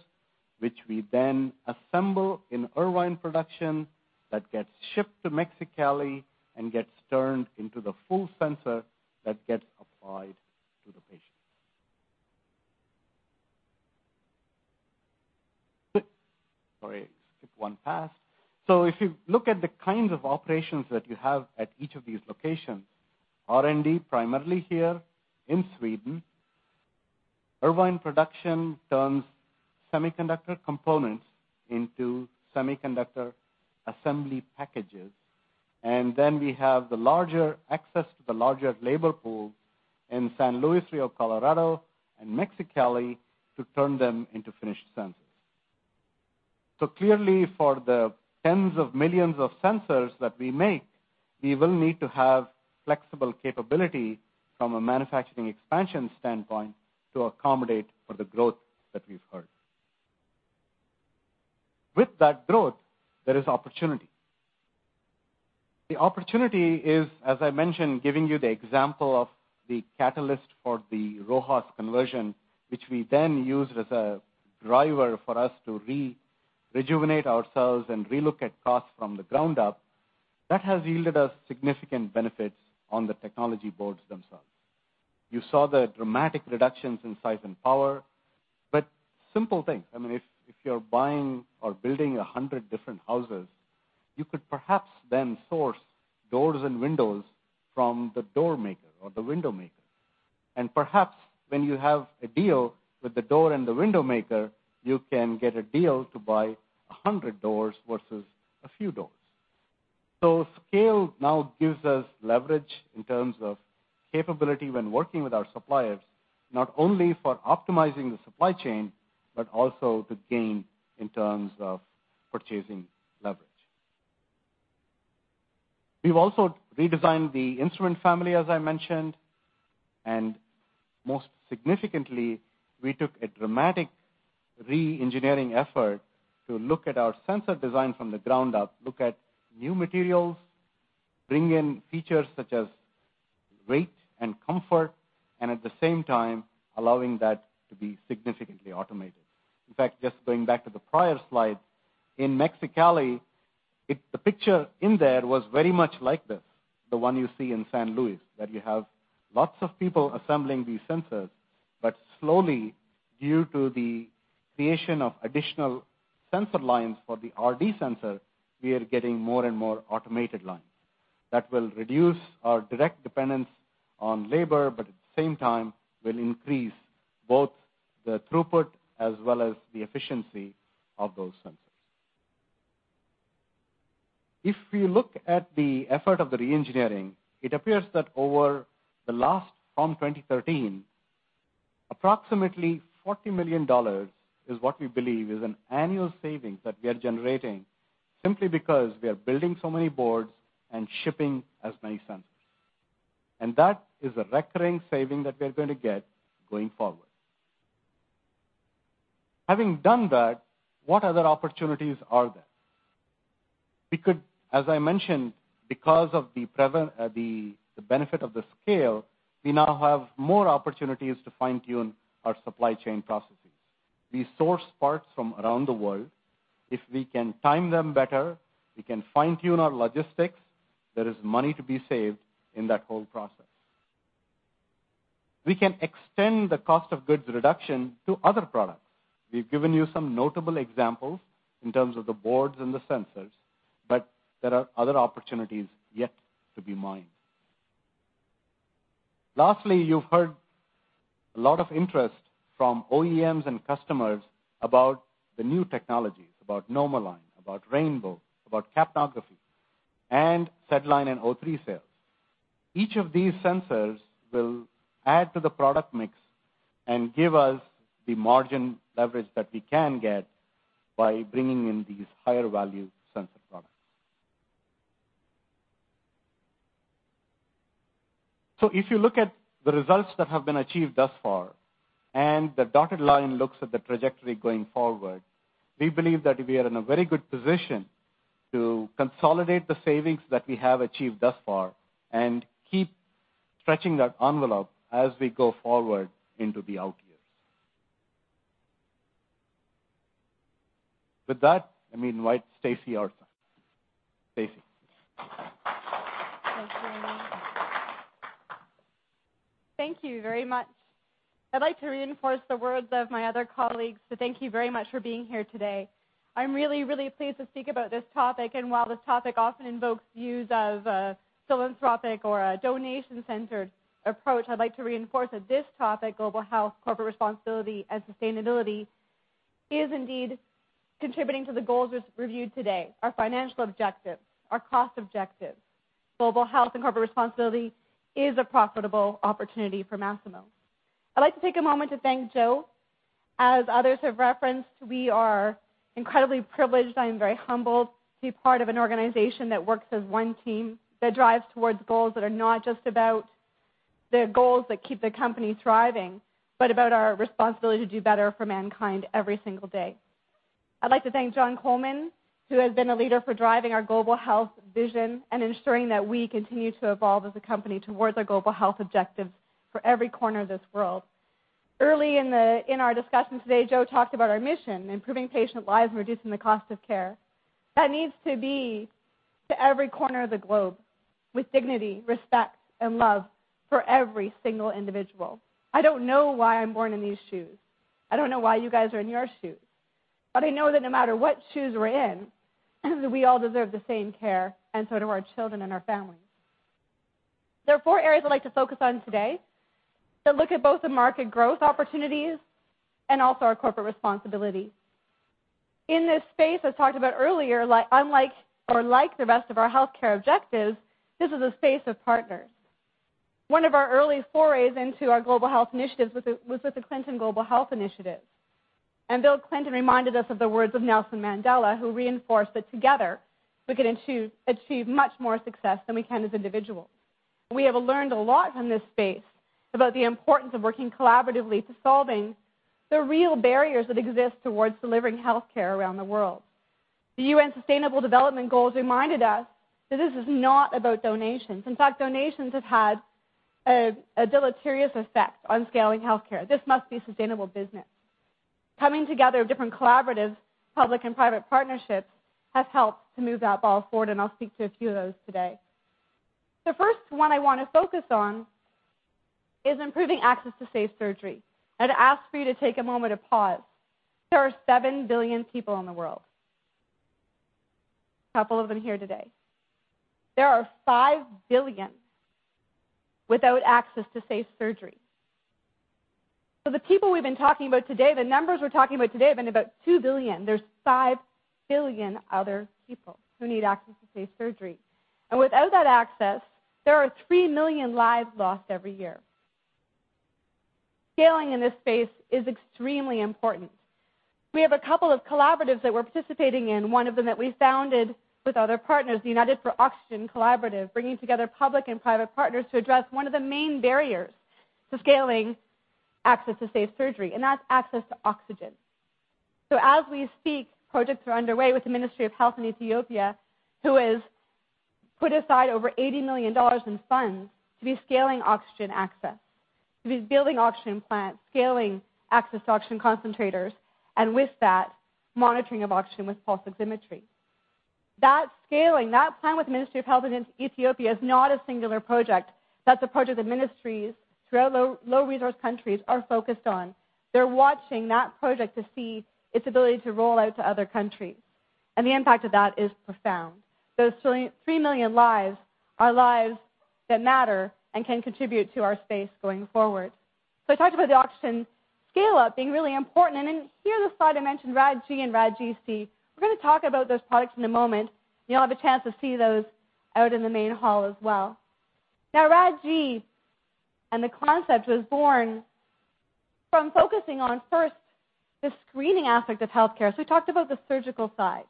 which we then assemble in Irvine production that gets shipped to Mexicali and gets turned into the full sensor that gets applied to the patient. Sorry, skip one pass. If you look at the kinds of operations that you have at each of these locations, R&D, primarily here in Sweden. Irvine production turns semiconductor components into semiconductor assembly packages, then we have the larger access to the larger labor pool in San Luis Rio, Colorado, and Mexicali to turn them into finished sensors. Clearly for the tens of millions of sensors that we make, we will need to have flexible capability from a manufacturing expansion standpoint to accommodate for the growth that we've heard. With that growth, there is opportunity. The opportunity is, as I mentioned, giving you the example of the catalyst for the RoHS conversion, which we then used as a driver for us to re-rejuvenate ourselves and relook at costs from the ground up. That has yielded us significant benefits on the technology boards themselves. You saw the dramatic reductions in size and power, simple thing, if you're buying or building 100 different houses, you could perhaps then source doors and windows from the door maker or the window maker. Perhaps when you have a deal with the door and the window maker, you can get a deal to buy 100 doors versus a few doors. Scale now gives us leverage in terms of capability when working with our suppliers, not only for optimizing the supply chain, but also to gain in terms of purchasing leverage. We've also redesigned the instrument family, as I mentioned. Most significantly, we took a dramatic re-engineering effort to look at our sensor design from the ground up, look at new materials, bring in features such as weight and comfort, and at the same time allowing that to be significantly automated. In fact, just going back to the prior slide, in Mexicali, the picture in there was very much like this, the one you see in San Luis, that you have lots of people assembling these sensors, but slowly, due to the creation of additional sensor lines for the RD sensor, we are getting more and more automated lines. That will reduce our direct dependence on labor, but at the same time, will increase both the throughput as well as the efficiency of those sensors. If we look at the effort of the re-engineering, it appears that over the last, from 2013, approximately $40 million is what we believe is an annual savings that we are generating simply because we are building so many boards and shipping as many sensors. That is a recurring saving that we're going to get going forward. Having done that, what other opportunities are there? As I mentioned, because of the benefit of the scale, we now have more opportunities to fine-tune our supply chain processes. We source parts from around the world. If we can time them better, we can fine-tune our logistics, there is money to be saved in that whole process. We can extend the cost of goods reduction to other products. We've given you some notable examples in terms of the boards and the sensors, but there are other opportunities yet to be mined. Lastly, you've heard a lot of interest from OEMs and customers about the new technologies, about NomoLine, about rainbow, about capnography, and SedLine and O3 sales. Each of these sensors will add to the product mix and give us the margin leverage that we can get by bringing in these higher-value sensor products. If you look at the results that have been achieved thus far, and the dotted line looks at the trajectory going forward, we believe that we are in a very good position to consolidate the savings that we have achieved thus far and keep stretching that envelope as we go forward into the out years. With that, let me invite Stacey Arthur. Stacey. Thank you, Anand. Thank you very much. I'd like to reinforce the words of my other colleagues, so thank you very much for being here today. I'm really pleased to speak about this topic, and while this topic often invokes views of a philanthropic or a donation-centered approach, I'd like to reinforce that this topic, global health, corporate responsibility, and sustainability, is indeed contributing to the goals we've reviewed today, our financial objectives, our cost objectives. Global health and corporate responsibility is a profitable opportunity for Masimo. I'd like to take a moment to thank Joe. As others have referenced, we are incredibly privileged. I am very humbled to be part of an organization that works as one team, that drives towards goals that are not just about the goals that keep the company thriving, but about our responsibility to do better for mankind every single day. I'd like to thank Jon Coleman, who has been a leader for driving our global health vision and ensuring that we continue to evolve as a company towards our global health objectives for every corner of this world. Early in our discussion today, Joe talked about our mission, improving patient lives and reducing the cost of care. That needs to be to every corner of the globe with dignity, respect, and love for every single individual. I don't know why I'm born in these shoes. I don't know why you guys are in your shoes. I know that no matter what shoes we're in, we all deserve the same care, and so do our children and our families. There are four areas I'd like to focus on today that look at both the market growth opportunities and also our corporate responsibility. In this space, as talked about earlier, unlike or like the rest of our healthcare objectives, this is a space of partners. One of our early forays into our global health initiatives was with the Clinton Health Access Initiative. Bill Clinton reminded us of the words of Nelson Mandela, who reinforced that together we could achieve much more success than we can as individuals. We have learned a lot from this space about the importance of working collaboratively to solving the real barriers that exist towards delivering healthcare around the world. The UN Sustainable Development Goals reminded us that this is not about donations. In fact, donations have had a deleterious effect on scaling healthcare. This must be sustainable business. Coming together of different collaboratives, public and private partnerships, has helped to move that ball forward, and I'll speak to a few of those today. The first one I want to focus on is improving access to safe surgery. I'd ask for you to take a moment to pause. There are 7 billion people in the world. A couple of them here today. There are 5 billion without access to safe surgery. The people we've been talking about today, the numbers we're talking about today have been about 2 billion. There are 5 billion other people who need access to safe surgery. Without that access, there are 3 million lives lost every year. Scaling in this space is extremely important. We have a couple of collaboratives that we're participating in, one of them that we founded with other partners, the United for Oxygen collaborative, bringing together public and private partners to address one of the main barriers to scaling access to safe surgery, and that's access to oxygen. As we speak, projects are underway with the Ministry of Health in Ethiopia, who has put aside over $80 million in funds to be scaling oxygen access, to be building oxygen plants, scaling access to oxygen concentrators, and with that, monitoring of oxygen with pulse oximetry. That scaling, that plan with the Ministry of Health in Ethiopia is not a singular project. That's a project the ministries throughout low-resource countries are focused on. They're watching that project to see its ability to roll out to other countries, and the impact of that is profound. Those 3 million lives are lives that matter and can contribute to our space going forward. I talked about the oxygen scale-up being really important, and in here in this slide, I mentioned Rad-G and Rad-GC. We're going to talk about those products in a moment. You'll have a chance to see those out in the main hall as well. Rad-G and the concept was born from focusing on, first, the screening aspect of healthcare. We talked about the surgical side.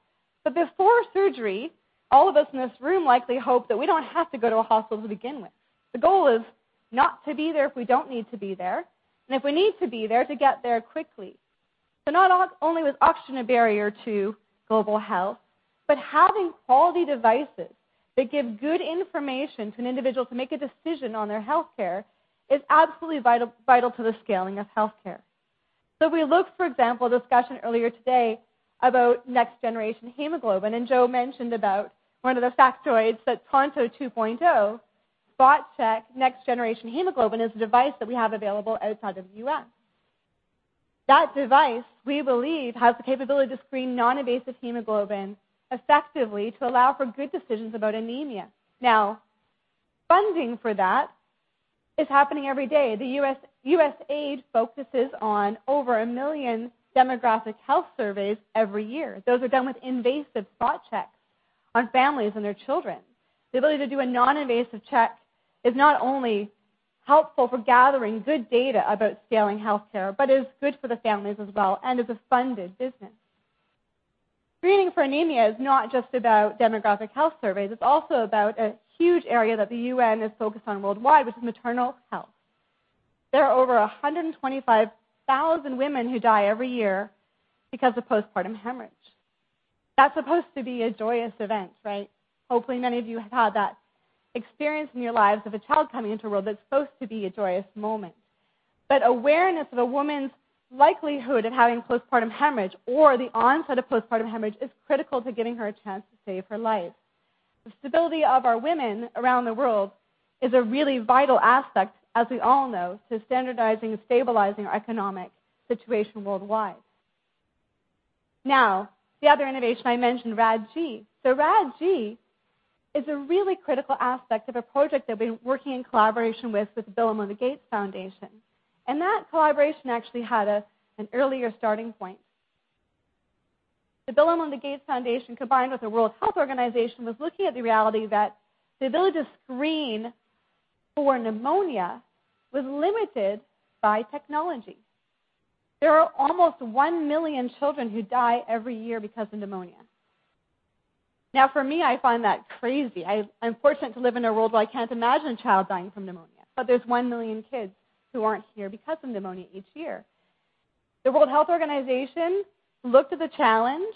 Before surgery, all of us in this room likely hope that we don't have to go to a hospital to begin with. The goal is not to be there if we don't need to be there, and if we need to be there, to get there quickly. Not only was oxygen a barrier to global health, but having quality devices that give good information to an individual to make a decision on their healthcare is absolutely vital to the scaling of healthcare. If we look, for example, the discussion earlier today about next-generation hemoglobin, Joe mentioned about one of the factoids that Pronto 2.0 Spot Check next generation hemoglobin is a device that we have available outside of the U.S. That device, we believe, has the capability to screen non-invasive hemoglobin effectively to allow for good decisions about anemia. Funding for that is happening every day. The USAID focuses on over 1 million demographic health surveys every year. Those are done with invasive spot checks on families and their children. The ability to do a non-invasive check is not only helpful for gathering good data about scaling healthcare, but is good for the families as well, and is a funded business. Screening for anemia is not just about demographic health surveys, it's also about a huge area that the UN is focused on worldwide, which is maternal health. There are over 125,000 women who die every year because of postpartum hemorrhage. That's supposed to be a joyous event, right. Hopefully, many of you have had that experience in your lives of a child coming into the world. That's supposed to be a joyous moment. Awareness of a woman's likelihood of having postpartum hemorrhage or the onset of postpartum hemorrhage is critical to giving her a chance to save her life. The stability of our women around the world is a really vital aspect, as we all know, to standardizing and stabilizing our economic situation worldwide. The other innovation I mentioned, Rad-G. Rad-G is a really critical aspect of a project that we've been working in collaboration with the Bill & Melinda Gates Foundation. That collaboration actually had an earlier starting point. The Bill & Melinda Gates Foundation, combined with the World Health Organization, was looking at the reality that the ability to screen for pneumonia was limited by technology. There are almost 1 million children who die every year because of pneumonia. For me, I find that crazy. I'm fortunate to live in a world where I can't imagine a child dying from pneumonia. There's 1 million kids who aren't here because of pneumonia each year. The World Health Organization looked at the challenge.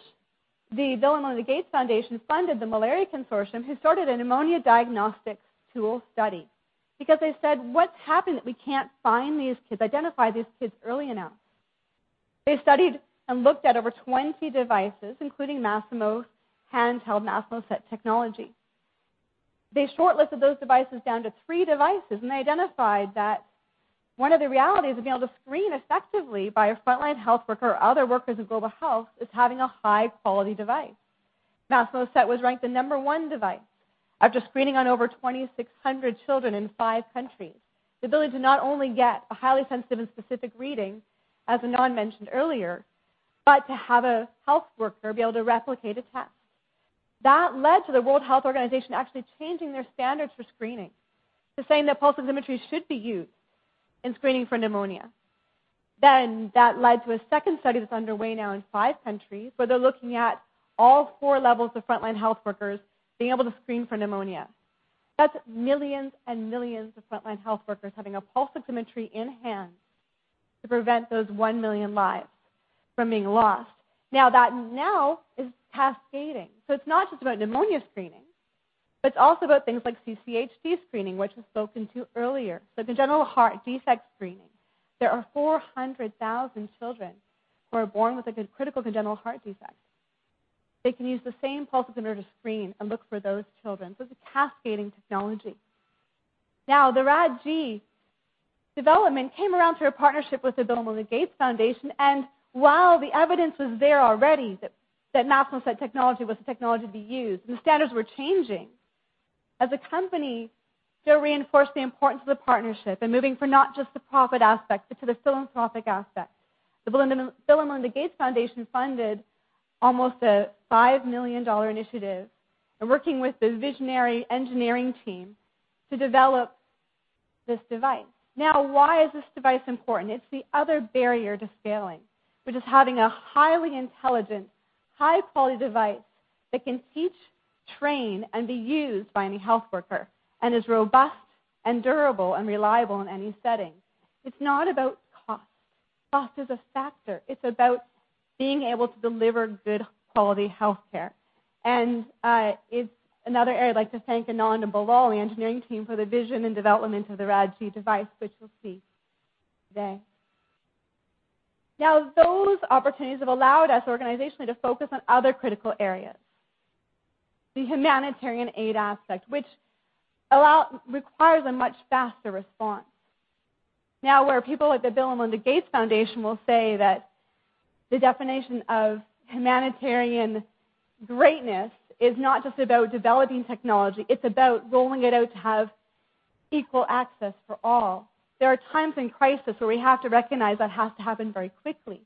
The Bill & Melinda Gates Foundation funded the Malaria Consortium, who started a pneumonia diagnostics tool study because they said, "What's happened that we can't find these kids, identify these kids early enough?" They studied and looked at over 20 devices, including Masimo's handheld Masimo SET technology. They shortlisted those devices down to three devices, and they identified that one of the realities of being able to screen effectively by a frontline health worker or other workers of global health is having a high-quality device. Masimo SET was ranked the number one device after screening on over 2,600 children in five countries. The ability to not only get a highly sensitive and specific reading, as Anand mentioned earlier, but to have a health worker be able to replicate a test. That led to the World Health Organization actually changing their standards for screening to saying that pulse oximetry should be used in screening for pneumonia. That led to a second study that's underway now in five countries, where they're looking at all 4 levels of frontline health workers being able to screen for pneumonia. That's millions and millions of frontline health workers having a pulse oximetry in-hand to prevent those 1 million lives from being lost. That now is cascading. It's not just about pneumonia screening, but it's also about things like CCHD screening, which was spoken to earlier. Congenital heart defect screening. There are 400,000 children who are born with a critical congenital heart defect. They can use the same pulse oximeter to screen and look for those children, so it's a cascading technology. The Rad-G development came around through a partnership with the Bill & Melinda Gates Foundation. While the evidence was there already that Masimo SET technology was the technology to be used, and the standards were changing, as a company, still reinforced the importance of the partnership and moving for not just the profit aspect but to the philanthropic aspect. The Bill & Melinda Gates Foundation funded almost a $5 million initiative in working with the visionary engineering team to develop this device. Why is this device important? It's the other barrier to scaling, which is having a highly intelligent, high-quality device that can teach, train, and be used by any health worker, and is robust and durable and reliable in any setting. It's not about cost. Cost is a factor. It's about being able to deliver good quality healthcare. It's another area I'd like to thank Anand and Bilal, the engineering team, for the vision and development of the Rad-G device, which we'll see today. Those opportunities have allowed us organizationally to focus on other critical areas. The humanitarian aid aspect, which requires a much faster response. Where people at the Bill & Melinda Gates Foundation will say that the definition of humanitarian greatness is not just about developing technology, it's about rolling it out to have equal access for all. There are times in crisis where we have to recognize that has to happen very quickly.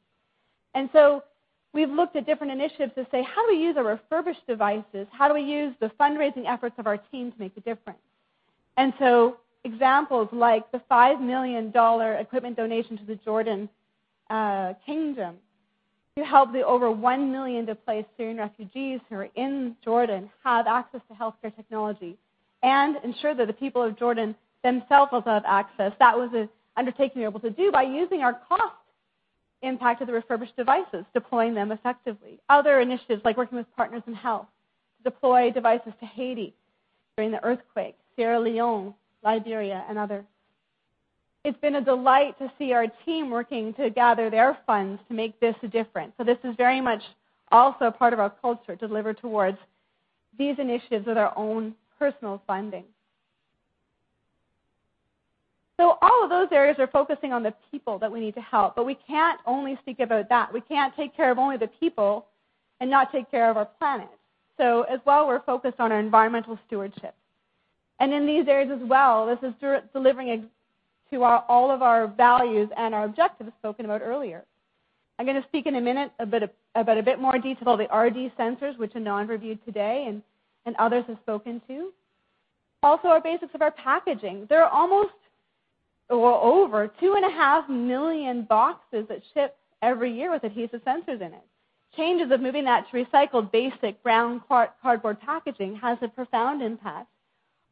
We've looked at different initiatives to say, how do we use our refurbished devices? How do we use the fundraising efforts of our team to make a difference? Examples like the $5 million equipment donation to the Jordan Kingdom to help the over 1 million displaced Syrian refugees who are in Jordan have access to healthcare technology and ensure that the people of Jordan themselves also have access. That was an undertaking we were able to do by using our cost impact of the refurbished devices, deploying them effectively. Other initiatives, like working with Partners In Health to deploy devices to Haiti during the earthquake, Sierra Leone, Liberia, and others. It's been a delight to see our team working to gather their funds to make this a difference. This is very much also a part of our culture, to deliver towards these initiatives with our own personal funding. All of those areas are focusing on the people that we need to help, but we can't only speak about that. We can't take care of only the people and not take care of our planet. As well, we're focused on our environmental stewardship. In these areas as well, this is delivering to all of our values and our objectives spoken about earlier. I'm going to speak in a minute about a bit more detail about the RD sensors, which Anand reviewed today and others have spoken to. Also, our basics of our packaging. There are almost, or over, 2.5 million boxes that ship every year with adhesive sensors in it. Changes of moving that to recycled, basic brown cardboard packaging has a profound impact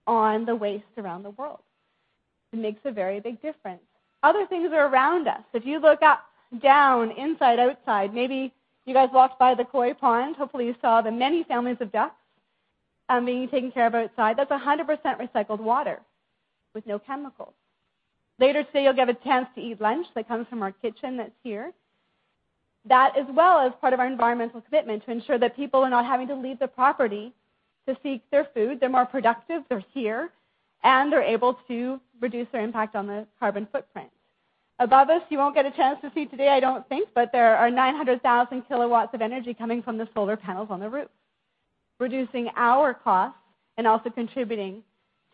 on the waste around the world. It makes a very big difference. Other things are around us. If you look up, down, inside, outside, maybe you guys walked by the koi pond. Hopefully, you saw the many families of ducks being taken care of outside. That's 100% recycled water with no chemicals. Later today, you'll get a chance to eat lunch that comes from our kitchen that's here. As well, is part of our environmental commitment to ensure that people are not having to leave the property to seek their food. They're more productive. They're here, and they're able to reduce their impact on the carbon footprint. Above us, you won't get a chance to see today, I don't think, but there are 900,000 kilowatts of energy coming from the solar panels on the roof. Reducing our costs and also contributing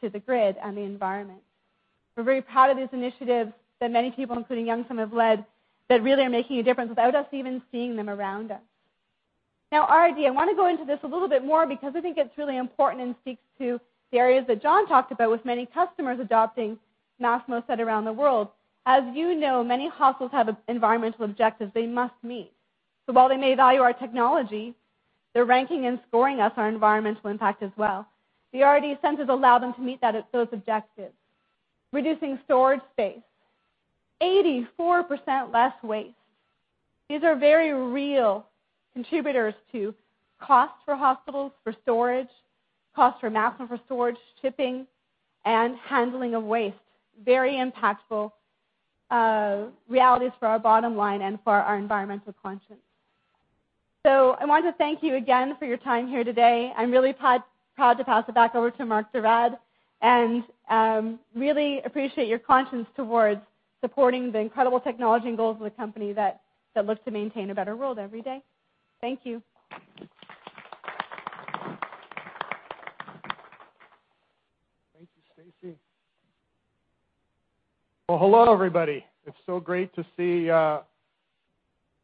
to the grid and the environment. We're very proud of this initiative that many people, including Yongsam have led, that really are making a difference without us even seeing them around us. RD, I want to go into this a little bit more because I think it's really important and speaks to the areas that Jon talked about with many customers adopting Masimo SET around the world. As you know, many hospitals have environmental objectives they must meet. While they may value our technology, they're ranking and scoring us on our environmental impact as well. The RD sensors allow them to meet those objectives. Reducing storage space, 84% less waste. These are very real contributors to cost for hospitals for storage, cost for Masimo for storage, shipping, and handling of waste. Very impactful realities for our bottom line and for our environmental conscience. I want to thank you again for your time here today. I'm really proud to pass it back over to Mark de Raad, and really appreciate your conscience towards supporting the incredible technology and goals of the company that looks to maintain a better world every day. Thank you. Thank you, Stacey. Well, hello, everybody. It's so great to see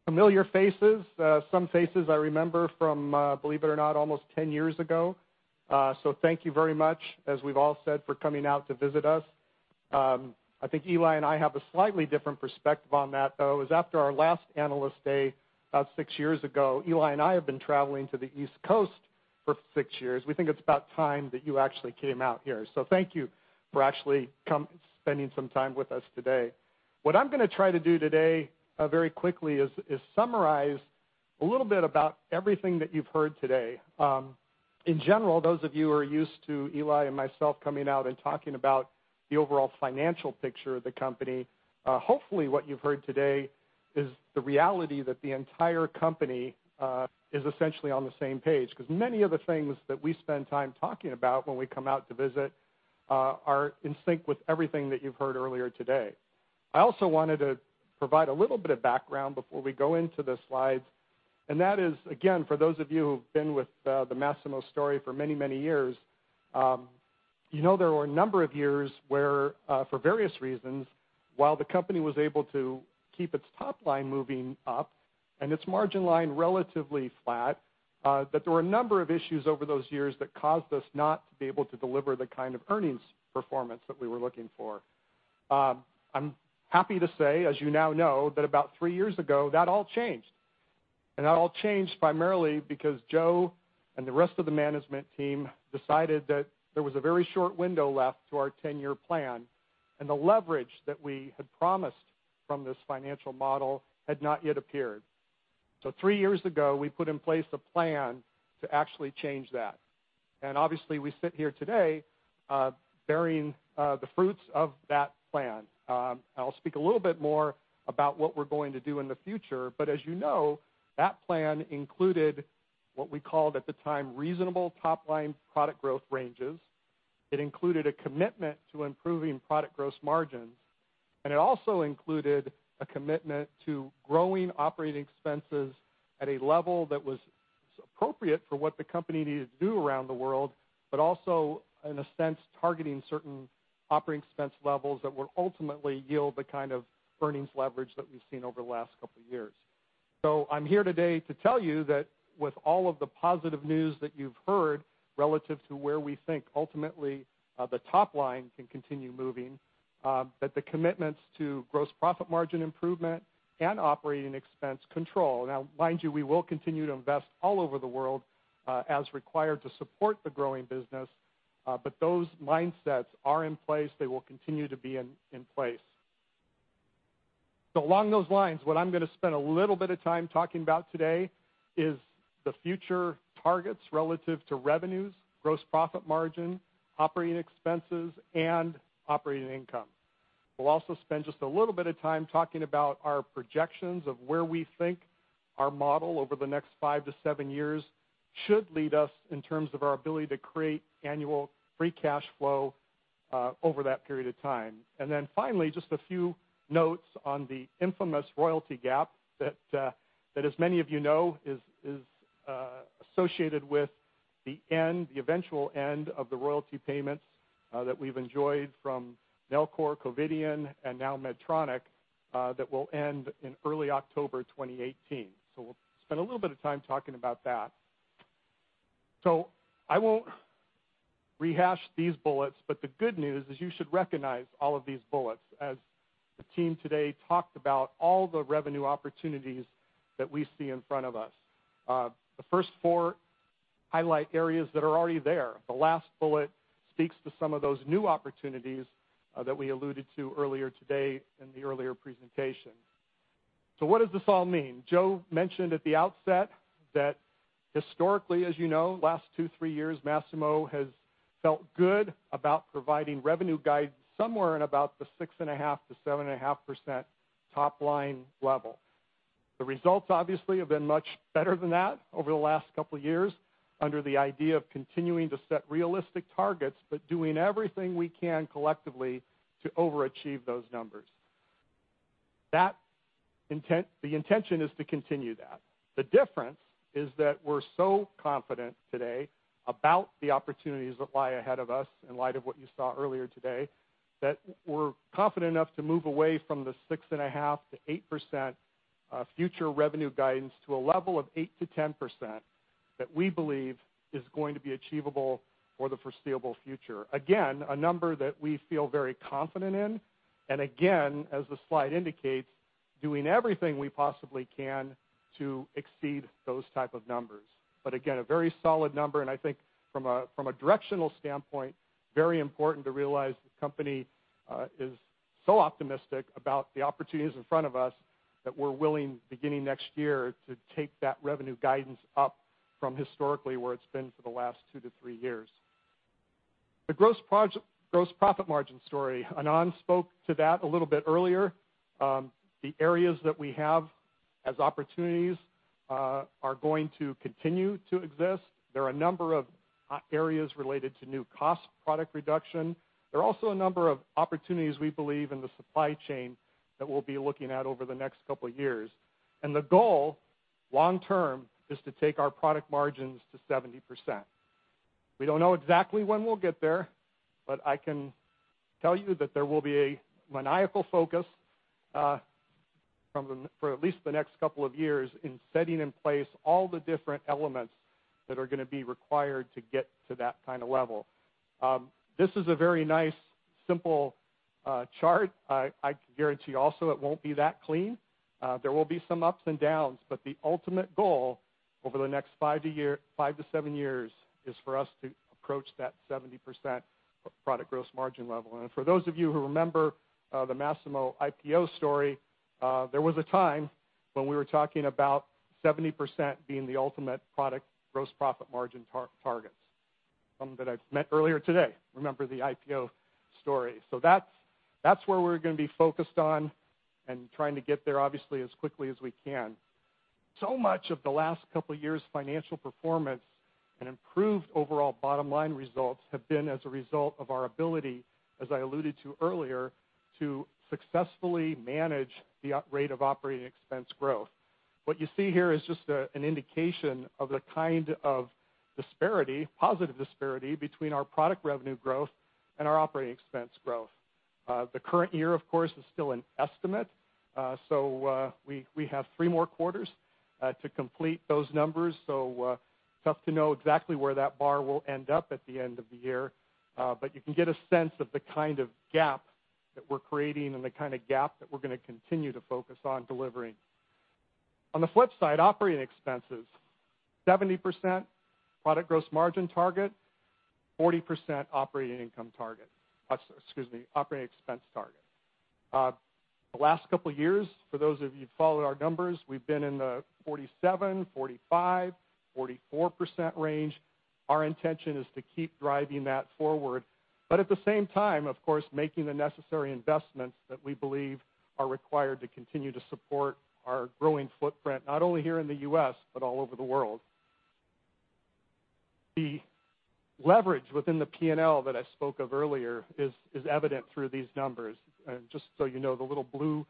familiar faces, some faces I remember from, believe it or not, almost 10 years ago. Thank you very much, as we've all said, for coming out to visit us. I think Eli and I have a slightly different perspective on that, though, is after our last Analyst Day about six years ago, Eli and I have been traveling to the East Coast for six years. We think it's about time that you actually came out here, thank you for actually spending some time with us today. What I'm going to try to do today, very quickly, is summarize a little bit about everything that you've heard today. In general, those of you who are used to Eli and myself coming out and talking about the overall financial picture of the company, hopefully what you've heard today is the reality that the entire company is essentially on the same page. Many of the things that we spend time talking about when we come out to visit are in sync with everything that you've heard earlier today. I also wanted to provide a little bit of background before we go into the slides, that is, again, for those of you who've been with the Masimo story for many years, you know there were a number of years where for various reasons, while the company was able to keep its top line moving up and its margin line relatively flat, that there were a number of issues over those years that caused us not to be able to deliver the kind of earnings performance that we were looking for. I'm happy to say, as you now know, that about three years ago, that all changed. That all changed primarily because Joe and the rest of the management team decided that there was a very short window left to our 10-year plan, and the leverage that we had promised from this financial model had not yet appeared. Three years ago, we put in place a plan to actually change that. Obviously, we sit here today bearing the fruits of that plan. I'll speak a little bit more about what we're going to do in the future, as you know, that plan included what we called at the time reasonable top-line product growth ranges. It included a commitment to improving product gross margins, it also included a commitment to growing operating expenses at a level that was appropriate for what the company needed to do around the world, but also, in a sense, targeting certain operating expense levels that would ultimately yield the kind of earnings leverage that we've seen over the last couple of years. I'm here today to tell you that with all of the positive news that you've heard relative to where we think ultimately the top line can continue moving, that the commitments to gross profit margin improvement and operating expense control. Now mind you, we will continue to invest all over the world, as required to support the growing business. Those mindsets are in place. They will continue to be in place. Along those lines, what I'm going to spend a little bit of time talking about today is the future targets relative to revenues, gross profit margin, operating expenses, and operating income. We'll also spend just a little bit of time talking about our projections of where we think our model over the next 5-7 years should lead us in terms of our ability to create annual free cash flow over that period of time. Finally, just a few notes on the infamous royalty gap that as many of you know, is associated with the eventual end of the royalty payments that we've enjoyed from Nellcor, Covidien, and now Medtronic, that will end in early October 2018. We'll spend a little bit of time talking about that. I won't rehash these bullets, but the good news is you should recognize all of these bullets as the team today talked about all the revenue opportunities that we see in front of us. The first four highlight areas that are already there. The last bullet speaks to some of those new opportunities that we alluded to earlier today in the earlier presentation. What does this all mean? Joe mentioned at the outset that historically, as you know, last two, three years, Masimo has felt good about providing revenue guides somewhere in about the 6.5%-7.5% top-line level. The results obviously have been much better than that over the last couple of years under the idea of continuing to set realistic targets, but doing everything we can collectively to overachieve those numbers. The intention is to continue that. The difference is that we're so confident today about the opportunities that lie ahead of us in light of what you saw earlier today, that we're confident enough to move away from the 6.5%-8% future revenue guidance to a level of 8%-10% that we believe is going to be achievable for the foreseeable future. A number that we feel very confident in, and again, as the slide indicates, doing everything we possibly can to exceed those type of numbers. Again, a very solid number, and I think from a directional standpoint, very important to realize the company is so optimistic about the opportunities in front of us that we're willing, beginning next year, to take that revenue guidance up from historically where it's been for the last 2-3 years. The gross profit margin story. Anand spoke to that a little bit earlier. The areas that we have as opportunities are going to continue to exist. There are a number of areas related to new cost product reduction. There are also a number of opportunities we believe in the supply chain that we'll be looking at over the next couple of years. The goal long term is to take our product margins to 70%. We don't know exactly when we'll get there, but I can tell you that there will be a maniacal focus for at least the next couple of years in setting in place all the different elements that are going to be required to get to that kind of level. This is a very nice, simple chart. I can guarantee also it won't be that clean. There will be some ups and downs, but the ultimate goal over the next five to seven years is for us to approach that 70% product gross margin level. For those of you who remember the Masimo IPO story, there was a time when we were talking about 70% being the ultimate product gross profit margin targets. Someone that I've met earlier today remembers the IPO story. That's where we're going to be focused on and trying to get there obviously as quickly as we can. Much of the last couple of years' financial performance and improved overall bottom-line results have been as a result of our ability, as I alluded to earlier, to successfully manage the rate of operating expense growth. What you see here is just an indication of the kind of positive disparity between our product revenue growth and our operating expense growth. The current year, of course, is still an estimate, we have three more quarters to complete those numbers. Tough to know exactly where that bar will end up at the end of the year. You can get a sense of the kind of gap that we're creating and the kind of gap that we're going to continue to focus on delivering. On the flip side, operating expenses, 70% product gross margin target, 40% operating income target. Excuse me, operating expense target. The last couple of years, for those of you who followed our numbers, we've been in the 47%, 45%, 44% range. Our intention is to keep driving that forward, but at the same time, of course, making the necessary investments that we believe are required to continue to support our growing footprint, not only here in the U.S., but all over the world. The leverage within the P&L that I spoke of earlier is evident through these numbers. Just so you know, the little blue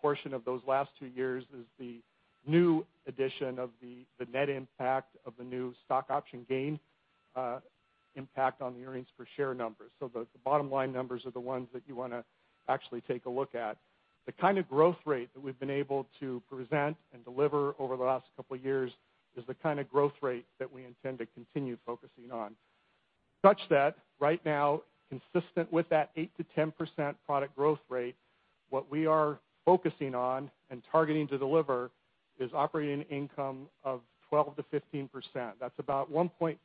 portion of those last two years is the new addition of the net impact of the new stock option gain impact on the earnings per share numbers. The bottom line numbers are the ones that you want to actually take a look at. The kind of growth rate that we've been able to present and deliver over the last couple of years is the kind of growth rate that we intend to continue focusing on. Such that right now, consistent with that 8%-10% product growth rate, what we are focusing on and targeting to deliver is operating income of 12%-15%. That's about 1.5%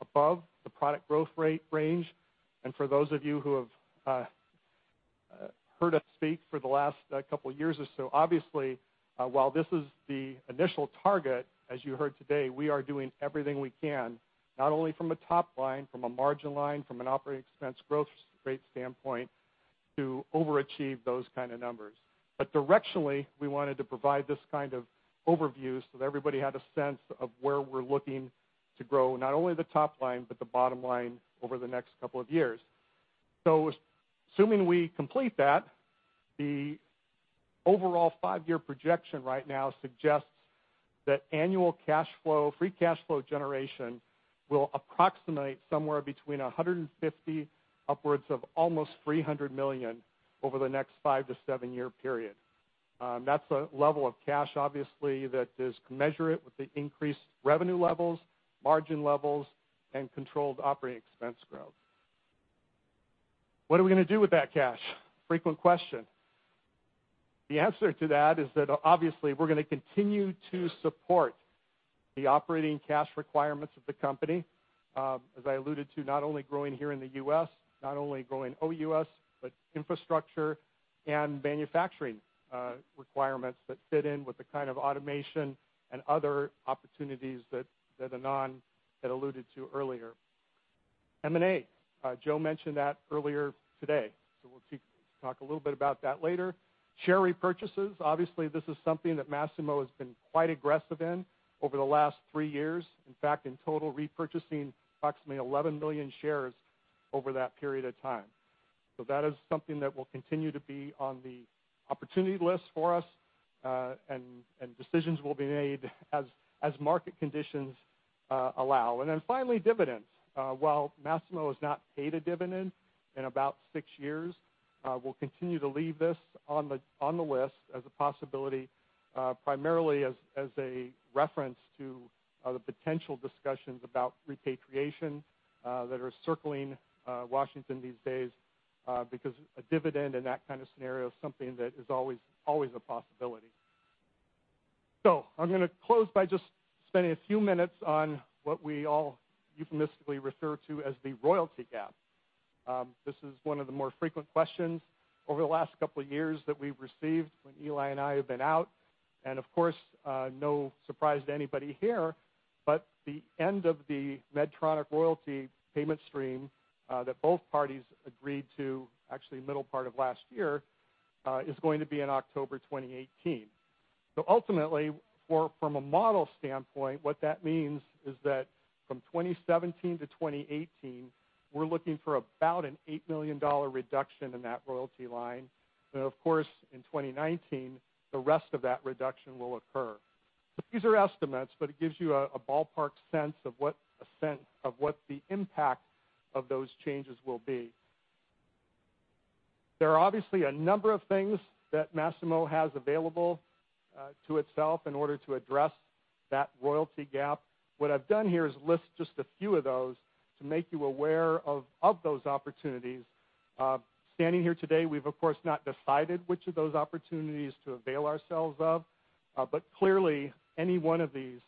above the product growth rate range. For those of you who have heard us speak for the last couple years or so, obviously, while this is the initial target, as you heard today, we are doing everything we can, not only from a top line, from a margin line, from an operating expense growth rate standpoint to overachieve those kind of numbers. Directionally, we wanted to provide this kind of overview so that everybody had a sense of where we're looking to grow, not only the top line, but the bottom line over the next couple of years. Assuming we complete that, the overall five-year projection right now suggests that annual free cash flow generation will approximate somewhere between $150 million upwards of almost $300 million over the next five to seven-year period. That's a level of cash, obviously, that is commensurate with the increased revenue levels, margin levels, and controlled operating expense growth. What are we going to do with that cash? Frequent question. The answer to that is that obviously we're going to continue to support the operating cash requirements of the company. As I alluded to, not only growing here in the U.S., not only growing OUS, but infrastructure and manufacturing requirements that fit in with the kind of automation and other opportunities that Anand had alluded to earlier. M&A. Joe mentioned that earlier today, so we'll talk a little bit about that later. Share repurchases. Obviously, this is something that Masimo has been quite aggressive in over the last three years. In fact, in total, repurchasing approximately 11 million shares over that period of time. That is something that will continue to be on the opportunity list for us, and decisions will be made as market conditions allow. Finally, dividends. While Masimo has not paid a dividend in about six years, we'll continue to leave this on the list as a possibility, primarily as a reference to the potential discussions about repatriation that are circling Washington these days, because a dividend in that kind of scenario is something that is always a possibility. I'm going to close by just spending a few minutes on what we all euphemistically refer to as the royalty gap. This is one of the more frequent questions over the last couple of years that we've received when Eli and I have been out, and of course, no surprise to anybody here, but the end of the Medtronic royalty payment stream that both parties agreed to, actually middle part of last year, is going to be in October 2018. Ultimately, from a model standpoint, what that means is that from 2017 to 2018, we're looking for about an $8 million reduction in that royalty line. Of course, in 2019, the rest of that reduction will occur. These are estimates, but it gives you a ballpark sense of what the impact of those changes will be. There are obviously a number of things that Masimo has available to itself in order to address that royalty gap. What I've done here is list just a few of those to make you aware of those opportunities. Standing here today, we've of course not decided which of those opportunities to avail ourselves of, but clearly any one of these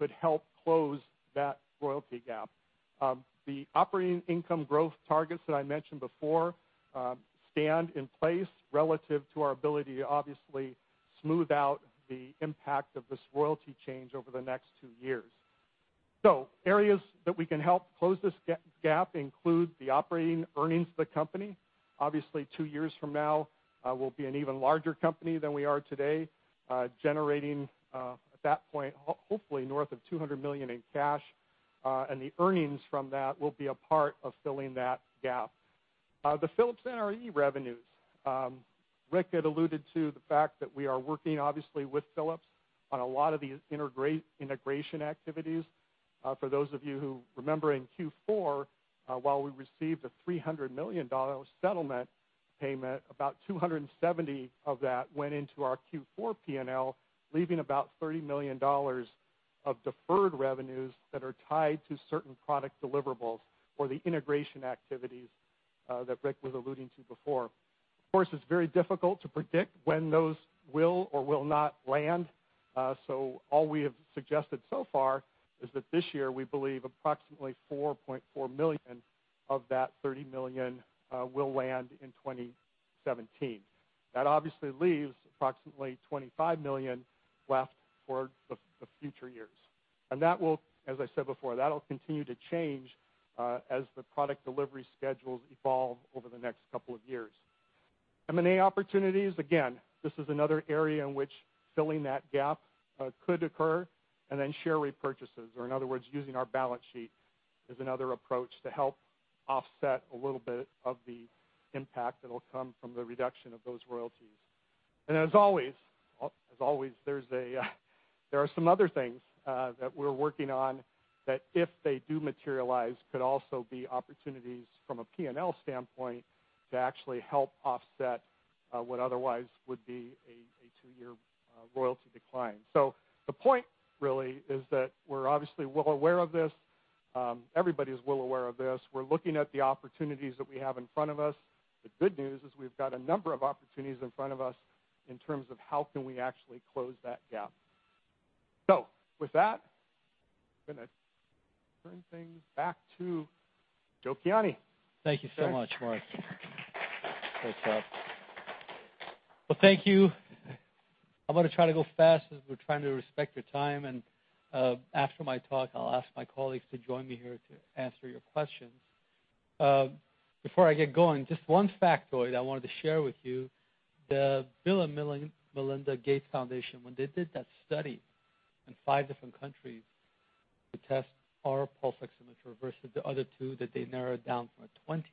could help close that royalty gap. The operating income growth targets that I mentioned before stand in place relative to our ability to obviously smooth out the impact of this royalty change over the next two years. Areas that we can help close this gap include the operating earnings of the company. Obviously, two years from now, we'll be an even larger company than we are today, generating, at that point, hopefully north of $200 million in cash, and the earnings from that will be a part of filling that gap. The Philips NRE revenues. Rick had alluded to the fact that we are working obviously with Philips on a lot of these integration activities. For those of you who remember in Q4, while we received a $300 million settlement payment, about $270 million of that went into our Q4 P&L, leaving about $30 million of deferred revenues that are tied to certain product deliverables or the integration activities that Rick was alluding to before. Of course, it's very difficult to predict when those will or will not land. All we have suggested so far is that this year we believe approximately $4.4 million of that $30 million will land in 2017. That obviously leaves approximately $25 million left for the future years. That will, as I said before, that'll continue to change as the product delivery schedules evolve over the next couple of years. M&A opportunities, again, this is another area in which filling that gap could occur, and then share repurchases, or in other words, using our balance sheet as another approach to help offset a little bit of the impact that'll come from the reduction of those royalties. As always, there are some other things that we're working on that if they do materialize, could also be opportunities from a P&L standpoint to actually help offset what otherwise would be a two-year royalty decline. The point really is that we're obviously well aware of this. Everybody's well aware of this. We're looking at the opportunities that we have in front of us. The good news is we've got a number of opportunities in front of us in terms of how can we actually close that gap. With that, I'm going to turn things back to Joe Kiani. Thank you so much, Mark. Great job. Thank you. I'm going to try to go fast as we're trying to respect your time, and after my talk, I'll ask my colleagues to join me here to answer your questions. Before I get going, just one factoid I wanted to share with you. The Bill and Melinda Gates Foundation, when they did that study in five different countries to test our pulse oximeter versus the other two that they narrowed down from 20,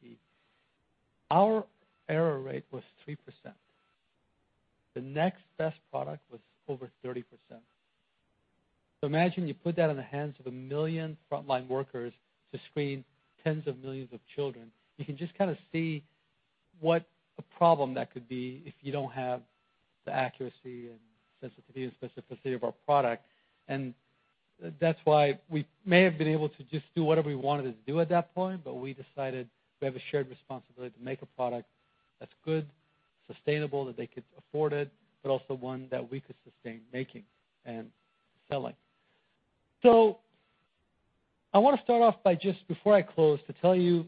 our error rate was 3%. The next best product was over 30%. Imagine you put that in the hands of a million frontline workers to screen tens of millions of children. You can just kind of see what a problem that could be if you don't have the accuracy and sensitivity and specificity of our product. That's why we may have been able to just do whatever we wanted to do at that point, we decided we have a shared responsibility to make a product that's good, sustainable, that they could afford it, but also one that we could sustain making and selling. I want to start off by just before I close to tell you,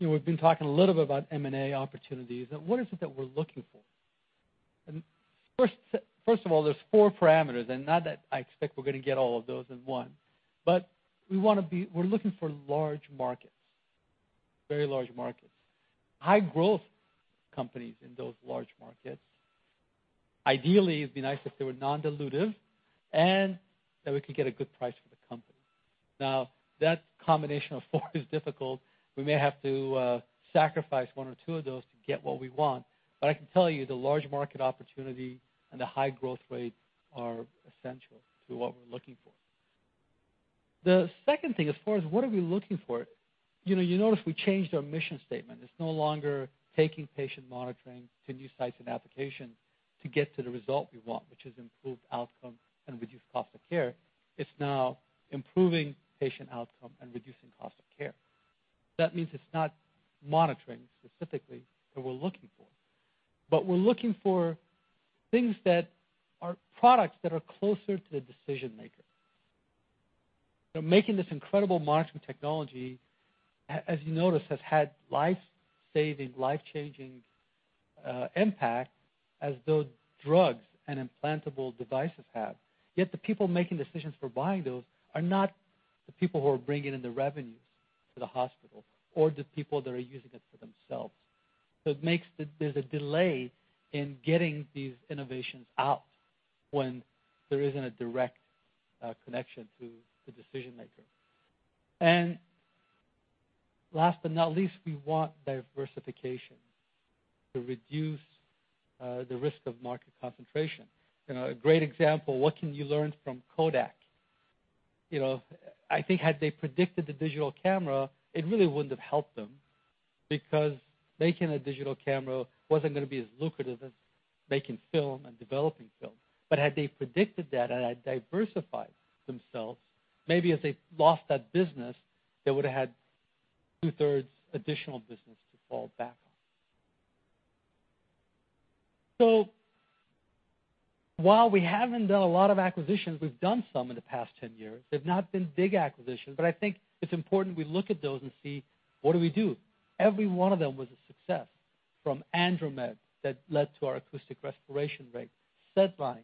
we've been talking a little bit about M&A opportunities, and what is it that we're looking for? First of all, there's 4 parameters, not that I expect we're going to get all of those in one, but we're looking for large markets. Very large markets. High-growth companies in those large markets. Ideally, it'd be nice if they were non-dilutive and that we could get a good price for the company. That combination of 4 is difficult. We may have to sacrifice one or two of those to get what we want. I can tell you, the large market opportunity and the high growth rate are essential to what we're looking for. The second thing, as far as what are we looking for, you notice we changed our mission statement. It's no longer taking patient monitoring to new sites and applications to get to the result we want, which is improved outcome and reduced cost of care. It's now improving patient outcome and reducing cost of care. That means it's not monitoring specifically that we're looking for, but we're looking for products that are closer to the decision-maker. They're making this incredible monitoring technology, as you notice, has had life-saving, life-changing impact as those drugs and implantable devices have. Yet the people making decisions for buying those are not the people who are bringing in the revenues to the hospital or the people that are using it for themselves. There's a delay in getting these innovations out when there isn't a direct connection to the decision-maker. Last but not least, we want diversification to reduce the risk of market concentration. A great example, what can you learn from Kodak? I think had they predicted the digital camera, it really wouldn't have helped them because making a digital camera wasn't going to be as lucrative as making film and developing film. Had they predicted that and had diversified themselves, maybe if they lost that business, they would've had two-thirds additional business to fall back on. While we haven't done a lot of acquisitions, we've done some in the past 10 years. They've not been big acquisitions, I think it's important we look at those and see what do we do. Every one of them was a success. From Andromed that led to our acoustic respiration rate, SedLine,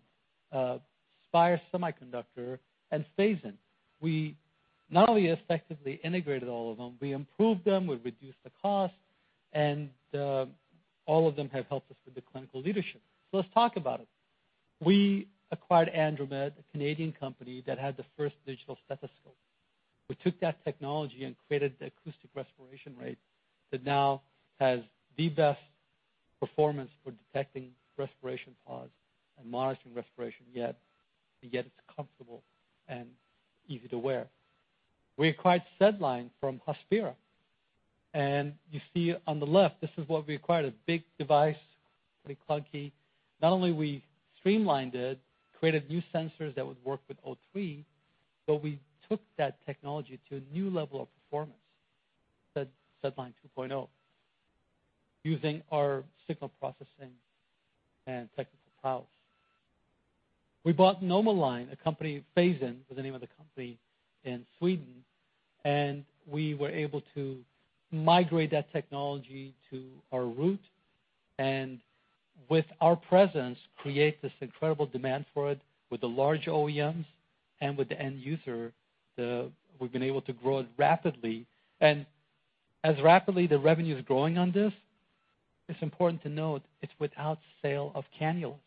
Spire Semiconductor, and Phasein. We not only effectively integrated all of them, we improved them, we reduced the cost, and all of them have helped us with the clinical leadership. Let's talk about it. We acquired Andromed, a Canadian company that had the first digital stethoscope. We took that technology and created the acoustic respiration rate that now has the best performance for detecting respiration pause and monitoring respiration yet, but yet it's comfortable and easy to wear. We acquired SedLine from Hospira, and you see on the left this is what we acquired, a big device, pretty clunky. Not only we streamlined it, created new sensors that would work with O3, but we took that technology to a new level of performance, SedLine 2.0, using our signal processing and technical prowess. We bought NomoLine, Phasein was the name of the company in Sweden, we were able to migrate that technology to our Root and with our presence, create this incredible demand for it with the large OEMs and with the end user, we've been able to grow it rapidly. As rapidly the revenue's growing on this, it's important to note it's without sale of cannulas.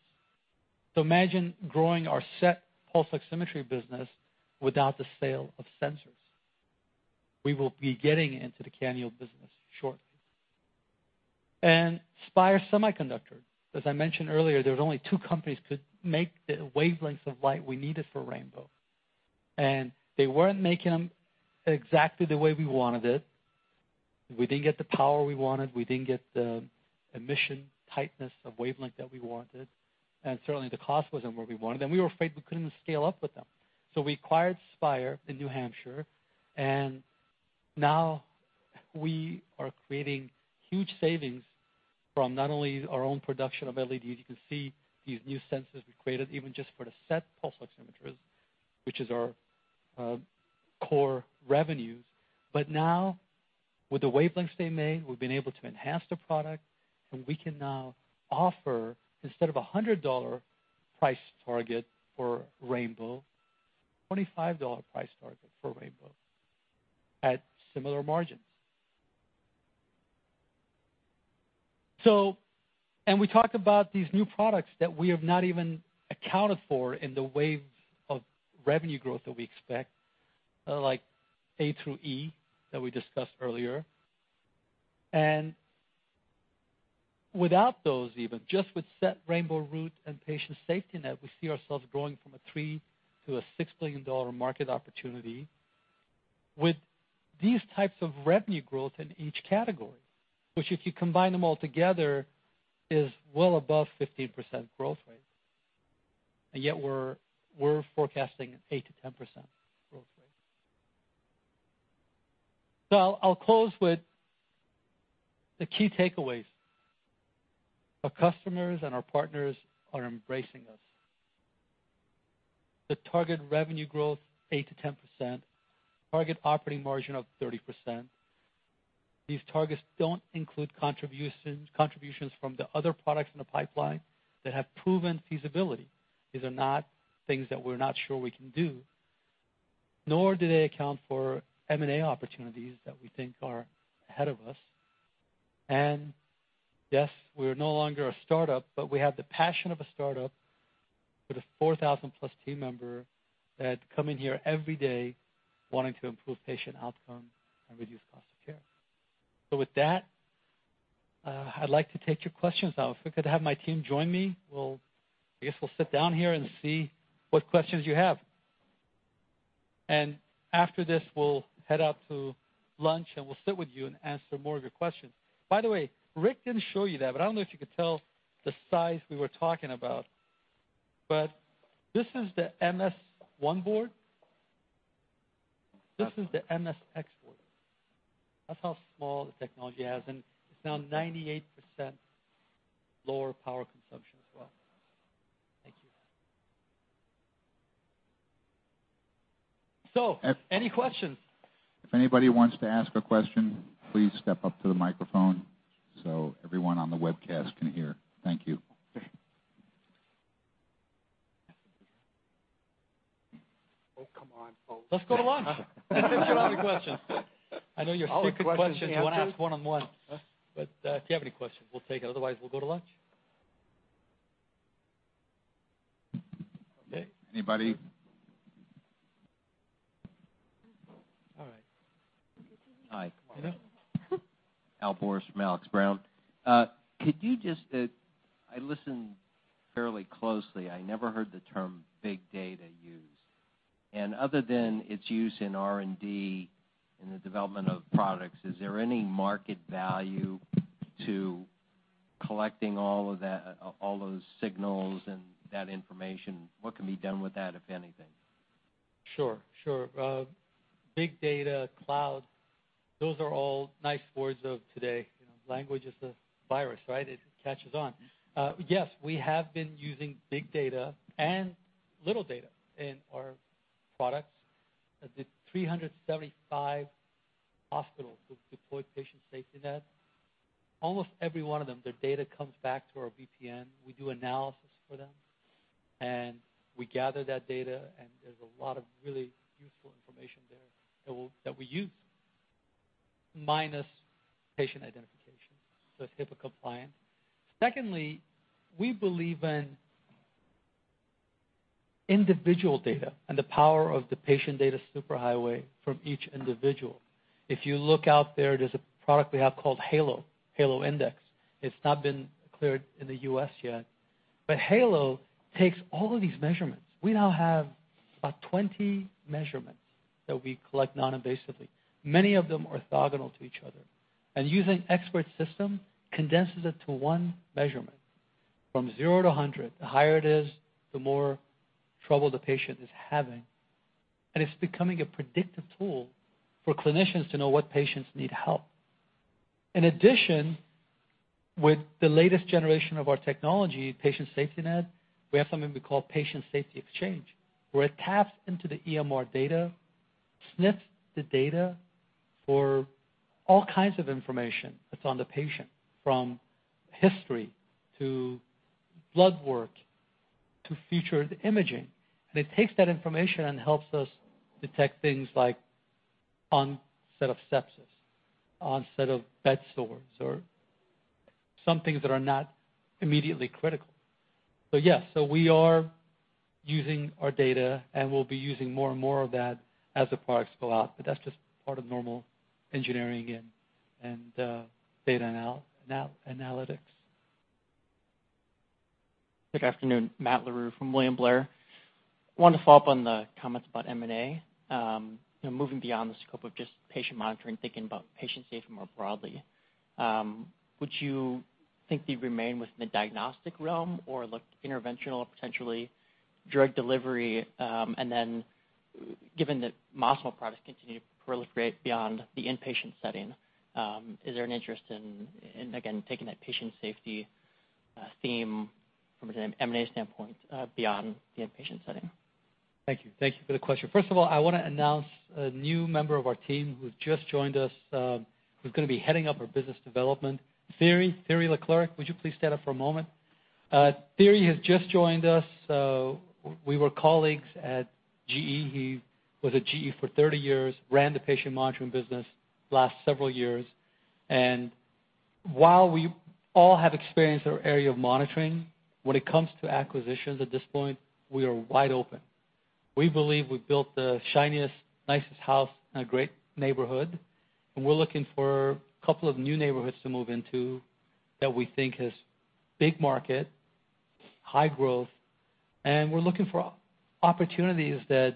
Imagine growing our SET pulse oximetry business without the sale of sensors. We will be getting into the cannula business shortly. Spire Semiconductor, as I mentioned earlier, there's only two companies could make the wavelengths of light we needed for Rainbow. They weren't making them exactly the way we wanted it. We didn't get the power we wanted, we didn't get the emission tightness of wavelength that we wanted, certainly the cost wasn't where we wanted. We were afraid we couldn't scale up with them. We acquired Spire in New Hampshire, now we are creating huge savings from not only our own production of LEDs, you can see these new sensors we created even just for the SET pulse oximeters, which is our core revenues. With the wavelengths they made, we've been able to enhance the product and we can now offer, instead of $100 price target for Rainbow, $25 price target for Rainbow at similar margins. We talked about these new products that we have not even accounted for in the wave of revenue growth that we expect, like A through E that we discussed earlier. Without those even, just with SET Rainbow Root and Patient SafetyNet, we see ourselves growing from a $3 billion to $6 billion market opportunity with these types of revenue growth in each category, which if you combine them all together, is well above 15% growth rate. Yet we're forecasting an 8%-10% growth rate. I'll close with the key takeaways. Our customers and our partners are embracing us. The target revenue growth 8%-10%, target operating margin of 30%. These targets don't include contributions from the other products in the pipeline that have proven feasibility. These are not things that we're not sure we can do. Nor do they account for M&A opportunities that we think are ahead of us. Yes, we're no longer a startup, but we have the passion of a startup with a 4,000-plus team member that come in here every day wanting to improve patient outcome and reduce cost of care. With that, I'd like to take your questions now. If we could have my team join me, I guess we'll sit down here and see what questions you have. After this, we'll head out to lunch and we'll sit with you and answer more of your questions. By the way, Rick didn't show you that, but I don't know if you could tell the size we were talking about, but this is the MS-1 board. This is the MSX board. That's how small the technology is, and it's now 98% lower power consumption as well. Thank you. Any questions? If anybody wants to ask a question, please step up to the microphone so everyone on the webcast can hear. Thank you. Okay. Oh, come on, folks. Let's go to lunch. I think you have your questions. I know you're thinking questions. All the questions answered you want to ask one-on-one. If you have any questions, we'll take it. Otherwise, we'll go to lunch. Okay. Anybody? All right. Hi. Yeah. Al Boris from Alex. Brown. I listened fairly closely. I never heard the term big data used. Other than its use in R&D in the development of products, is there any market value to collecting all those signals and that information? What can be done with that, if anything? Sure. Big data, cloud, those are all nice words of today. Language is a virus, right? It catches on. Yes, we have been using big data and little data in our products. The 375 hospitals who've deployed Patient SafetyNet, almost every one of them, their data comes back to our VPN. We do analysis for them, we gather that data, there's a lot of really useful information there that we use, minus patient identification, so it's HIPAA-compliant. Secondly, we believe in individual data and the power of the patient data superhighway from each individual. If you look out there's a product we have called Halo Index. It's not been cleared in the U.S. yet. Halo takes all of these measurements. We now have about 20 measurements that we collect non-invasively, many of them orthogonal to each other. Using expert system condenses it to one measurement from zero to 100. The higher it is, the more trouble the patient is having. It's becoming a predictive tool for clinicians to know what patients need help. In addition, with the latest generation of our technology, Patient SafetyNet, we have something we call Patient Safety Exchange, where it taps into the EMR data, sniffs the data for all kinds of information that's on the patient, from history to blood work, to featured imaging. It takes that information and helps us detect things like onset of sepsis, onset of bedsores, or some things that are not immediately critical. Yes, so we are using our data, we'll be using more and more of that as the products go out. That's just part of normal engineering and data analytics. Good afternoon. Matthew LaRue from William Blair. I wanted to follow up on the comments about M&A. Moving beyond the scope of just patient monitoring, thinking about patient safety more broadly, would you think you'd remain within the diagnostic realm or interventional, potentially drug delivery? Given that Masimo products continue to proliferate beyond the inpatient setting, is there an interest in, again, taking that patient safety theme from an M&A standpoint, beyond the inpatient setting? Thank you. Thank you for the question. First of all, I want to announce a new member of our team who's just joined us, who's going to be heading up our business development. Thierry Leclercq, would you please stand up for a moment? Thierry has just joined us. We were colleagues at GE. He was at GE for 30 years, ran the patient monitoring business last several years. While we all have experience in our area of monitoring, when it comes to acquisitions at this point, we are wide open. We believe we've built the shiniest, nicest house in a great neighborhood, we're looking for a couple of new neighborhoods to move into that we think has big market, high growth. We're looking for opportunities where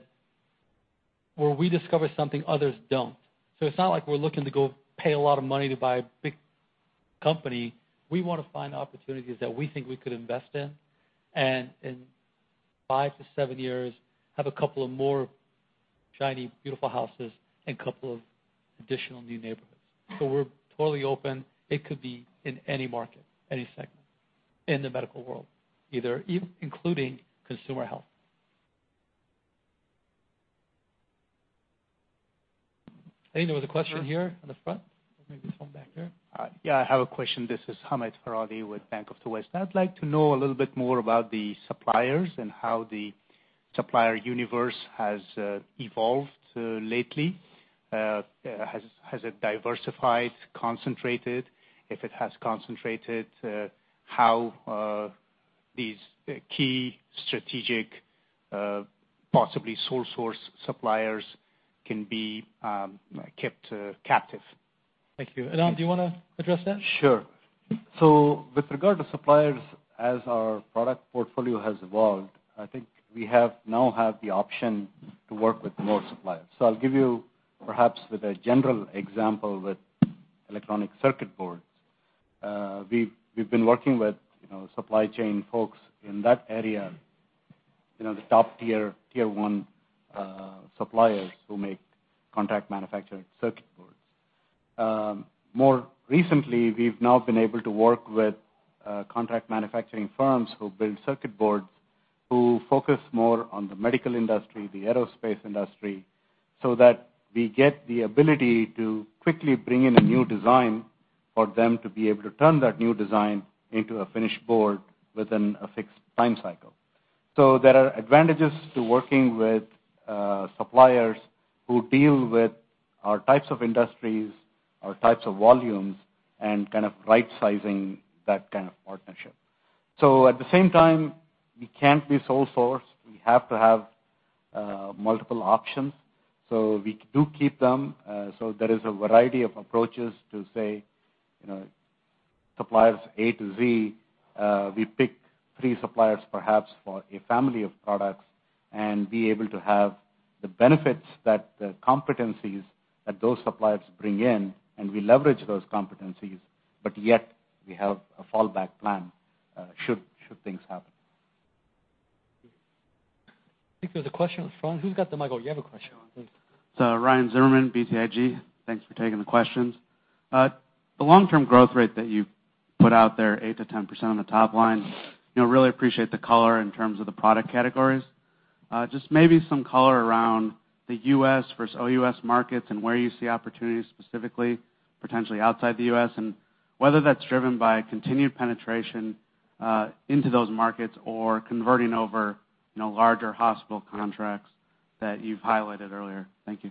we discover something others don't. It's not like we're looking to go pay a lot of money to buy a big company. We want to find opportunities that we think we could invest in, and in 5 to 7 years, have a couple of more shiny, beautiful houses and a couple of additional new neighborhoods. We're totally open. It could be in any market, any segment in the medical world, including consumer health. I think there was a question here in the front. Maybe someone back there. Yeah, I have a question. This is Hamed Farhadi with Bank of the West. I'd like to know a little bit more about the suppliers and how the supplier universe has evolved lately. Has it diversified, concentrated? If it has concentrated, how these key strategic, possibly sole source suppliers can be kept captive. Thank you. Anand, do you want to address that? Sure. With regard to suppliers, as our product portfolio has evolved, I think we now have the option to work with more suppliers. I'll give you perhaps with a general example with electronic circuit boards. We've been working with supply chain folks in that area, the top tier 1 suppliers who make contract manufacturing circuit boards. More recently, we've now been able to work with contract manufacturing firms who build circuit boards, who focus more on the medical industry, the aerospace industry, so that we get the ability to quickly bring in a new design for them to be able to turn that new design into a finished board within a fixed time cycle. There are advantages to working with suppliers who deal with our types of industries, our types of volumes, and kind of right-sizing that kind of partnership. At the same time, we can't be sole source. We have to have multiple options. We do keep them, there is a variety of approaches to say, suppliers A to Z, we pick three suppliers, perhaps for a family of products, and be able to have the benefits that the competencies that those suppliers bring in, and we leverage those competencies, but yet we have a fallback plan, should things happen. I think there's a question at the front. Who's got the mic? Oh, you have a question. Please. It's Ryan Zimmerman, BTIG. Thanks for taking the questions. The long-term growth rate that you put out there, 8%-10% on the top line, really appreciate the color in terms of the product categories. Just maybe some color around the U.S. versus OUS markets and where you see opportunities specifically, potentially outside the U.S., and whether that's driven by continued penetration into those markets or converting over larger hospital contracts that you've highlighted earlier. Thank you.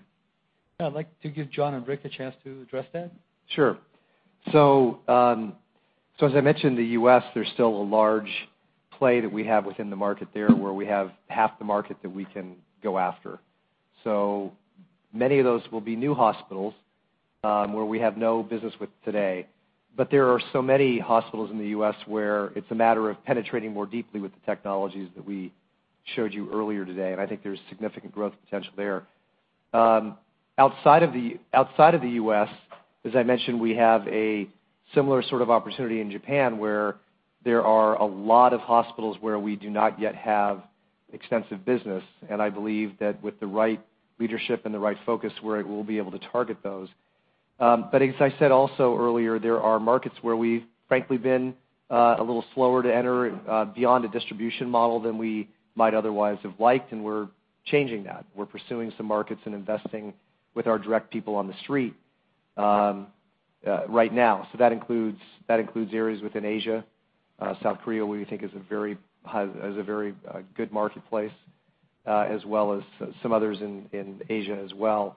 Yeah. I'd like to give Jon and Rick a chance to address that. Sure. As I mentioned, the U.S., there's still a large play that we have within the market there where we have half the market that we can go after. Many of those will be new hospitals, where we have no business with today. There are so many hospitals in the U.S. where it's a matter of penetrating more deeply with the technologies that we showed you earlier today. I think there's significant growth potential there. Outside of the U.S., as I mentioned, we have a similar sort of opportunity in Japan, where there are a lot of hospitals where we do not yet have extensive business, and I believe that with the right leadership and the right focus where we'll be able to target those. As I said also earlier, there are markets where we've frankly been a little slower to enter beyond a distribution model than we might otherwise have liked, and we're changing that. We're pursuing some markets and investing with our direct people on the street right now. That includes areas within Asia. South Korea, we think is a very good marketplace, as well as some others in Asia as well.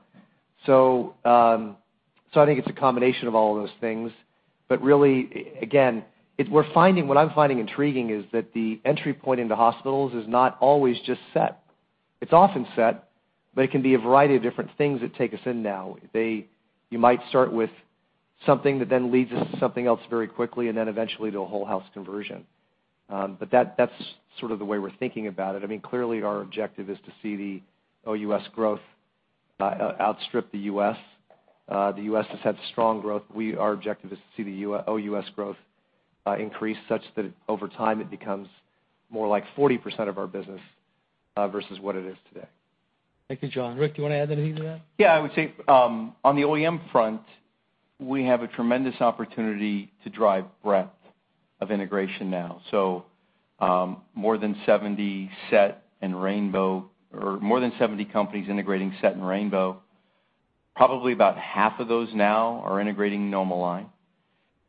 I think it's a combination of all of those things, really, again, what I'm finding intriguing is that the entry point into hospitals is not always just set. It's often set. It can be a variety of different things that take us in now. You might start with something that then leads us to something else very quickly, then eventually to a whole house conversion. That's sort of the way we're thinking about it. Clearly, our objective is to see the OUS growth outstrip the U.S. The U.S. has had strong growth. Our objective is to see the OUS growth increase such that over time it becomes more like 40% of our business versus what it is today. Thank you, Jon. Rick, do you want to add anything to that? Yeah, I would say, on the OEM front, we have a tremendous opportunity to drive breadth of integration now. More than 70 companies integrating SET and rainbow. Probably about half of those now are integrating NomoLine,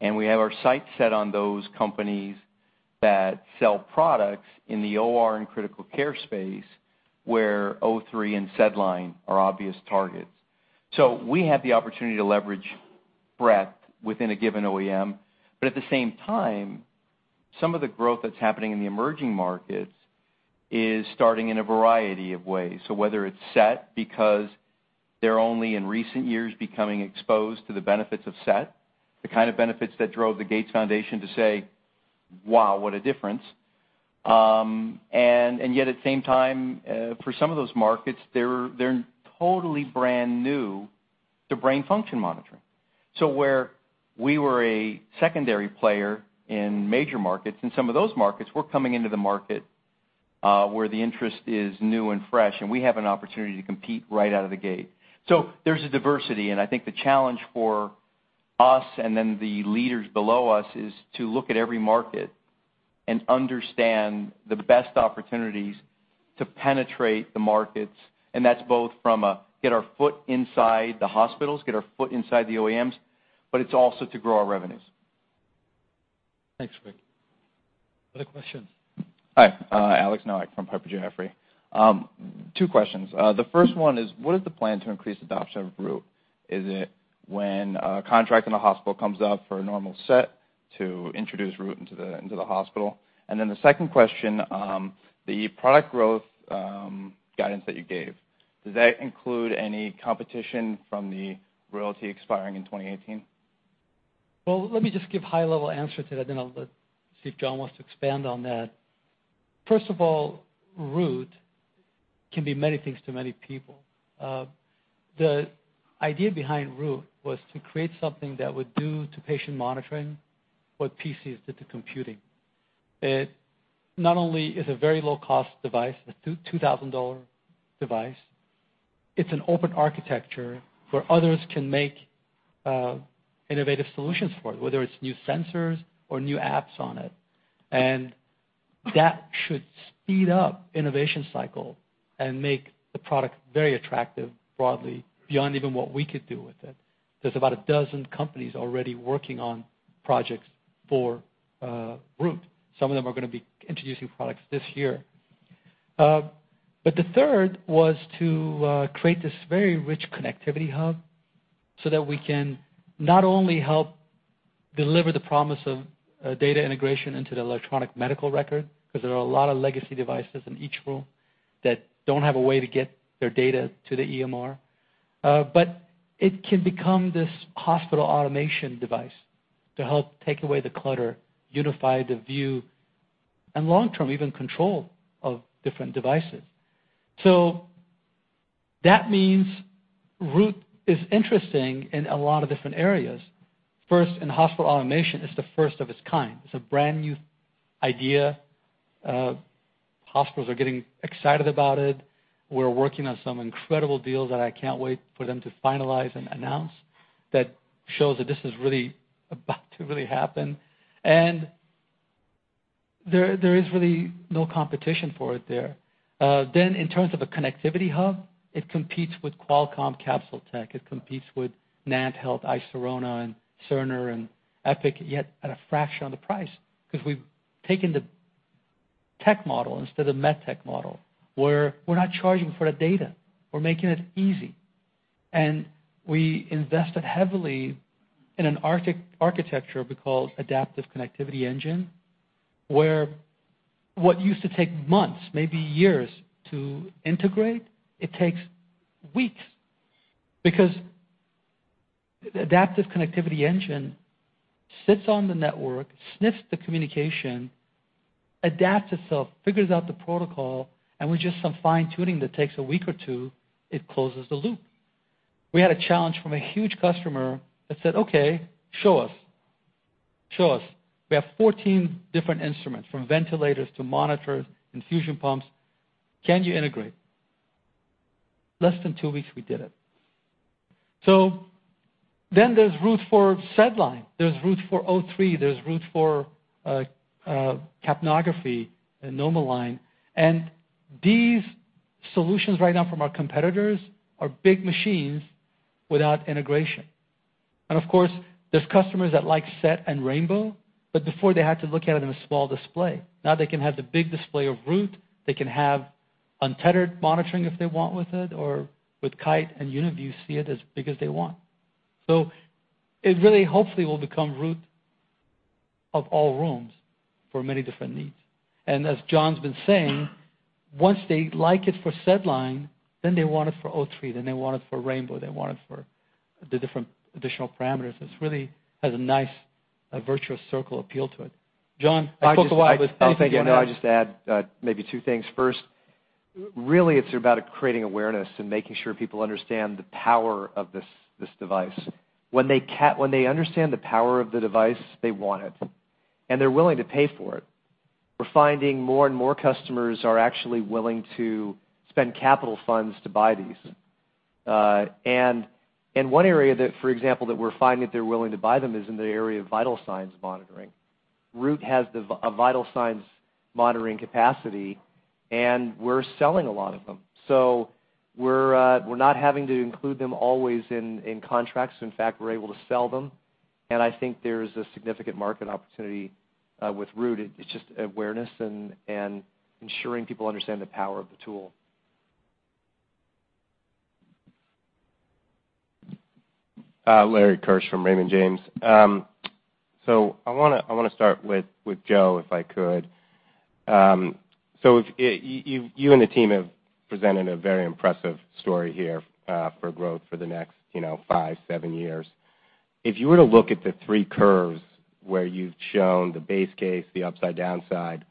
and we have our sights set on those companies that sell products in the OR and critical care space, where O3 and SedLine are obvious targets. We have the opportunity to leverage breadth within a given OEM, but at the same time, some of the growth that's happening in the emerging markets is starting in a variety of ways. Whether it's SET, because they're only in recent years becoming exposed to the benefits of SET, the kind of benefits that drove the Gates Foundation to say, "Wow, what a difference." Yet at the same time, for some of those markets, they're totally brand new to brain function monitoring. Where we were a secondary player in major markets, in some of those markets, we're coming into the market where the interest is new and fresh, and we have an opportunity to compete right out of the gate. There's a diversity, and I think the challenge for us and then the leaders below us is to look at every market and understand the best opportunities to penetrate the markets. That's both from a get our foot inside the hospitals, get our foot inside the OEMs, but it's also to grow our revenues. Thanks, Rick. Other questions? Hi, Alex Nowak from Piper Sandler. Two questions. The first one is, what is the plan to increase adoption of Root? Is it when a contract in a hospital comes up for a normal SET to introduce Root into the hospital? The second question, the product growth guidance that you gave, does that include any competition from the royalty expiring in 2018? Let me just give high-level answer to that, then I will let see if Jon wants to expand on that. Root can be many things to many people. The idea behind Root was to create something that would do to patient monitoring what PCs did to computing. It not only is a very low-cost device, a $2,000 device, it is an open architecture where others can make innovative solutions for it, whether it is new sensors or new apps on it. That should speed up innovation cycle and make the product very attractive broadly, beyond even what we could do with it. There is about 12 companies already working on projects for Root. Some of them are going to be introducing products this year. The third was to create this very rich connectivity hub so that we can not only help deliver the promise of data integration into the electronic medical record, because there are a lot of legacy devices in each room that do not have a way to get their data to the EMR, but it can become this hospital automation device to help take away the clutter, unify the view, and long-term, even control of different devices. That means Root is interesting in a lot of different areas. In hospital automation, it is the first of its kind. It is a brand-new idea. Hospitals are getting excited about it. We are working on some incredible deals that I cannot wait for them to finalize and announce that shows that this is really about to really happen. There is really no competition for it there. In terms of a connectivity hub, it competes with Qualcomm CapsuleTech, it competes with NantHealth, iSirona and Cerner and Epic, yet at a fraction of the price because we have taken the tech model instead of med tech model, where we are not charging for the data. We are making it easy. We invested heavily in an architecture we call adaptive connectivity engine, where what used to take months, maybe years to integrate, it takes weeks because adaptive connectivity engine sits on the network, sniffs the communication, adapts itself, figures out the protocol, and with just some fine-tuning that takes a week or two, it closes the loop. We had a challenge from a huge customer that said, "Okay, show us. We have 14 different instruments from ventilators to monitors, infusion pumps. Can you integrate?" Less than two weeks, we did it. There is Root for SedLine, there is Root for O3, there is Root for capnography and NomoLine. These solutions right now from our competitors are big machines without integration. There is customers that like SET and Rainbow, but before they had to look at it in a small display. Now they can have the big display of Root, they can have untethered monitoring if they want with it, or with Kite and UniView see it as big as they want. It really hopefully will become Root of all rooms for many different needs. As Jon's been saying, once they like it for SedLine, then they want it for O3, then they want it for Rainbow, they want it for the different additional parameters. It really has a nice virtuous circle appeal to it. Jon, I spoke a while, anything you want to add? I'll just add maybe two things. First, really it's about creating awareness and making sure people understand the power of this device. When they understand the power of the device, they want it and they're willing to pay for it. We're finding more and more customers are actually willing to spend capital funds to buy these. One area that, for example, that we're finding that they're willing to buy them is in the area of vital signs monitoring. Root has a vital signs monitoring capacity. We're selling a lot of them. We're not having to include them always in contracts. In fact, we're able to sell them. I think there's a significant market opportunity with Root. It's just awareness and ensuring people understand the power of the tool. Larry Kisch from Raymond James. I want to start with Joe, if I could. You and the team have presented a very impressive story here for growth for the next five, seven years. If you were to look at the three curves where you've shown the base case, the upside downside,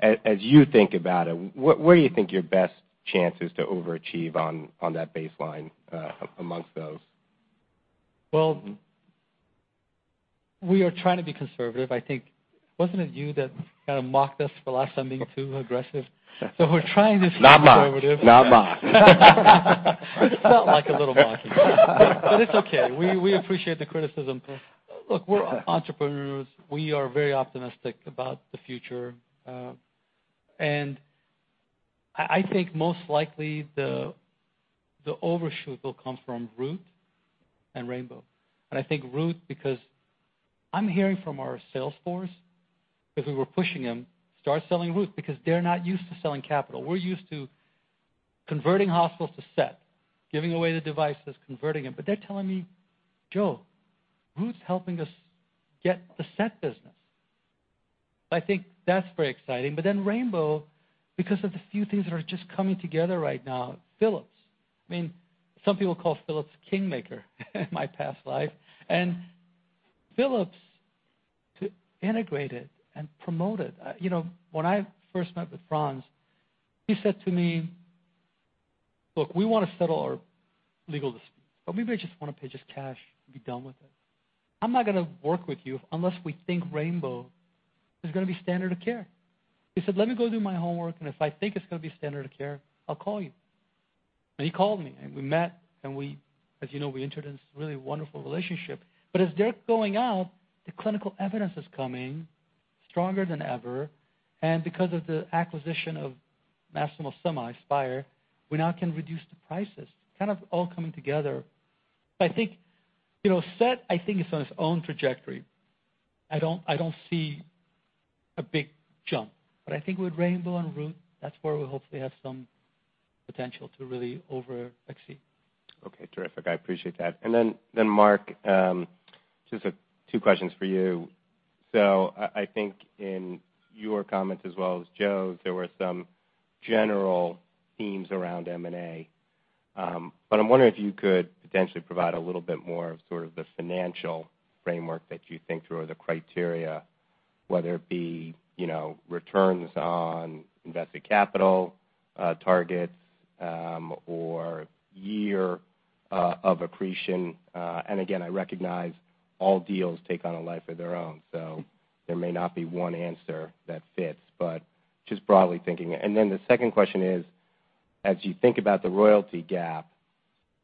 as you think about it, where do you think your best chance is to overachieve on that baseline amongst those? Well, we are trying to be conservative. I think, wasn't it you that kind of mocked us for last time being too aggressive? We're trying to stay conservative. Not mocked. It felt like a little mocking, but it's okay. We appreciate the criticism. We're entrepreneurs. We are very optimistic about the future and I think most likely the overshoot will come from Root and Rainbow. I think Root because I'm hearing from our sales force as we were pushing them, start selling Root because they're not used to selling capital. We're used to converting hospitals to SET, giving away the devices, converting them. They're telling me, "Joe, Root's helping us get the SET business." I think that's very exciting. Rainbow, because of the few things that are just coming together right now, Philips. Some people call Philips king maker in my past life. Philips to integrate it and promote it. When I first met with Frans, he said to me, "We want to settle our legal disputes, but we maybe just want to pay just cash and be done with it. I'm not going to work with you unless we think Rainbow is going to be standard of care." He said, "Let me go do my homework, and if I think it's going to be standard of care, I'll call you." He called me, and we met, and as you know, we entered in this really wonderful relationship. As they're going out, the clinical evidence is coming stronger than ever. Because of the acquisition of Spire Semiconductor, we now can reduce the prices. Kind of all coming together. SET, I think is on its own trajectory. I don't see a big jump. I think with Rainbow and Root, that's where we'll hopefully have some potential to really over-exceed. Okay, terrific. I appreciate that. Mark, just two questions for you. I think in your comments as well as Joe's, there were some general themes around M&A. I'm wondering if you could potentially provide a little bit more of sort of the financial framework that you think through, or the criteria, whether it be returns on invested capital, targets, or year of accretion. Again, I recognize all deals take on a life of their own, there may not be one answer that fits, just broadly thinking. The second question is, as you think about the royalty gap,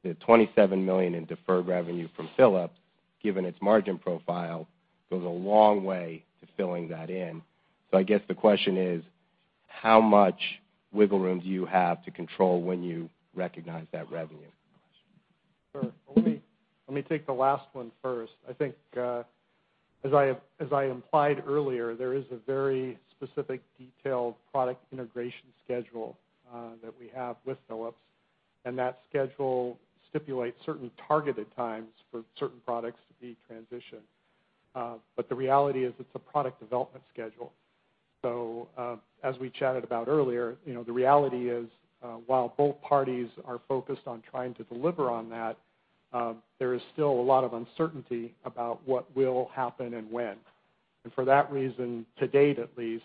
the $27 million in deferred revenue from Philips, given its margin profile, goes a long way to filling that in. I guess the question is, how much wiggle room do you have to control when you recognize that revenue? Sure. Let me take the last one first. I think as I implied earlier, there is a very specific, detailed product integration schedule that we have with Philips, and that schedule stipulates certain targeted times for certain products to be transitioned. The reality is it's a product development schedule. As we chatted about earlier, the reality is while both parties are focused on trying to deliver on that, there is still a lot of uncertainty about what will happen and when. For that reason, to date at least,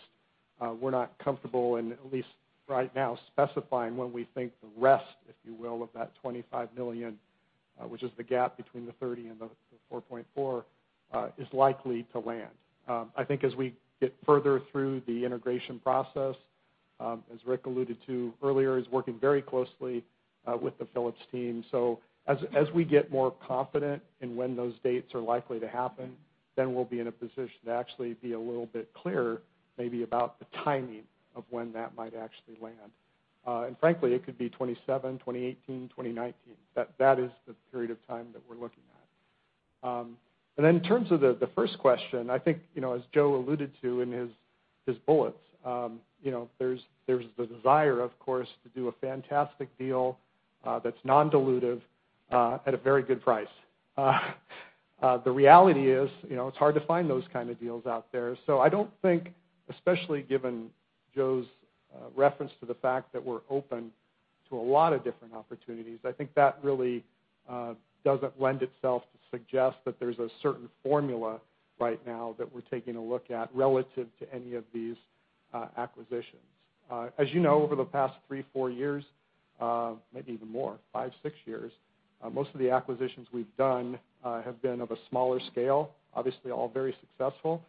we're not comfortable in, at least right now, specifying when we think the rest, if you will, of that $25 million, which is the gap between the $30 and the $4.4, is likely to land. I think as we get further through the integration process, as Rick alluded to earlier, is working very closely with the Philips team. As we get more confident in when those dates are likely to happen, then we'll be in a position to actually be a little bit clearer maybe about the timing of when that might actually land. Frankly, it could be 2017, 2018, 2019. That is the period of time that we're looking at. Then in terms of the first question, I think as Joe alluded to in his bullets, there's the desire, of course, to do a fantastic deal that's non-dilutive at a very good price. The reality is, it's hard to find those kind of deals out there. I don't think, especially given Joe's reference to the fact that we're open to a lot of different opportunities, I think that really doesn't lend itself to suggest that there's a certain formula right now that we're taking a look at relative to any of these acquisitions. As you know, over the past three, four years, maybe even more, five, six years, most of the acquisitions we've done have been of a smaller scale. Obviously, all very successful.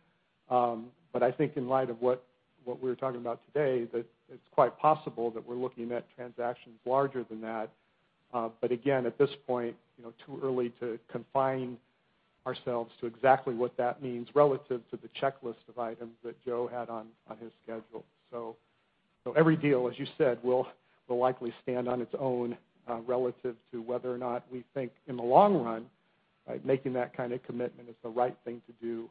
I think in light of what we're talking about today, that it's quite possible that we're looking at transactions larger than that. Again, at this point too early to confine ourselves to exactly what that means relative to the checklist of items that Joe had on his schedule. Every deal, as you said, will likely stand on its own relative to whether or not we think in the long run making that kind of commitment is the right thing to do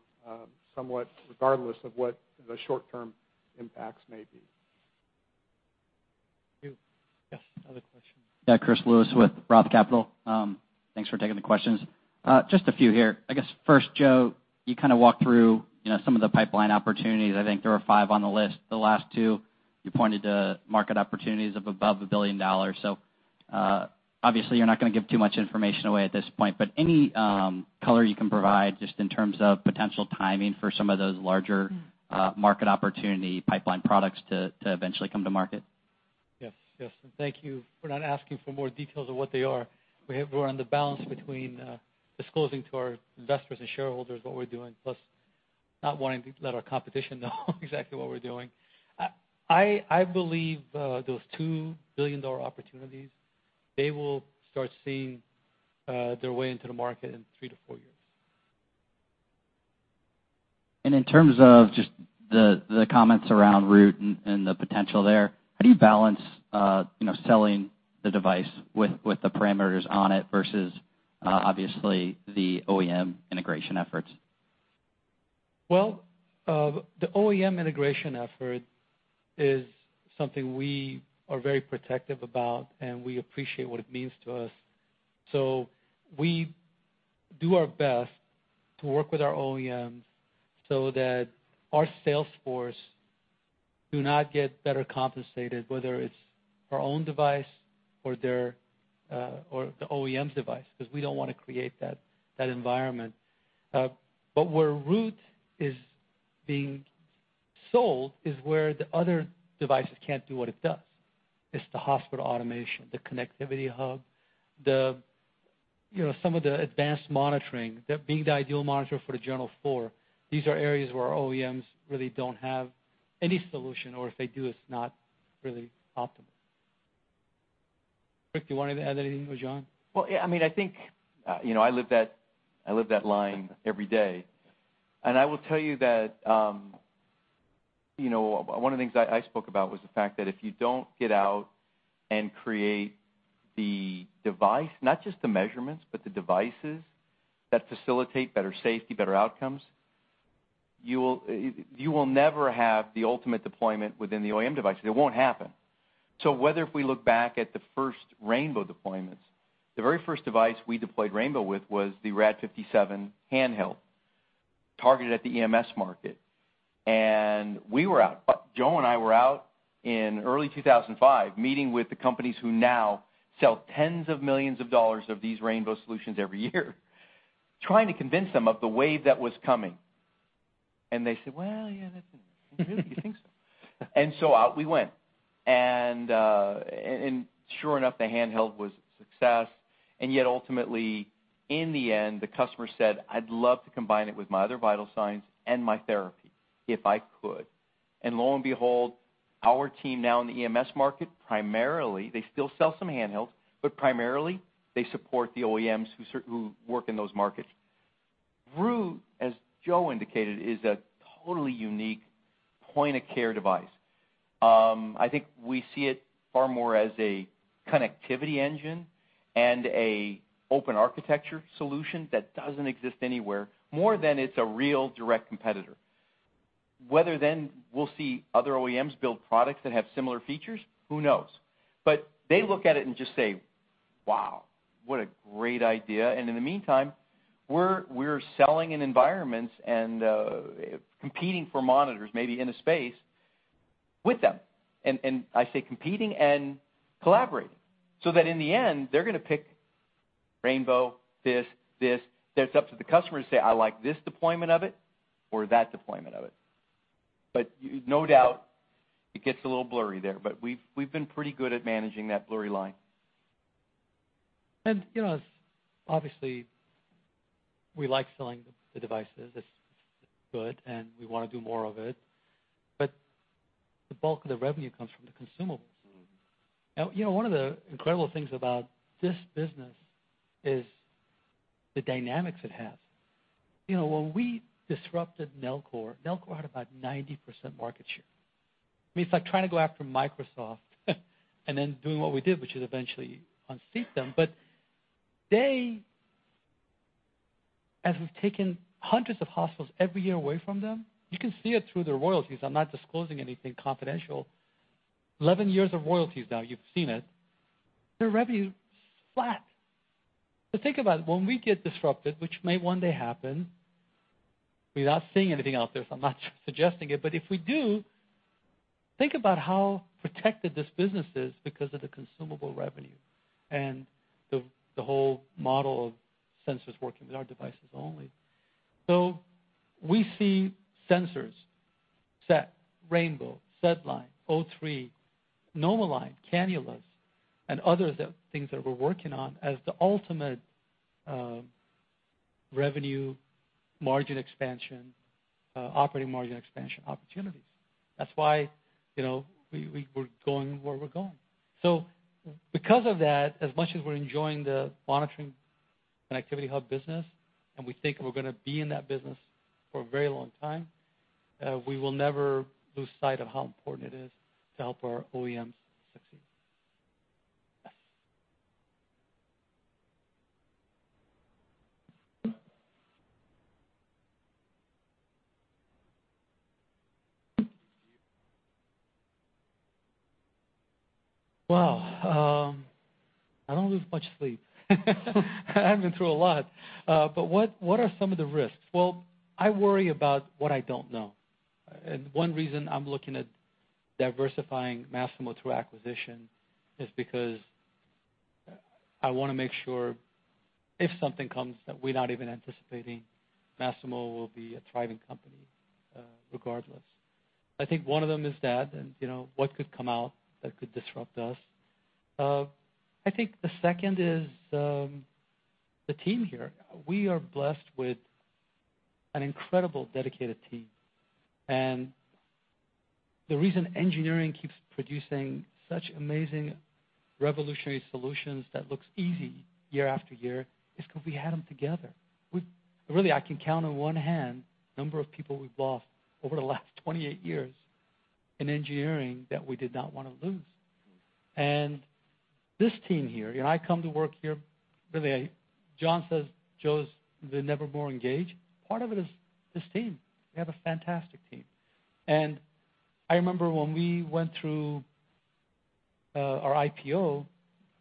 somewhat regardless of what the short-term impacts may be. Thank you. Yes. Other question. Yeah, Chris Lewis with Roth Capital. Thanks for taking the questions. Just a few here. I guess first, Joe, you kind of walked through some of the pipeline opportunities. I think there were five on the list. The last two you pointed to market opportunities of above $1 billion. Obviously you're not going to give too much information away at this point. Any color you can provide just in terms of potential timing for some of those larger market opportunity pipeline products to eventually come to market? Yes. Thank you for not asking for more details of what they are. We're on the balance between disclosing to our investors and shareholders what we're doing, plus not wanting to let our competition know exactly what we're doing. I believe those two $1 billion opportunities, they will start seeing their way into the market in three to four years. In terms of just the comments around Root and the potential there, how do you balance selling the device with the parameters on it versus obviously the OEM integration efforts? Well, the OEM integration effort is something we are very protective about, and we appreciate what it means to us. We do our best to work with our OEMs so that our sales force do not get better compensated, whether it's our own device or the OEM's device, because we don't want to create that environment. Where Root is being sold is where the other devices can't do what it does. It's the hospital automation, the connectivity hub, some of the advanced monitoring, that being the ideal monitor for the general floor. These are areas where our OEMs really don't have any solution, or if they do, it's not really optimal. Rick, do you want to add anything, or Jon? I think I live that line every day. I will tell you that one of the things I spoke about was the fact that if you don't get out and create the device, not just the measurements, but the devices that facilitate better safety, better outcomes, you will never have the ultimate deployment within the OEM device. It won't happen. Whether if we look back at the first Rainbow deployments, the very first device we deployed Rainbow with was the RAD-57 handheld, targeted at the EMS market. Joe and I were out in early 2005 meeting with the companies who now sell tens of millions of dollars of these Rainbow solutions every year, trying to convince them of the wave that was coming. They said, "Well, yeah, that's interesting. You really do think so?" Out we went. Sure enough, the handheld was a success, and yet ultimately, in the end, the customer said, "I'd love to combine it with my other vital signs and my therapy if I could." Lo and behold, our team now in the EMS market, primarily, they still sell some handhelds, but primarily, they support the OEMs who work in those markets. Root, as Joe indicated, is a totally unique point-of-care device. I think we see it far more as a connectivity engine and a open architecture solution that doesn't exist anywhere, more than it's a real direct competitor. We'll see other OEMs build products that have similar features, who knows? They look at it and just say, "Wow, what a great idea." In the meantime, we're selling in environments and competing for monitors, maybe in a space with them. I say competing and collaborating. That in the end, they're going to pick Rainbow, this. That's up to the customer to say, "I like this deployment of it or that deployment of it." No doubt, it gets a little blurry there, but we've been pretty good at managing that blurry line. Obviously we like selling the devices. It's good, and we want to do more of it. The bulk of the revenue comes from the consumables. One of the incredible things about this business is the dynamics it has. When we disrupted Nellcor had about 90% market share. It's like trying to go after Microsoft and then doing what we did, which is eventually unseat them. They, as we've taken hundreds of hospitals every year away from them, you can see it through their royalties. I'm not disclosing anything confidential. 11 years of royalties now, you've seen it. Their revenue is flat. Think about it. When we get disrupted, which may one day happen, we're not seeing anything out there, I'm not suggesting it. If we do, think about how protected this business is because of the consumable revenue and the whole model of sensors working with our devices only. We see sensors, SET Rainbow, SedLine, O3, NomoLine, cannulas, and other things that we're working on as the ultimate revenue margin expansion, operating margin expansion opportunities. That's why we're going where we're going. Because of that, as much as we're enjoying the monitoring and activity hub business, and we think we're going to be in that business for a very long time, we will never lose sight of how important it is to help our OEMs succeed. Yes. Well, I don't lose much sleep. I've been through a lot. What are some of the risks? Well, I worry about what I don't know. One reason I'm looking at diversifying Masimo through acquisition is because I want to make sure if something comes that we're not even anticipating, Masimo will be a thriving company regardless. I think one of them is that and what could come out that could disrupt us. I think the second is the team here. We are blessed with an incredible dedicated team. The reason engineering keeps producing such amazing revolutionary solutions that looks easy year after year is because we had them together. Really, I can count on one hand the number of people we've lost over the last 28 years in engineering that we did not want to lose. This team here, I come to work here, really, Jon says Joe's the nevermore engage. Part of it is this team. We have a fantastic team. I remember when we went through our IPO,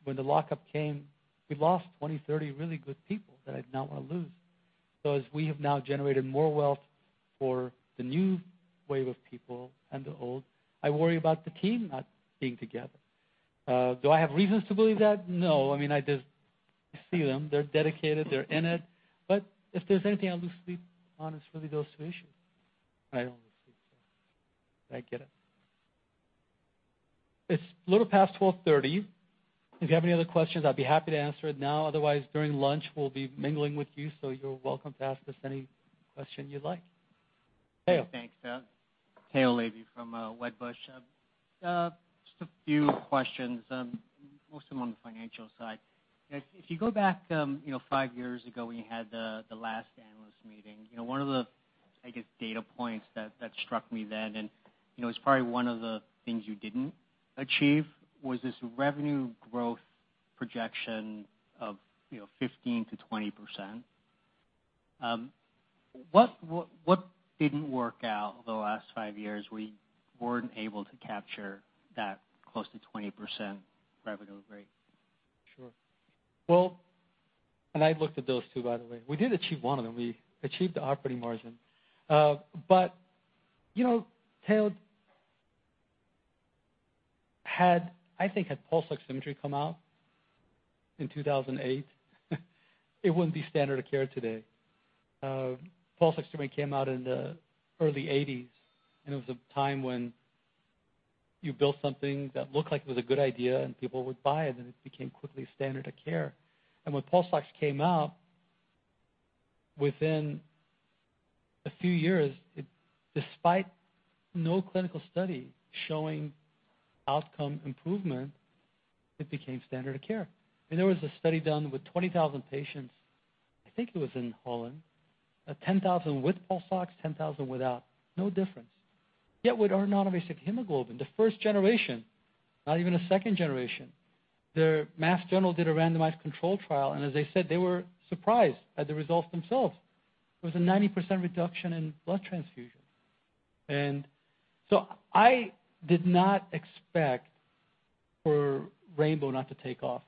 when the lockup came, we lost 20, 30 really good people that I did not want to lose. As we have now generated more wealth for the new wave of people and the old, I worry about the team not being together. Do I have reasons to believe that? No. I just see them. They're dedicated. They're in it. If there's anything I lose sleep on, it's really those two issues. I don't lose sleep, I get it. It's a little past 12:30. If you have any other questions, I'd be happy to answer it now. Otherwise, during lunch, we'll be mingling with you, so you're welcome to ask us any question you'd like. Tao. Thanks. Tao Levy from Wedbush. Just a few questions, most of them on the financial side. If you go back five years ago when you had the last analyst meeting, one of the, I guess data points that struck me then, and it's probably one of the things you didn't achieve, was this revenue growth projection of 15%-20%. What didn't work out over the last five years where you weren't able to capture that close to 20% revenue rate? Sure. I looked at those too, by the way. We did achieve one of them. We achieved the operating margin. Tao, I think had pulse oximetry come out in 2008, it wouldn't be standard of care today. Pulse oximetry came out in the early '80s. It was a time when you built something that looked like it was a good idea and people would buy it, and it became quickly standard of care. When pulse ox came out, within a few years, despite no clinical study showing outcome improvement, it became standard of care. There was a study done with 20,000 patients, I think it was in Holland, 10,000 with pulse ox, 10,000 without. No difference. Yet with our noninvasive hemoglobin, the first generation, not even a second generation, Mass General did a randomized control trial. As they said, they were surprised at the results themselves. It was a 90% reduction in blood transfusion. I did not expect for Rainbow not to take off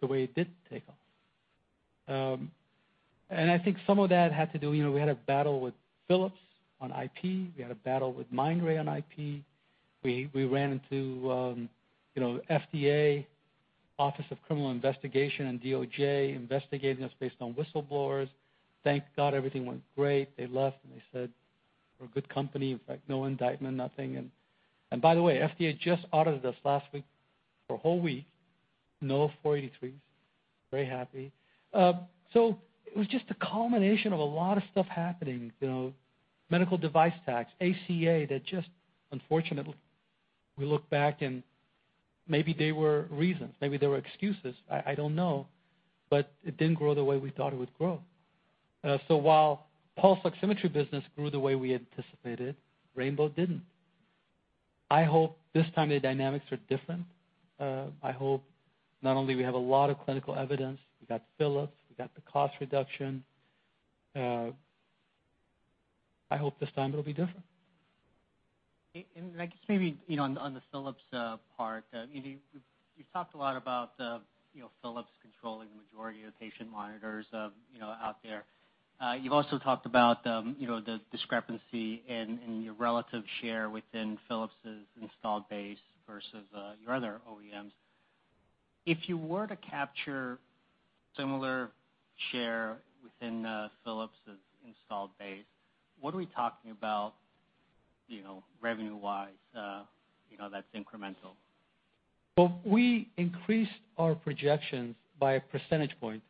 the way it did take off. I think some of that had to do, we had a battle with Philips on IP, we had a battle with Mindray on IP. We ran into FDA, Office of Criminal Investigation and DOJ investigating us based on whistleblowers. Thank God everything went great. They left. They said we're a good company. In fact, no indictment, nothing. FDA just audited us last week for a whole week. No 483s. Very happy. It was just a culmination of a lot of stuff happening. Medical device tax, ACA, that just unfortunately, we look back and maybe they were reasons, maybe they were excuses, I don't know, but it didn't grow the way we thought it would grow. While pulse oximetry business grew the way we anticipated, Rainbow didn't. I hope this time the dynamics are different. I hope not only we have a lot of clinical evidence, we got Philips, we got the cost reduction. I hope this time it'll be different. I guess maybe, on the Philips part, you've talked a lot about Philips controlling the majority of the patient monitors out there. You've also talked about the discrepancy in your relative share within Philips's installed base versus your other OEMs. If you were to capture similar share within Philips's installed base, what are we talking about, revenue-wise, that's incremental? Well, we increased our projections by a percentage point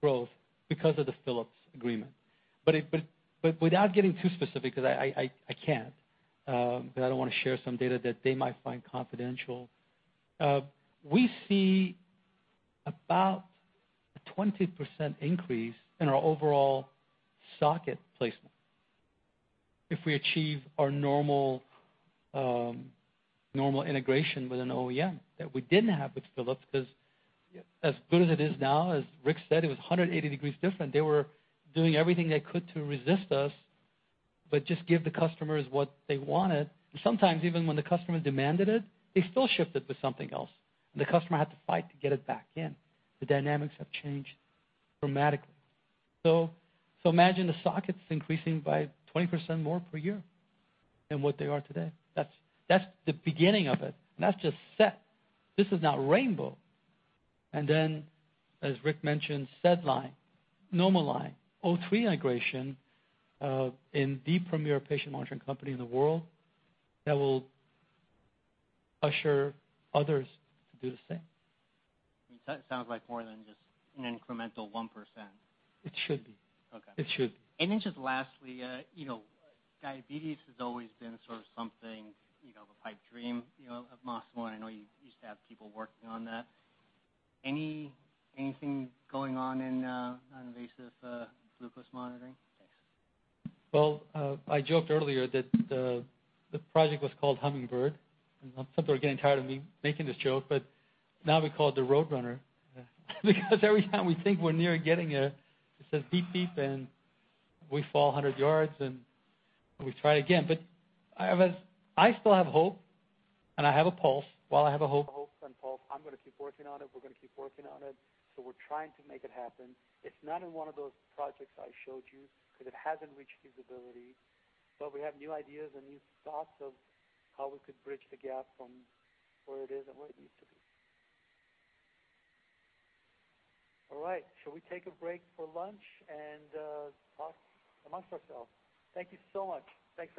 growth because of the Philips agreement. Without getting too specific, because I can't, because I don't want to share some data that they might find confidential. We see about a 20% increase in our overall socket placement if we achieve our normal integration with an OEM that we didn't have with Philips, because as good as it is now, as Rick said, it was 180 degrees different. They were doing everything they could to resist us, but just give the customers what they wanted. Sometimes even when the customer demanded it, they still shipped it with something else. The customer had to fight to get it back in. The dynamics have changed dramatically. Imagine the sockets increasing by 20% more per year than what they are today. That's the beginning of it. That's just SET. This is now Rainbow. As Rick mentioned, SedLine, NomoLine, O3 integration in the premier patient monitoring company in the world, that will usher others to do the same. It sounds like more than just an incremental 1%. It should be. Okay. It should be. Just lastly, diabetes has always been sort of something of a pipe dream at Masimo. I know you used to have people working on that. Anything going on in non-invasive glucose monitoring? Thanks. Well, I joked earlier that the project was called Hummingbird, and some people are getting tired of me making this joke, but now we call it the Roadrunner. Every time we think we're near getting it says beep, and we fall 100 yards and we try it again. I still have hope, and I have a pulse. While I have a hope and pulse, I'm going to keep working on it. We're going to keep working on it. We're trying to make it happen. It's not in one of those projects I showed you because it hasn't reached usability. We have new ideas and new thoughts of how we could bridge the gap from where it is and where it needs to be. All right. Shall we take a break for lunch and talk amongst ourselves? Thank you so much. Thanks for.